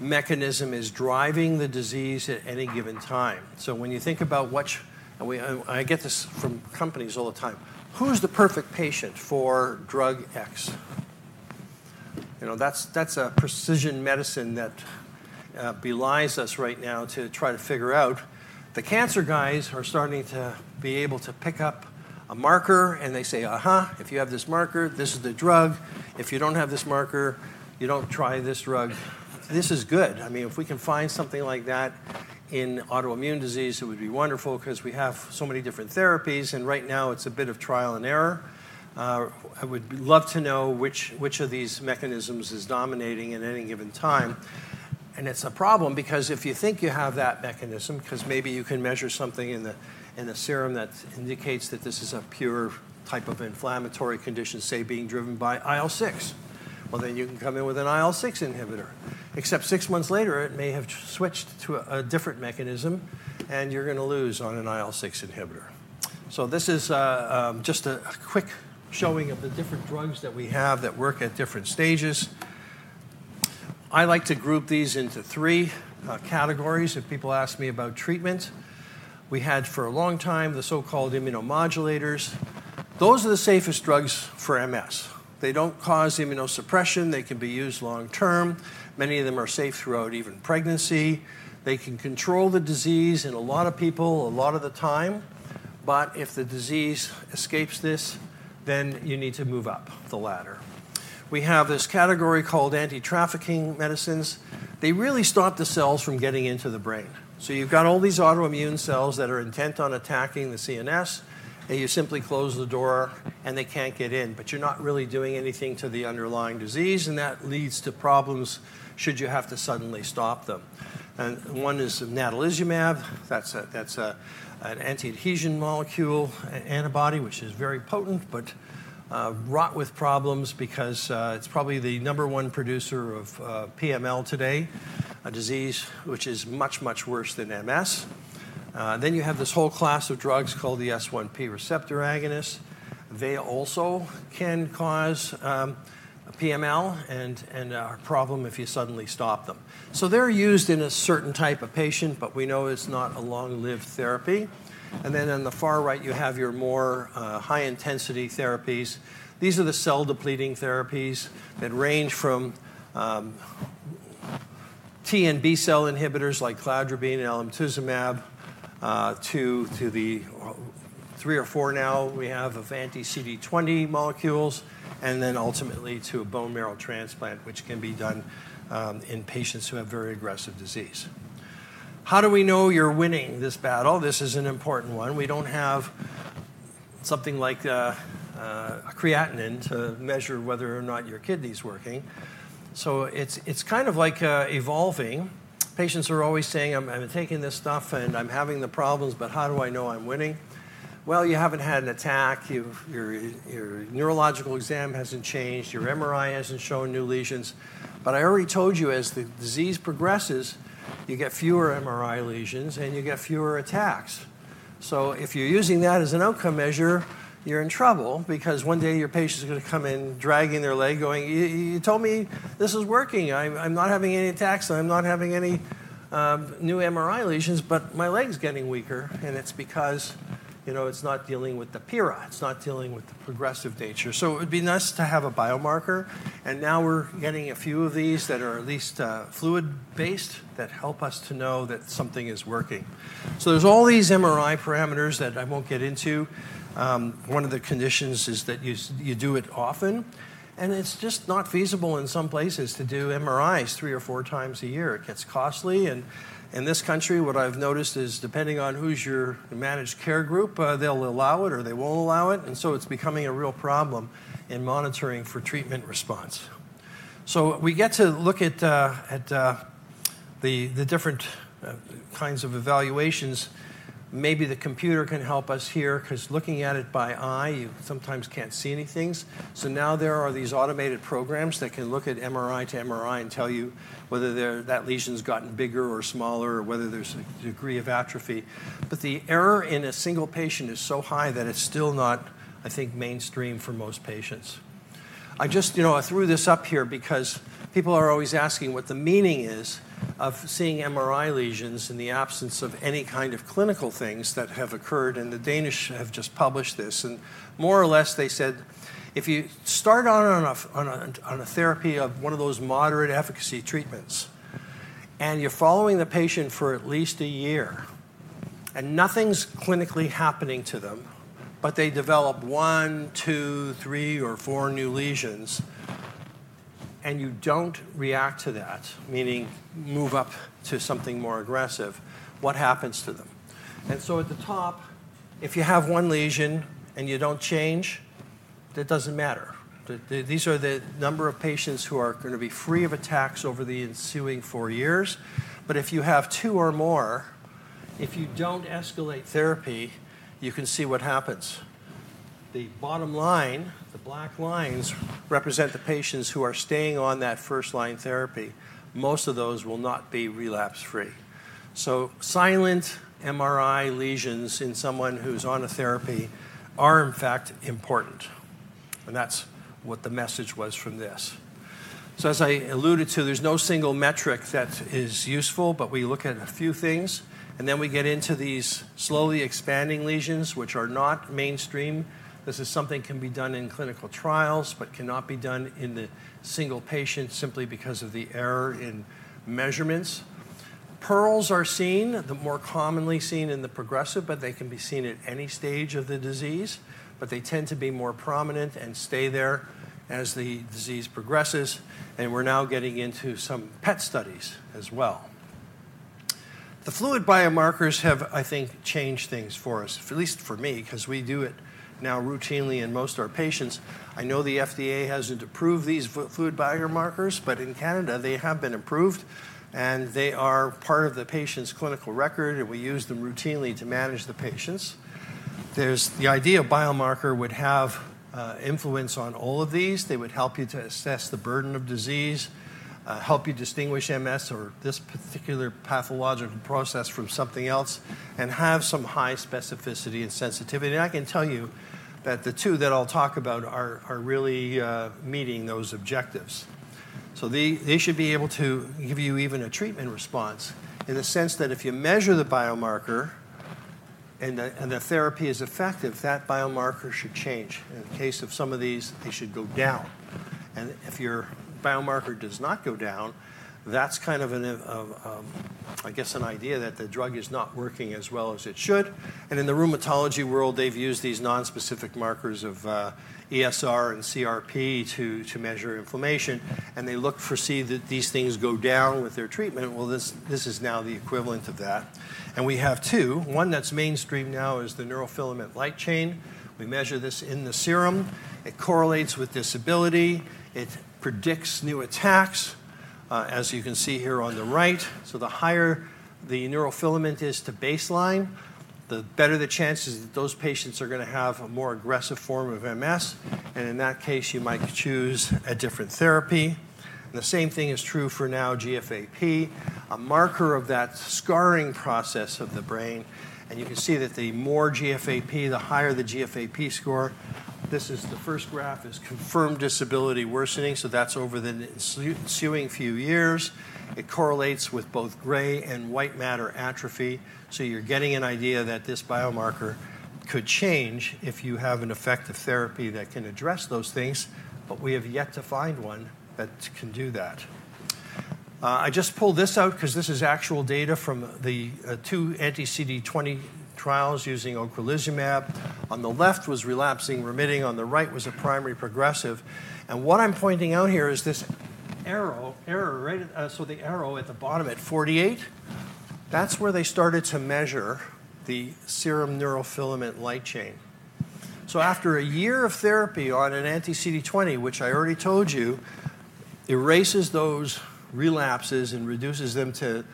mechanism is driving the disease at any given time. When you think about what I get this from companies all the time. Who's the perfect patient for drug X? That's a precision medicine that belies us right now to try to figure out. The cancer guys are starting to be able to pick up a marker. They say, "Aha, if you have this marker, this is the drug. If you don't have this marker, you don't try this drug." This is good. I mean, if we can find something like that in autoimmune disease, it would be wonderful because we have so many different therapies. Right now, it's a bit of trial and error. I would love to know which of these mechanisms is dominating at any given time. It is a problem because if you think you have that mechanism, because maybe you can measure something in the serum that indicates that this is a pure type of inflammatory condition, say, being driven by IL-6, you can come in with an IL-6 inhibitor. Except six months later, it may have switched to a different mechanism. You are going to lose on an IL-6 inhibitor. This is just a quick showing of the different drugs that we have that work at different stages. I like to group these into three categories if people ask me about treatment. We had for a long time the so-called immunomodulators. Those are the safest drugs for MS. They do not cause immunosuppression. They can be used long-term. Many of them are safe throughout even pregnancy. They can control the disease in a lot of people a lot of the time. If the disease escapes this, you need to move up the ladder. We have this category called anti-trafficking medicines. They really stop the cells from getting into the brain. You've got all these autoimmune cells that are intent on attacking the CNS. You simply close the door, and they can't get in. You're not really doing anything to the underlying disease. That leads to problems should you have to suddenly stop them. One is natalizumab. That's an anti-adhesion molecule antibody, which is very potent but wrought with problems because it's probably the number one producer of PML today, a disease which is much, much worse than MS. You have this whole class of drugs called the S1P receptor agonist. They also can cause PML and are a problem if you suddenly stop them. They are used in a certain type of patient. We know it is not a long-lived therapy. On the far right, you have your more high-intensity therapies. These are the cell-depleting therapies that range from T and B-cell inhibitors like clozdribine and alemtuzumab to the three or four now we have of anti-CD20 molecules. Ultimately, to a bone marrow transplant, which can be done in patients who have very aggressive disease. How do we know you are winning this battle? This is an important one. We do not have something like a creatinine to measure whether or not your kidney is working. It is kind of evolving. Patients are always saying, "I am taking this stuff. And I am having the problems. But how do I know I am winning?" You have not had an attack. Your neurological exam hasn't changed. Your MRI hasn't shown new lesions. I already told you, as the disease progresses, you get fewer MRI lesions. You get fewer attacks. If you're using that as an outcome measure, you're in trouble because one day your patient's going to come in dragging their leg, going, "You told me this is working. I'm not having any attacks. I'm not having any new MRI lesions. But my leg's getting weaker. It's because it's not dealing with the PIRA. It's not dealing with the progressive nature." It would be nice to have a biomarker. Now we're getting a few of these that are at least fluid-based that help us to know that something is working. There are all these MRI parameters that I won't get into. One of the conditions is that you do it often. It is just not feasible in some places to do MRIs three or four times a year. It gets costly. In this country, what I have noticed is, depending on who is your managed care group, they will allow it or they will not allow it. It is becoming a real problem in monitoring for treatment response. We get to look at the different kinds of evaluations. Maybe the computer can help us here because looking at it by eye, you sometimes cannot see any things. Now there are these automated programs that can look at MRI to MRI and tell you whether that lesion has gotten bigger or smaller or whether there is a degree of atrophy. The error in a single patient is so high that it is still not, I think, mainstream for most patients. I just threw this up here because people are always asking what the meaning is of seeing MRI lesions in the absence of any kind of clinical things that have occurred. The Danish have just published this. More or less, they said, "If you start on a therapy of one of those moderate efficacy treatments and you're following the patient for at least a year and nothing's clinically happening to them, but they develop one, two, three, or four new lesions, and you don't react to that, meaning move up to something more aggressive, what happens to them?" At the top, if you have one lesion and you don't change, that doesn't matter. These are the number of patients who are going to be free of attacks over the ensuing four years. If you have two or more, if you do not escalate therapy, you can see what happens. The bottom line, the black lines represent the patients who are staying on that first-line therapy. Most of those will not be relapse-free. Silent MRI lesions in someone who is on a therapy are, in fact, important. That is what the message was from this. As I alluded to, there is no single metric that is useful. We look at a few things. We get into these slowly expanding lesions, which are not mainstream. This is something that can be done in clinical trials but cannot be done in the single patient simply because of the error in measurements. Pearls are seen, more commonly seen in the progressive. They can be seen at any stage of the disease. They tend to be more prominent and stay there as the disease progresses. We're now getting into some PET studies as well. The fluid biomarkers have, I think, changed things for us, at least for me, because we do it now routinely in most of our patients. I know the FDA hasn't approved these fluid biomarkers. In Canada, they have been approved. They are part of the patient's clinical record, and we use them routinely to manage the patients. The idea of biomarker would have influence on all of these. They would help you to assess the burden of disease, help you distinguish MS or this particular pathological process from something else, and have some high specificity and sensitivity. I can tell you that the two that I'll talk about are really meeting those objectives. They should be able to give you even a treatment response in the sense that if you measure the biomarker and the therapy is effective, that biomarker should change. In the case of some of these, they should go down. If your biomarker does not go down, that's kind of, I guess, an idea that the drug is not working as well as it should. In the rheumatology world, they've used these nonspecific markers of ESR and CRP to measure inflammation. They look for these things to go down with their treatment. This is now the equivalent of that. We have two. One that's mainstream now is the neurofilament light chain. We measure this in the serum. It correlates with disability. It predicts new attacks, as you can see here on the right. The higher the neurofilament is to baseline, the better the chances that those patients are going to have a more aggressive form of MS. In that case, you might choose a different therapy. The same thing is true for now, GFAP, a marker of that scarring process of the brain. You can see that the more GFAP, the higher the GFAP score. This first graph is confirmed disability worsening. That is over the ensuing few years. It correlates with both gray and white matter atrophy. You are getting an idea that this biomarker could change if you have an effective therapy that can address those things. We have yet to find one that can do that. I just pulled this out because this is actual data from the two anti-CD20 trials using ocrelizumab. On the left was relapsing-remitting. On the right was a primary progressive. What I'm pointing out here is this arrow, so the arrow at the bottom at 48, that's where they started to measure the serum neurofilament light chain. After a year of therapy on an anti-CD20, which I already told you erases those relapses and reduces them to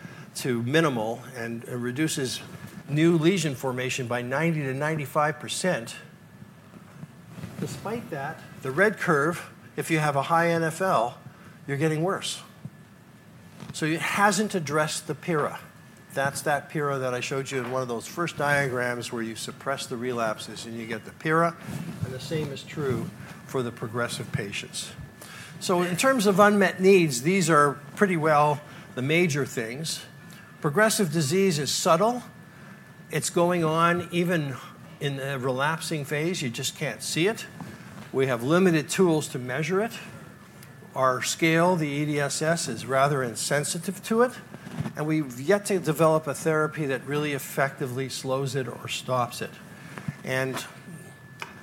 minimal and reduces new lesion formation by 90%-95%, despite that, the red curve, if you have a high NFL, you're getting worse. It hasn't addressed the PIRA. That's that PIRA that I showed you in one of those first diagrams where you suppress the relapses and you get the PIRA. The same is true for the progressive patients. In terms of unmet needs, these are pretty well the major things. Progressive disease is subtle. It's going on even in the relapsing phase. You just can't see it. We have limited tools to measure it. Our scale, the EDSS, is rather insensitive to it. We've yet to develop a therapy that really effectively slows it or stops it.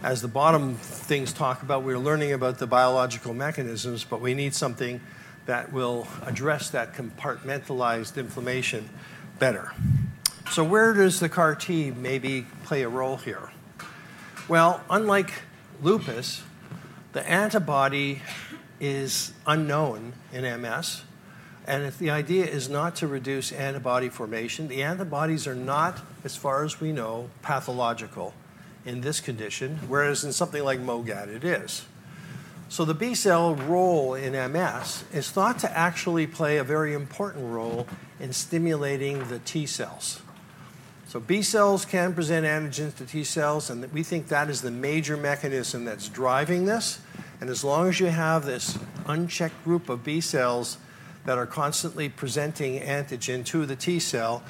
As the bottom things talk about, we're learning about the biological mechanisms. We need something that will address that compartmentalized inflammation better. Where does the CAR T maybe play a role here? Unlike lupus, the antibody is unknown in MS. If the idea is not to reduce antibody formation, the antibodies are not, as far as we know, pathological in this condition, whereas in something like Mogad it is. The B-cell role in MS is thought to actually play a very important role in stimulating the T-cells. B-cells can present antigens to T-cells. We think that is the major mechanism that's driving this. As long as you have this unchecked group of B-cells that are constantly presenting antigen to the T-cell,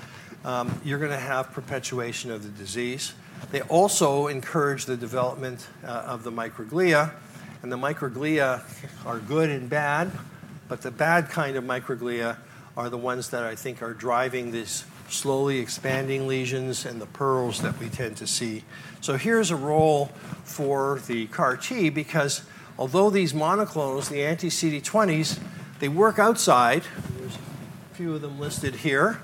you're going to have perpetuation of the disease. They also encourage the development of the microglia. The microglia are good and bad. The bad kind of microglia are the ones that I think are driving these slowly expanding lesions and the pearls that we tend to see. Here is a role for the CAR T because although these monoclonals, the anti-CD20s, they work outside. There are a few of them listed here.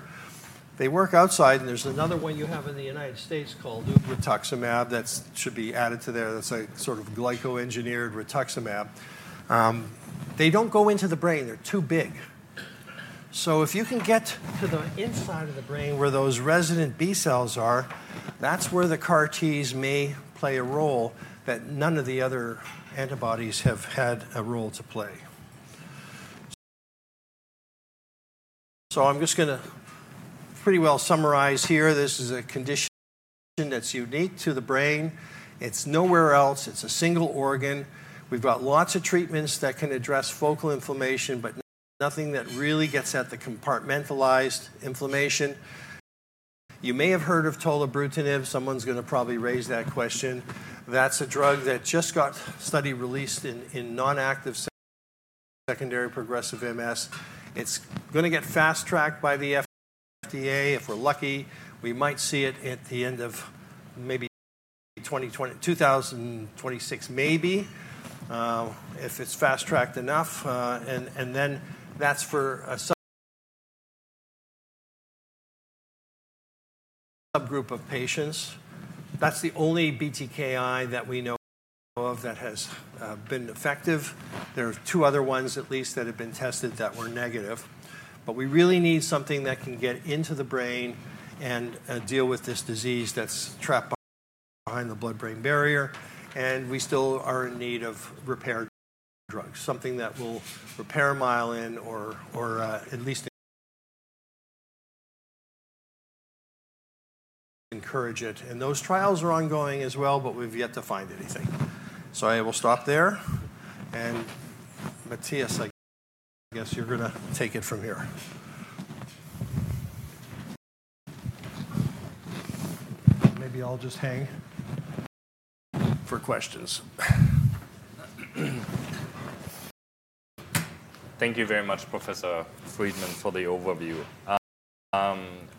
They work outside. There is another one you have in the United States called rituximab that should be added to there. That is a sort of glyco-engineered rituximab. They do not go into the brain. They are too big. If you can get to the inside of the brain where those resident B-cells are, that's where the CAR Ts may play a role that none of the other antibodies have had a role to play. I'm just going to pretty well summarize here. This is a condition that's unique to the brain. It's nowhere else. It's a single organ. We've got lots of treatments that can address focal inflammation but nothing that really gets at the compartmentalized inflammation. You may have heard of tolobrutinib. Someone's going to probably raise that question. That's a drug that just got study released in non-active secondary progressive MS. It's going to get fast-tracked by the FDA. If we're lucky, we might see it at the end of maybe 2026, maybe, if it's fast-tracked enough. That's for a subgroup of patients. That's the onlyBTKi that we know of that has been effective. There are two other ones, at least, that have been tested that were negative. We really need something that can get into the brain and deal with this disease that's trapped behind the blood-brain barrier. We still are in need of repair drugs, something that will repair myelin or at least encourage it. Those trials are ongoing as well. We've yet to find anything. I will stop there. Matthias, I guess you're going to take it from here. Maybe I'll just hang for questions. Thank you very much, Professor Freedman, for the overview.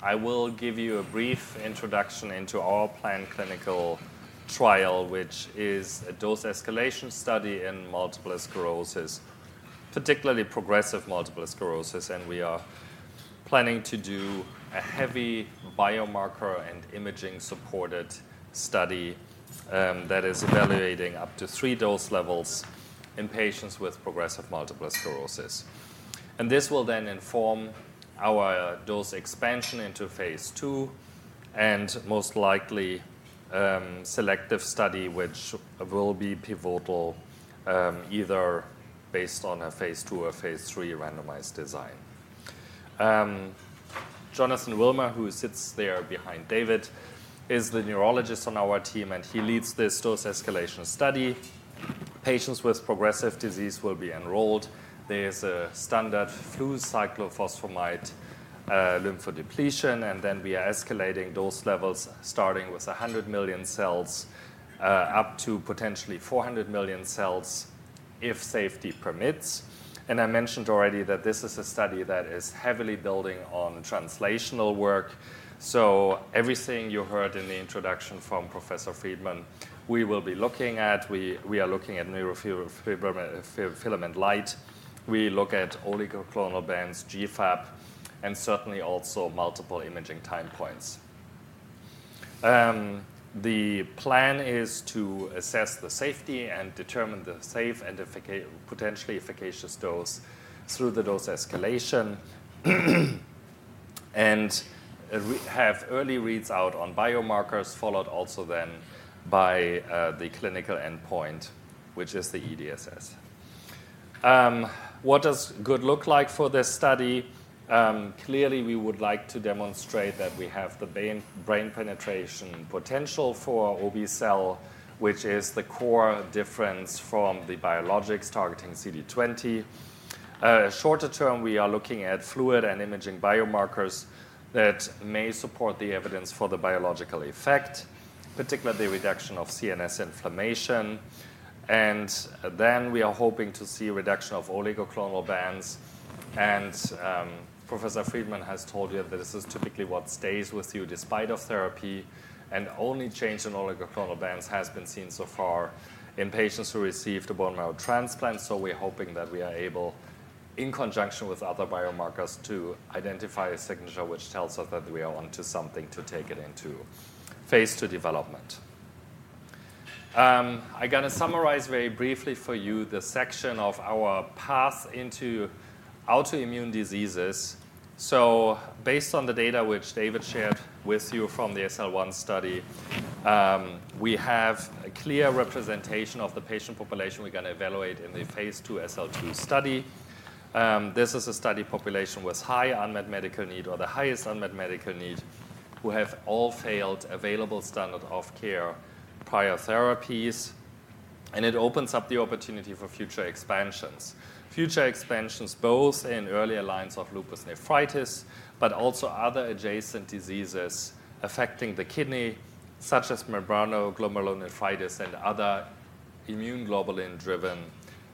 I will give you a brief introduction into our planned clinical trial, which is a dose escalation study in multiple sclerosis, particularly progressive multiple sclerosis. We are planning to do a heavy biomarker and imaging-supported study that is evaluating up to three dose levels in patients with progressive multiple sclerosis. This will then inform our dose expansion into phase two and most likely selective study, which will be pivotal either based on a phase two or phase three randomized design. Jonathan Wilmer, who sits there behind David, is the neurologist on our team. He leads this dose escalation study. Patients with progressive disease will be enrolled. There is a standard flu cyclophosphamide lymphodepletion. We are escalating dose levels starting with 100 million cells up to potentially 400 million cells if safety permits. I mentioned already that this is a study that is heavily building on translational work. Everything you heard in the introduction from Professor Freedman, we will be looking at. We are looking at neurofilament light. We look at oligoclonal bands, GFAP, and certainly also multiple imaging time points. The plan is to assess the safety and determine the safe and potentially efficacious dose through the dose escalation and have early reads out on biomarkers followed also then by the clinical endpoint, which is the EDSS. What does good look like for this study? Clearly, we would like to demonstrate that we have the brain penetration potential for Obe cel, which is the core difference from the biologics targeting CD20. Shorter term, we are looking at fluid and imaging biomarkers that may support the evidence for the biological effect, particularly reduction of CNS inflammation. We are hoping to see reduction of oligoclonal bands. Professor Freedman has told you that this is typically what stays with you despite therapy. Only change in oligoclonal bands has been seen so far in patients who received a bone marrow transplant. We are hoping that we are able, in conjunction with other biomarkers, to identify a signature which tells us that we are onto something to take it into phase two development. I'm going to summarize very briefly for you the section of our path into autoimmune diseases. Based on the data which David shared with you from the SL1 study, we have a clear representation of the patient population we're going to evaluate in the phase two SL2 study. This is a study population with high unmet medical need or the highest unmet medical need who have all failed available standard of care prior therapies. It opens up the opportunity for future expansions, future expansions both in early lines of lupus nephritis but also other adjacent diseases affecting the kidney, such as membranoglomerulonephritis and other immune globulin-driven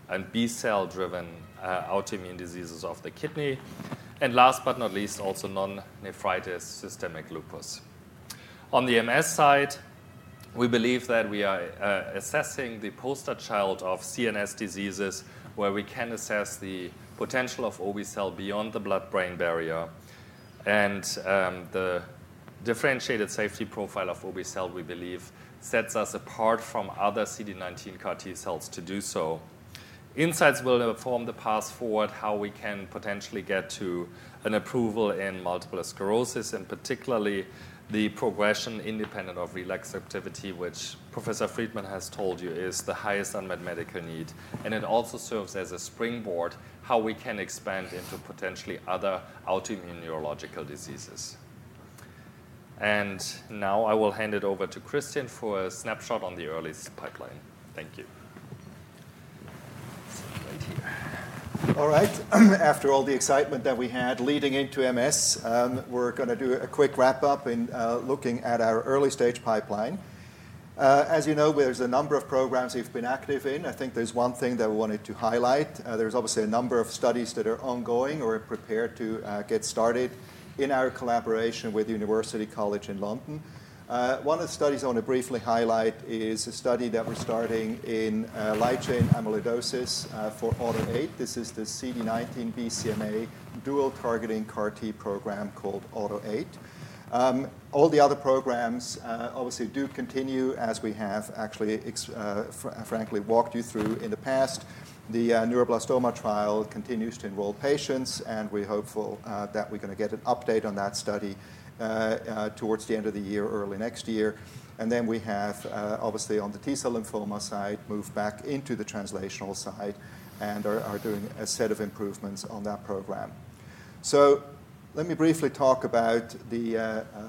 and B-cell-driven autoimmune diseases of the kidney. Last but not least, also non-nephritis systemic lupus. On the MS side, we believe that we are assessing the poster child of CNS diseases where we can assess the potential of Obe cel beyond the blood-brain barrier. The differentiated safety profile of Obe cel, we believe, set s us apart from other CD19 CAR T cells to do so. Insights will inform the path forward, how we can potentially get to an approval in multiple sclerosis, and particularly the progression independent of relapse activity, which Professor Freedman has told you is the highest unmet medical need. It also serves as a springboard how we can expand into potentially other autoimmune neurological diseases. Now I will hand it over to Christian for a snapshot on the early pipeline. Thank you. All right. After all the excitement that we had leading into MS, we're going to do a quick wrap-up in looking at our early-stage pipeline. As you know, there's a number of programs we've been active in. I think there's one thing that we wanted to highlight. There's obviously a number of studies that are ongoing or prepared to get started in our collaboration with University College London. One of the studies I want to briefly highlight is a study that we're starting in light chain amyloidosis for AUTO8. This is the CD19 BCMA dual-targeting CAR T program called AUTO8. All the other programs obviously do continue as we have actually, frankly, walked you through in the past. The neuroblastoma trial continues to enroll patients. We're hopeful that we're going to get an update on that study towards the end of the year, early next year. We have obviously on the T-cell lymphoma side moved back into the translational side and are doing a set of improvements on that program. Let me briefly talk about the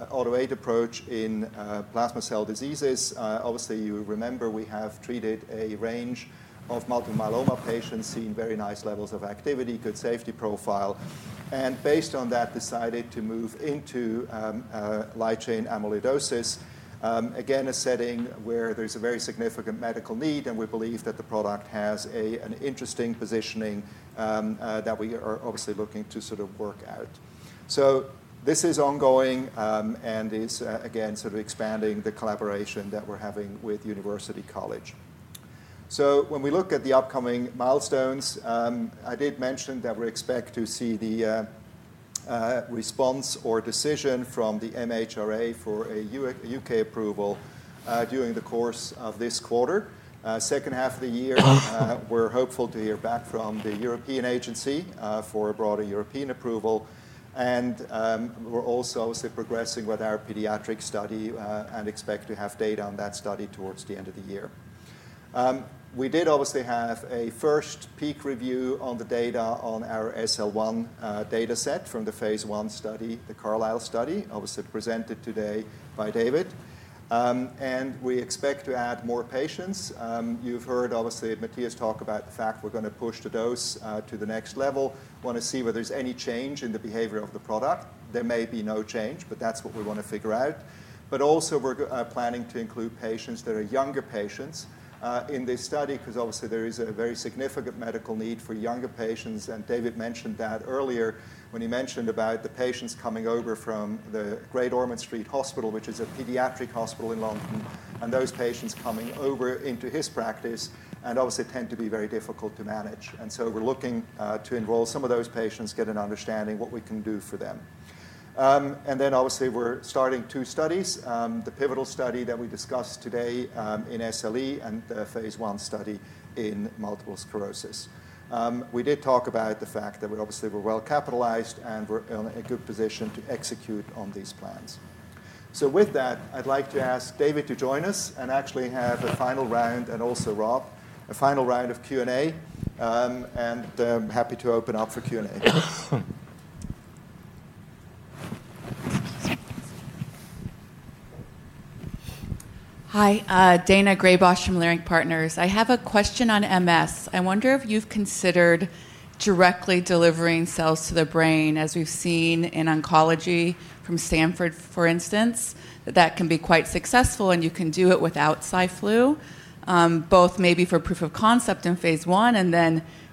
AUTO8 approach in plasma cell diseases. Obviously, you remember we have treated a range of multiple myeloma patients seeing very nice levels of activity, good safety profile. Based on that, decided to move into light chain amyloidosis, again, a setting where there's a very significant medical need. We believe that the product has an interesting positioning that we are obviously looking to sort of work out. This is ongoing and is, again, sort of expanding the collaboration that we're having with University College. When we look at the upcoming milestones, I did mention that we expect to see the response or decision from the MHRA for a U.K. approval during the course of this quarter. Second half of the year, we're hopeful to hear back from the European Agency for a broader European approval. We're also obviously progressing with our pediatric study and expect to have data on that study towards the end of the year. We did obviously have a first peak review on the data on our SL1 data set from the phase one study, the CARLYSLE study, obviously presented today by David. We expect to add more patients. You've heard obviously Matthias talk about the fact we're going to push the dose to the next level. Want to see whether there's any change in the behavior of the product. There may be no change. That's what we want to figure out. We are also planning to include patients that are younger patients in this study because obviously there is a very significant medical need for younger patients. David mentioned that earlier when he mentioned about the patients coming over from the Great Ormond Street Hospital, which is a pediatric hospital in London, and those patients coming over into his practice and obviously tend to be very difficult to manage. We're looking to enroll some of those patients, get an understanding of what we can do for them. Obviously, we're starting two studies, the pivotal study that we discussed today in SLE and the phase one study in multiple sclerosis. We did talk about the fact that we obviously were well capitalized and were in a good position to execute on these plans. With that, I'd like to ask David to join us and actually have a final round and also Rob, a final round of Q&A. I'm happy to open up for Q&A. Hi, Dana Graybosh from Lyric Partners. I have a question on MS. I wonder if you've considered directly delivering cells to the brain, as we've seen in oncology from Stanford, for instance, that that can be quite successful and you can do it without Xiflu, both maybe for proof of concept in phase one.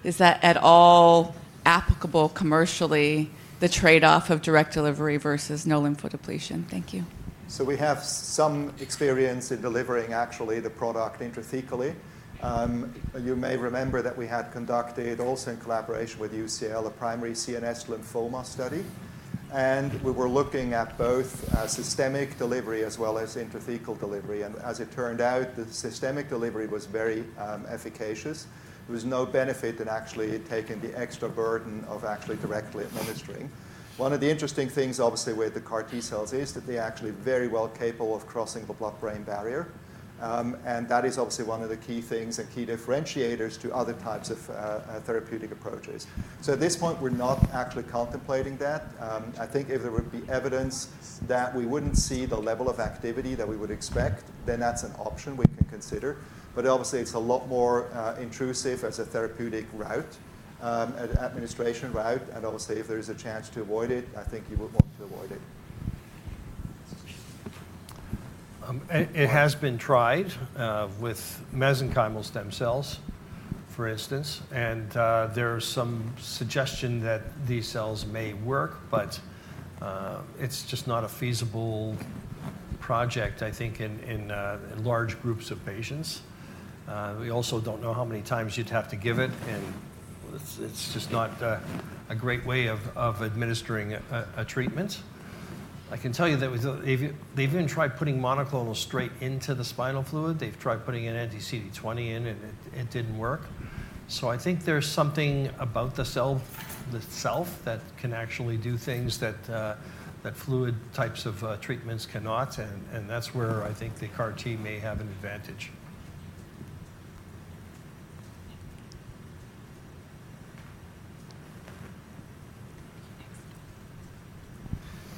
Is that at all applicable commercially, the trade-off of direct delivery versus no lymphodepletion? Thank you. We have some experience in delivering actually the product intrathecally. You may remember that we had conducted, also in collaboration with UCL, a primary CNS lymphoma study. We were looking at both systemic delivery as well as intrathecal delivery. As it turned out, the systemic delivery was very efficacious. There was no benefit in actually taking the extra burden of actually directly administering. One of the interesting things, obviously, with the CAR T cells is that they're actually very well capable of crossing the blood-brain barrier. That is obviously one of the key things and key differentiators to other types of therapeutic approaches. At this point, we're not actually contemplating that. I think if there would be evidence that we wouldn't see the level of activity that we would expect, then that's an option we can consider. Obviously, it's a lot more intrusive as a therapeutic route, an administration route. Obviously, if there is a chance to avoid it, I think you would want to avoid it. It has been tried with mesenchymal stem cells, for instance. There is some suggestion that these cells may work. It is just not a feasible project, I think, in large groups of patients. We also do not know how many times you would have to give it. It is just not a great way of administering a treatment. I can tell you that they have even tried putting monoclonal straight into the spinal fluid. They have tried putting an anti-CD20 in, and it did not work. I think there is something about the cell itself that can actually do things that fluid types of treatments cannot. That is where I think the CAR T may have an advantage.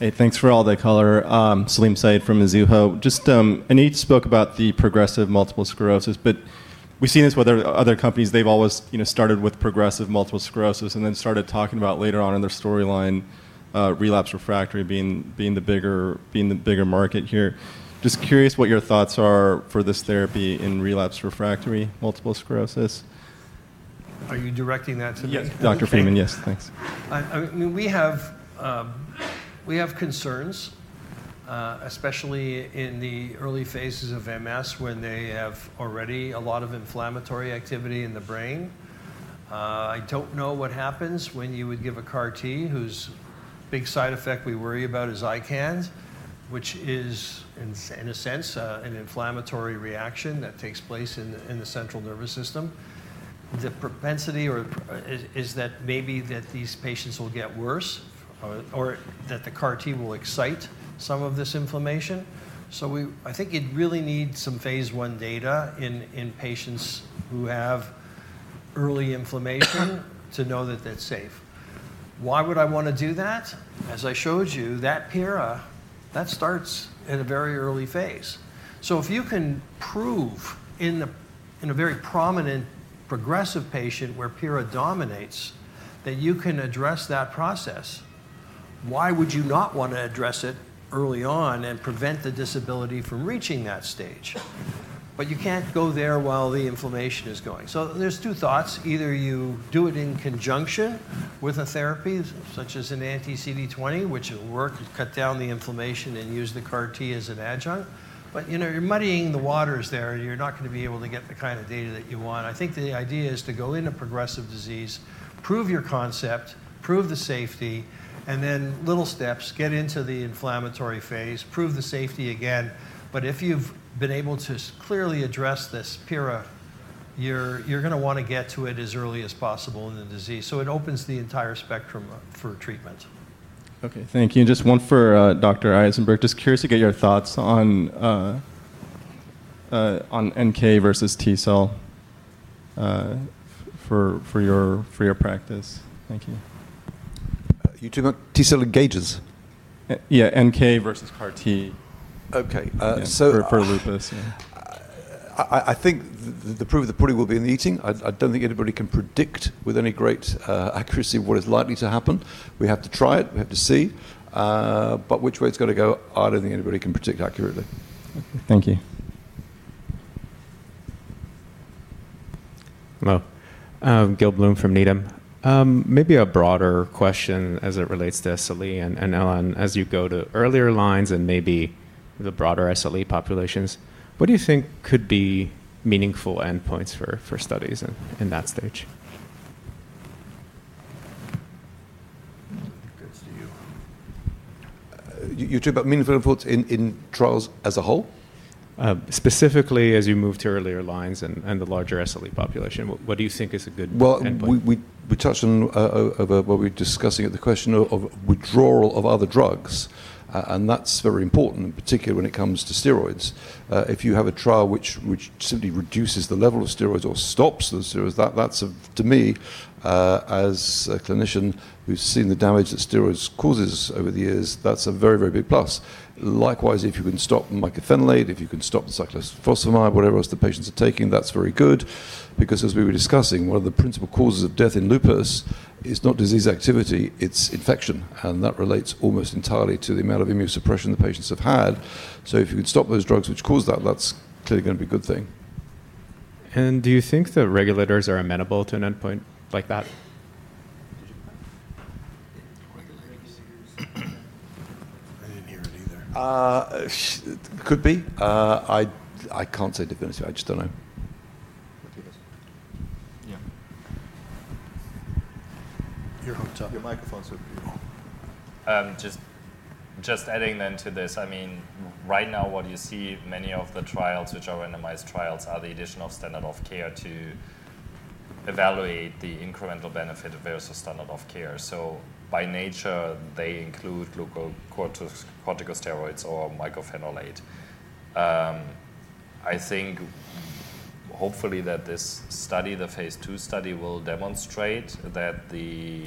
Hey, thanks for all the color. Salim Said from Azuha. Just Anit spoke about the progressive multiple sclerosis. We've seen this with other companies. They've always started with progressive multiple sclerosis and then started talking about later on in their storyline relapse refractory being the bigger market here. Just curious what your thoughts are for this therapy in relapse refractory multiple sclerosis. Are you directing that to me? Yes, Dr. Freedman. Yes, thanks. We have concerns, especially in the early phases of MS when they have already a lot of inflammatory activity in the brain. I don't know what happens when you would give a CAR T whose big side effect we worry about is ICANS, which is, in a sense, an inflammatory reaction that takes place in the central nervous system. The propensity is that maybe these patients will get worse or that the CAR T will excite some of this inflammation. I think you'd really need some phase one data in patients who have early inflammation to know that that's safe. Why would I want to do that? As I showed you, that PIRA, that starts at a very early phase. If you can prove in a very prominent progressive patient where PIRA dominates that you can address that process, why would you not want to address it early on and prevent the disability from reaching that stage? You cannot go there while the inflammation is going. There are two thoughts. Either you do it in conjunction with a therapy such as an anti-CD20, which will work and cut down the inflammation and use the CAR T as an adjunct. You are muddying the waters there. You are not going to be able to get the kind of data that you want. I think the idea is to go into progressive disease, prove your concept, prove the safety, and then little steps, get into the inflammatory phase, prove the safety again. If you've been able to clearly address this PIRA, you're going to want to get to it as early as possible in the disease. It opens the entire spectrum for treatment. OK, thank you. Just one for Dr. Isenberg. Just curious to get your thoughts on NK versus T-cell for your practice. Thank you. You're talking about T-cell engagers? Yeah, NK versus CAR I think the proof of the pudding will be in the eating. I don't think anybody can predict with any great accuracy what is likely to happen. We have to try it. We have to see. Which way it's going to go, I don't think anybody can predict accurately. Thank you. Hello. Gil Blum from Needham. Maybe a broader question as it relates to SLE and now on as you go to earlier lines and maybe the broader SLE populations. What do you think could be meaningful endpoints for studies in that stage? You're talking about meaningful endpoints in trials as a whole? Specifically, as you move to earlier lines and the larger SLE population, what do you think is a good endpoint? We touched on what we were discussing at the question of withdrawal of other drugs. That is very important, particularly when it comes to steroids. If you have a trial which simply reduces the level of steroids or stops the steroids, that is, to me, as a clinician who has seen the damage that steroids cause over the years, a very, very big plus. Likewise, if you can stop mycophenolate, if you can stop cyclophosphamide, whatever else the patients are taking, that is very good. As we were discussing, one of the principal causes of death in lupus is not disease activity. It is infection. That relates almost entirely to the amount of immunosuppression the patients have had. If you can stop those drugs which cause that, that is clearly going to be a good thing. Do you think the regulators are amenable to an endpoint like that? I didn't hear it either. Could be. I can't say definitely. I just don't know. Yeah. Your microphone's so beautiful. Just adding then to this, I mean, right now, what you see, many of the trials, which are randomized trials, are the addition of standard of care to evaluate the incremental benefit versus standard of care. By nature, they include glucocorticosteroids or mycophenolate. I think, hopefully, that this study, the phase two study, will demonstrate that the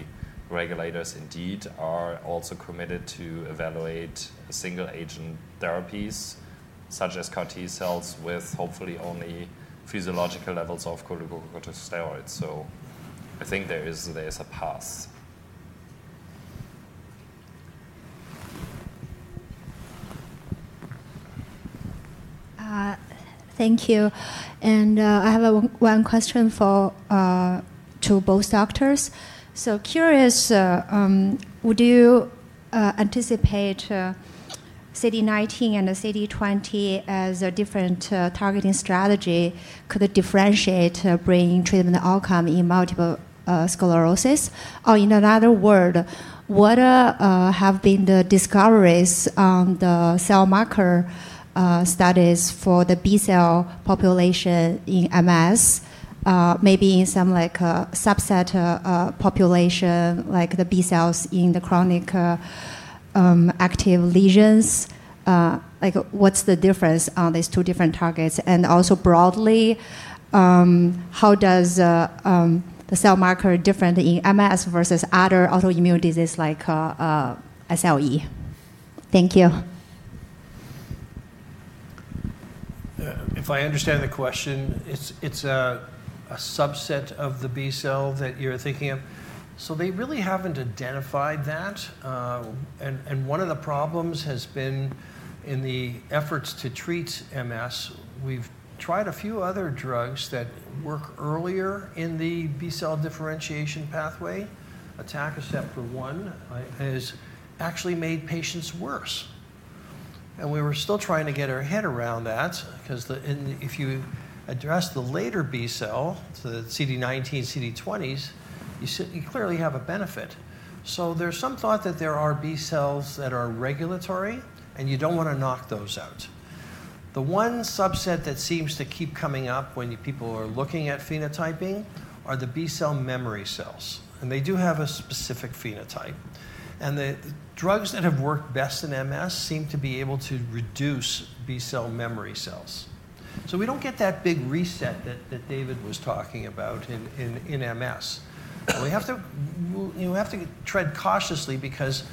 regulators indeed are also committed to evaluate single-agent therapies such as CAR T cells with hopefully only physiological levels of glucocorticosteroids. I think there is a path. Thank you. I have one question to both doctors. Curious, would you anticipate CD19 and CD20 as a different targeting strategy? Could it differentiate brain treatment outcome in multiple sclerosis? In another word, what have been the discoveries on the cell marker studies for the B-cell population in MS, maybe in some subset population, like the B-cells in the chronic active lesions? What's the difference on these two different targets? Also broadly, how does the cell marker differ in MS versus other autoimmune disease like SLE? Thank you. If I understand the question, it's a subset of the B-cell that you're thinking of. They really haven't identified that. One of the problems has been in the efforts to treat MS. We've tried a few other drugs that work earlier in the B-cell differentiation pathway. Atacasep, for one, has actually made patients worse. We were still trying to get our head around that. Because if you address the later B-cell, the CD19, CD20s, you clearly have a benefit. There's some thought that there are B-cells that are regulatory, and you don't want to knock those out. The one subset that seems to keep coming up when people are looking at phenotyping are the B-cell memory cells. They do have a specific phenotype. The drugs that have worked best in MS seem to be able to reduce B-cell memory cells. We do not get that big reset that David was talking about in MS. We have to tread cautiously because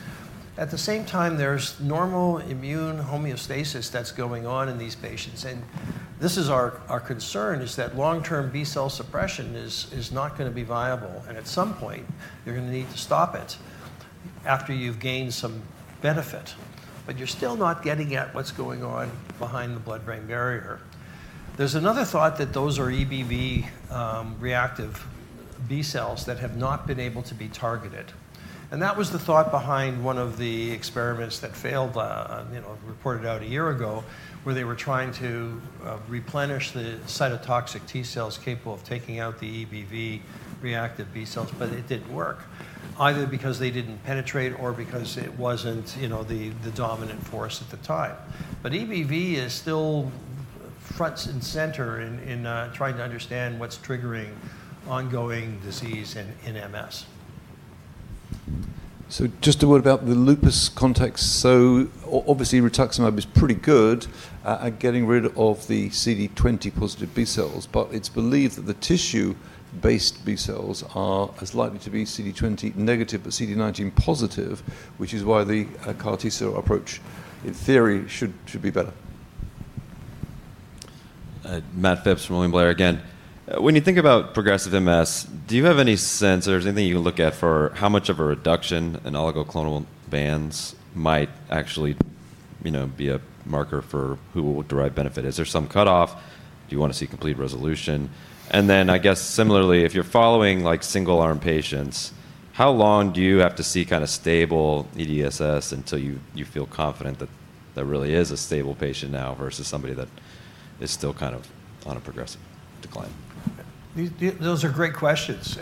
at the same time, there is normal immune homeostasis that is going on in these patients. This is our concern, that long-term B-cell suppression is not going to be viable. At some point, you are going to need to stop it after you have gained some benefit. You are still not getting at what is going on behind the blood-brain barrier. There is another thought that those are EBV reactive B-cells that have not been able to be targeted. That was the thought behind one of the experiments that failed, reported out a year ago, where they were trying to replenish the cytotoxic T-cells capable of taking out the E BV reactive B-cells. It did not work, either because they did not penetrate or because it was not the dominant force at the time. EBV is still front and center in trying to understand what's triggering ongoing disease in MS. Just a word about the lupus context. Obviously, rituximab is pretty good at getting rid of the CD20 positive B-cells. But it's believed that the tissue-based B-cells are as likely to be CD20 negative but CD19 positive, which is why the CAR T cell approach, in theory, should be better. Matt Phipps, William Blair again. When you think about progressive MS, do you have any sense or is there anything you can look at for how much of a reduction in oligoclonal bands might actually be a marker for who will derive benefit? Is there some cutoff? Do you want to see complete resolution? I guess similarly, if you're following single-arm patients, how long do you have to see kind of stable EDSS until you feel confident that that really is a stable patient now versus somebody that is still kind of on a progressive decline? Those are great questions.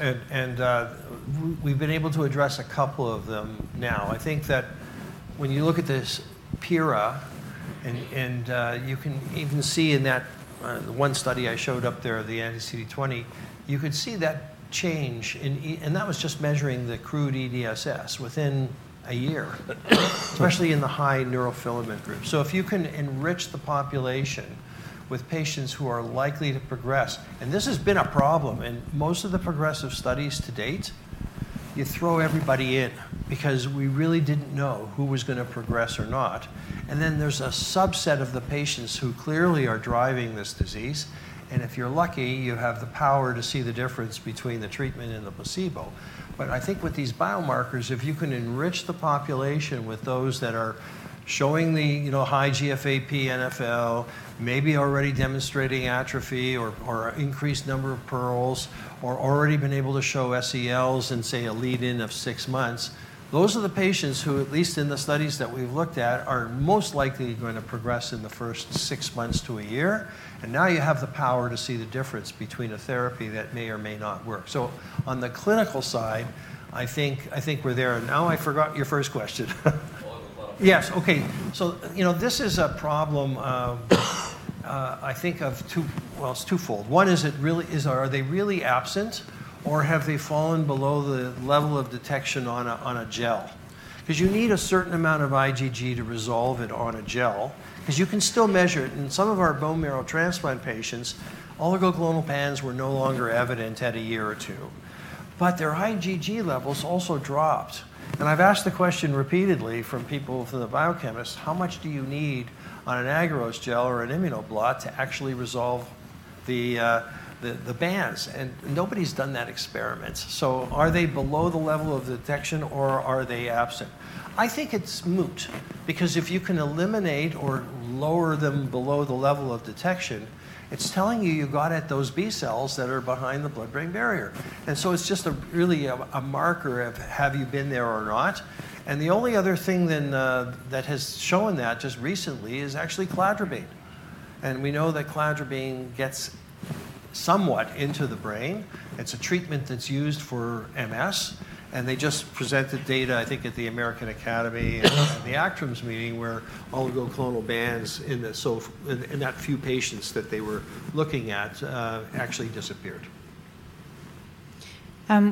We've been able to address a couple of them now. I think that when you look at this PIRA, and you can even see in that one study I showed up there, the anti-CD20, you could see that change. That was just measuring the crude EDSS within a year, especially in the high neurofilament group. If you can enrich the population with patients who are likely to progress, and this has been a problem in most of the progressive studies to date, you throw everybody in because we really didn't know who was going to progress or not. There's a subset of the patients who clearly are driving this disease. If you're lucky, you have the power to see the difference between the treatment and the placebo. I think with these biomarkers, if you can enrich the population with those that are showing the high GFAP, NFL, maybe already demonstrating atrophy or increased number of pearls, or already been able to show SELs and, say, a lead-in of six months, the are the patients who, at least in the studies that we've looked at, are most likely going to progress in the first six months to a year. Now you have the power to see the difference between a therapy that may or may not work. On the clinical side, I think we're there. I forgot your first question. Yes. This is a problem, I think, of two, well, it's twofold. One is, are they really absent? Or have they fallen below the level of detection on a gel? Because you need a certain amount of IgG to resolve it on a gel. Because you can still measure it. In some of our bone marrow transplant patients, oligoclonal bands were no longer evident at a year or two. But their IgG levels also dropped. I've asked the question repeatedly from people, from the biochemists, how much do you need on an agarose gel or an immunoblot to actually resolve the bands? Nobody's done that experiment. Are they below the level of detection or are they absent? I think it's moot. If you can eliminate or lower them below the level of detection, it's telling you you got at those B-cells that are behind the blood-brain barrier. It's just really a marker of have you been there or not. The only other thing then that has shown that just recently is actually cladribine. We know that cladribine gets somewhat into the brain. It's a treatment that's used for MS. They just presented data, I think, at the American Academy and the ACTRMS meeting where oligoclonal bands in that few patients that they were looking at actually disappeared.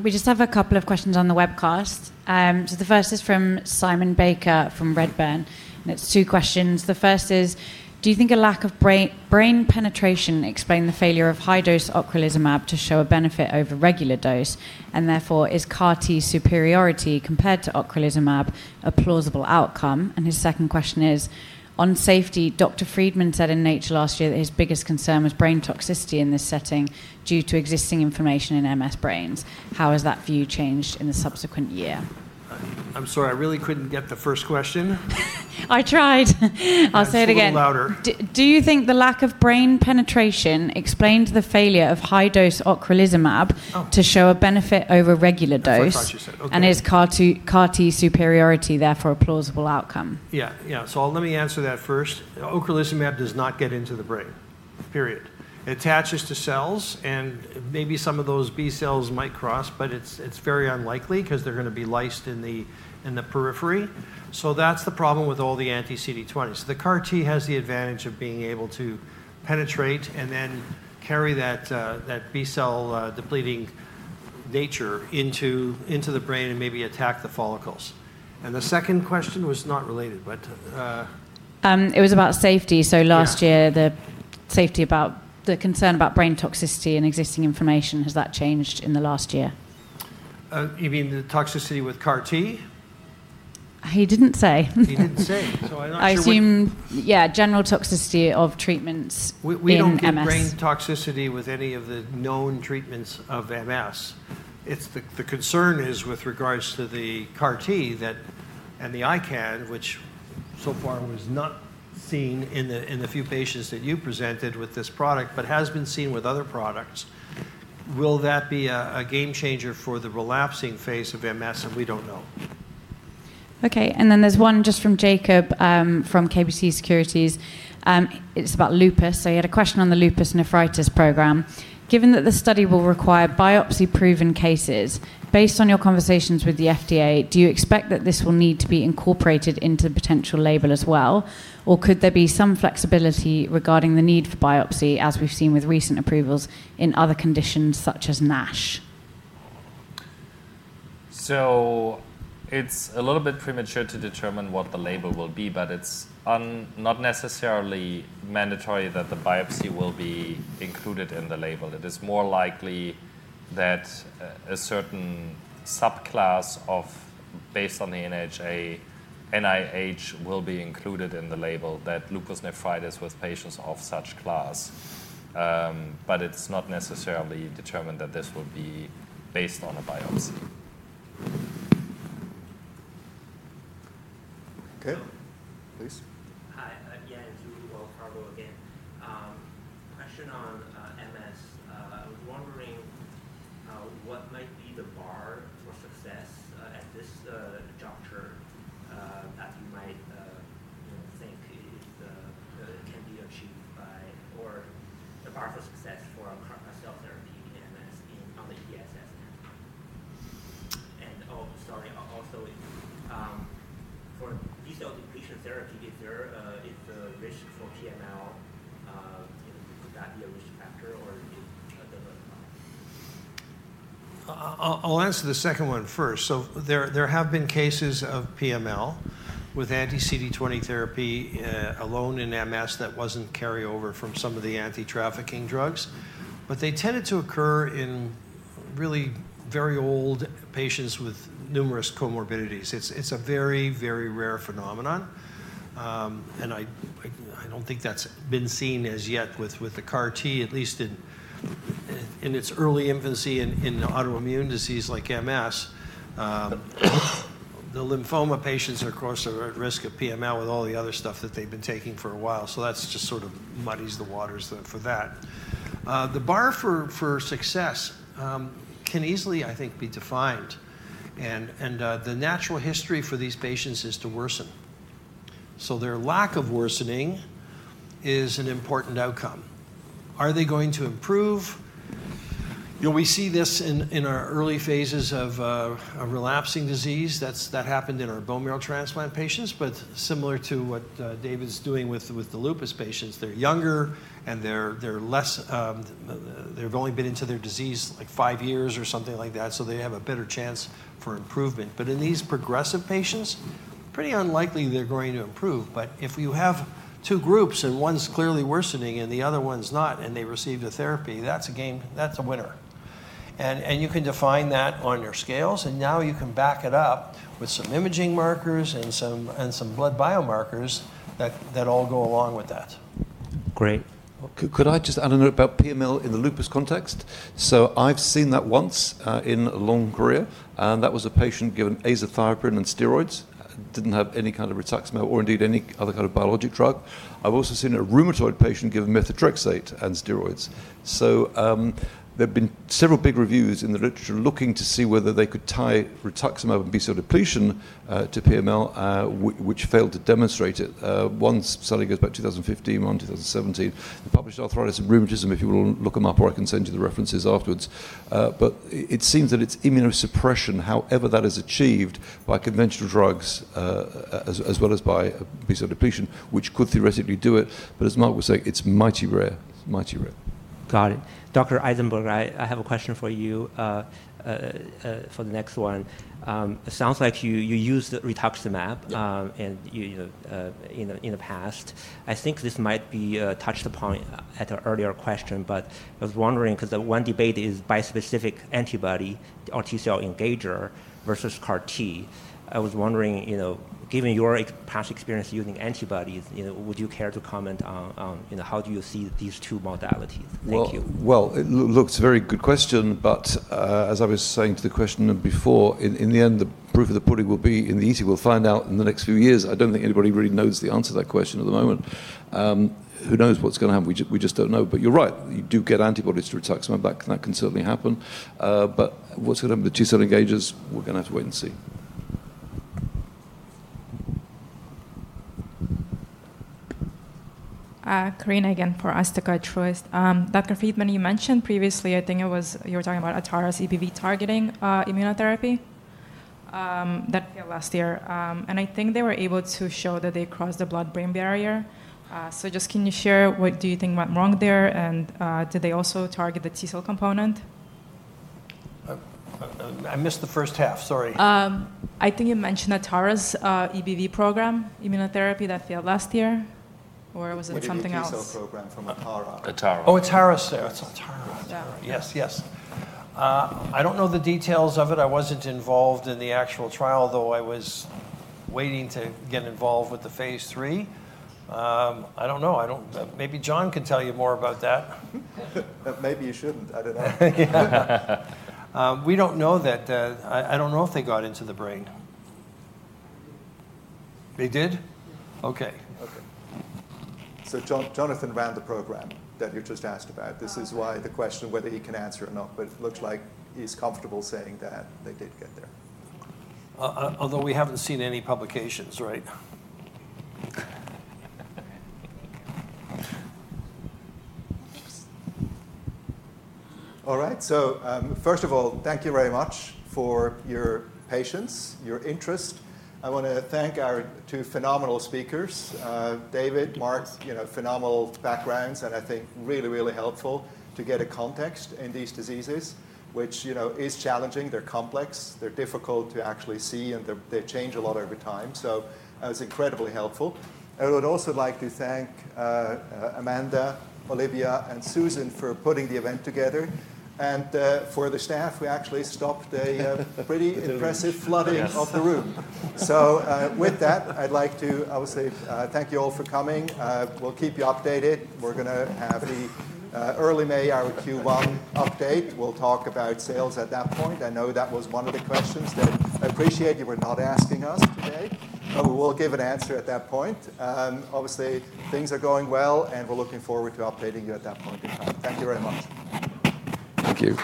We just have a couple of questions on the webcast. The first is from Simon P. Baker from Redburn (Europe) Limited. It is two questions. The first is, do you think a lack of brain penetration explains the failure of high-dose ocrelizumab to show a benefit over regular dose? Therefore, is CAR T superiority compared to ocrelizumab a plausible outcome? His second question is, on safety, Dr. Freedman said in Nature last year that his biggest concern was brain toxicity in this setting due to existing inflammation in MS brains. How has that view changed in the subsequent year? I'm sorry. I really couldn't get the first question. I tried. I'll say it again. Say it louder. Do you think the lack of brain penetration explains the failure of high-dose ocrelizumab to show a benefit over regular dose? That's what I thought you said. Is CAR T superiority therefore a plausible outcome? Yeah. Yeah. Let me answer that first. Ocrelizumab does not get into the brain. Period. It attaches to cells. And maybe some of those B-cells might cross. But it's very unlikely because they're going to be lysed in the periphery. That's the problem with all the anti-CD20s. The CAR T has the advantage of being able to penetrate and then carry that B-cell depleting nature into the brain and maybe attack the follicles. The second question was not related, but. It was about safety. Last year, the concern about brain toxicity and existing inflammation, has that changed in the last year? You mean the toxicity with CAR T? He didn't say. He did not say. I am not sure. I assume, yeah, general toxicity of treatments in MS. We do not need brain toxicity with any of the known treatments of MS. The concern is with regards to the CAR T and the ICANS, which so far was not seen in the few patients that you presented with this product but has been seen with other products. Will that be a game changer for the relapsing phase of MS? We do not know. OK. There is one just from Jacob from KBC Securities. It is about lupus. He had a question on the lupus nephritis program. Given that the study will require biopsy-proven cases, based on your conversations with the FDA, do you expect that this will need to be incorporated into the potential label as well? Could there be some flexibility regarding the need for biopsy, as we have seen with recent approvals in other conditions such as NASH? It is a little bit premature to determine what the label will be. It is not necessarily mandatory that the biopsy will be included in the label. It is more likely that a certain subclass based on the NIH will be included in the label, that lupus nephritis with patients of such class. It is not necessarily determined that this will be based on a biopsy. OK. Please. Hi. Yeah, Andrew Oakley, or Prabho, again. Question on MS. I was wondering what might be the bar for success at this juncture that you might think can be achieved by or the bar for success for cell therapy in MS on the EDSS end? Oh, sorry. Also, for B-cell depletion therapy, is there a risk for PML? Could that be a risk factor? Is it a different factor? I'll answer the second one first. There have been cases of PML with anti-CD20 therapy alone in MS that was not carried over from some of the anti-trafficking drugs. They tended to occur in really very old patients with numerous comorbidities. It is a very, very rare phenomenon. I do not think that has been seen as yet with the CAR T, at least in its early infancy in autoimmune disease like MS. The lymphoma patients, of course, are at risk of PML with all the other stuff that they have been taking for a while. That just sort of muddies the waters for that. The bar for success can easily, I think, be defined. The natural history for these patients is to worsen. Their lack of worsening is an important outcome. Are they going to improve? We see this in our early phases of relapsing disease. That happened in our bone marrow transplant patients. Similar to what David's doing with the lupus patients, they're younger. They've only been into their disease like five years or something like that. They have a better chance for improvement. In these progressive patients, pretty unlikely they're going to improve. If you have two groups and one's clearly worsening and the other one's not and they receive the therapy, that's a winner. You can define that on your scales. Now you can back it up with some imaging markers and some blood biomarkers that all go along with that. Great.Could I just add a note about PML in the lupus context? I have seen that once in a long career. That was a patient given azathioprine and steroids. Did not have any kind of rituximab or, indeed, any other kind of biologic drug. I have also seen a rheumatoid patient given methotrexate and steroids. There have been several big reviews in the literature looking to see whether they could tie rituximab and B-cell depletion to PML, which failed to demonstrate it. One study goes back to 2015, one in 2017. They published arthritis and rheumatism, if you want to look them up, or I can send you the references afterwards. It seems that it is immunosuppression, however that is achieved by conventional drugs as well as by B-cell depletion, which could theoretically do it. As Mark was saying, it is mighty rare. It is mighty rare. Got it. Dr. Eisenberg, I have a question for you for the next one. It sounds like you used rituximab in the past. I think this might be touched upon at an earlier question. I was wondering, because one debate is bispecific antibody, our T-cell engager, versus CAR T. I was wondering, given your past experience using antibodies, would you care to comment on how do you see these two modalities? Thank you. Look, it's a very good question. As I was saying to the question before, in the end, the proof of the pudding will be in the easy. We'll find out in the next few years. I don't think anybody really knows the answer to that question at the moment. Who knows what's going to happen? We just don't know. You're right. You do get antibodies to rituximab. That can certainly happen. What's going to happen with the T-cell engagers? We're going to have to wait and see. Carina, again, for us to cut through. Dr. Freedman, you mentioned previously, I think it was you were talking about Atara CPV targeting immunotherapy. That failed last year. I think they were able to show that they crossed the blood-brain barrier. Just can you share what do you think went wrong there? Did they also target the T-cell component? I missed the first half. Sorry. I think you mentioned Atara's EBV program immunotherapy that failed last year. Or was it something else? Wait. The T-cell program from Atara. Atara. Oh, Atara's there. It's Atara. Yes. Yes. I don't know the details of it. I wasn't involved in the actual trial, though I was waiting to get involved with the phase three. I don't know. Maybe John can tell you more about that. Maybe you shouldn't. I don't know. We don't know that. I don't know if they got into the brain. They did? Ok Jonathan ran the program that you just asked about. This is why the question whether he can answer or not. It looks like he's comfortable saying that they did get there. Although we haven't seen any publications, right? All right. First of all, thank you very much for your patience, your interest. I want to thank our two phenomenal speakers, David, Mark, phenomenal backgrounds. I think really, really helpful to get a context in these diseases, which is challenging. They're complex. They're difficult to actually see. They change a lot over time. It was incredibly helpful. I would also like to thank Amanda, Olivia, and Susan for putting the event together. For the staff, we actually stopped a pretty impressive flooding of the room. With that, I would say, thank you all for coming. We'll keep you updated. We're going to have the early May, our Q1 update. We'll talk about sales at that point. I know that was one of the questions that I appreciate you were not asking us today. We will give an answer at that point. Obviously, things are going well. And we're looking forward to updating you at that point in time. Thank you very much. Thank you.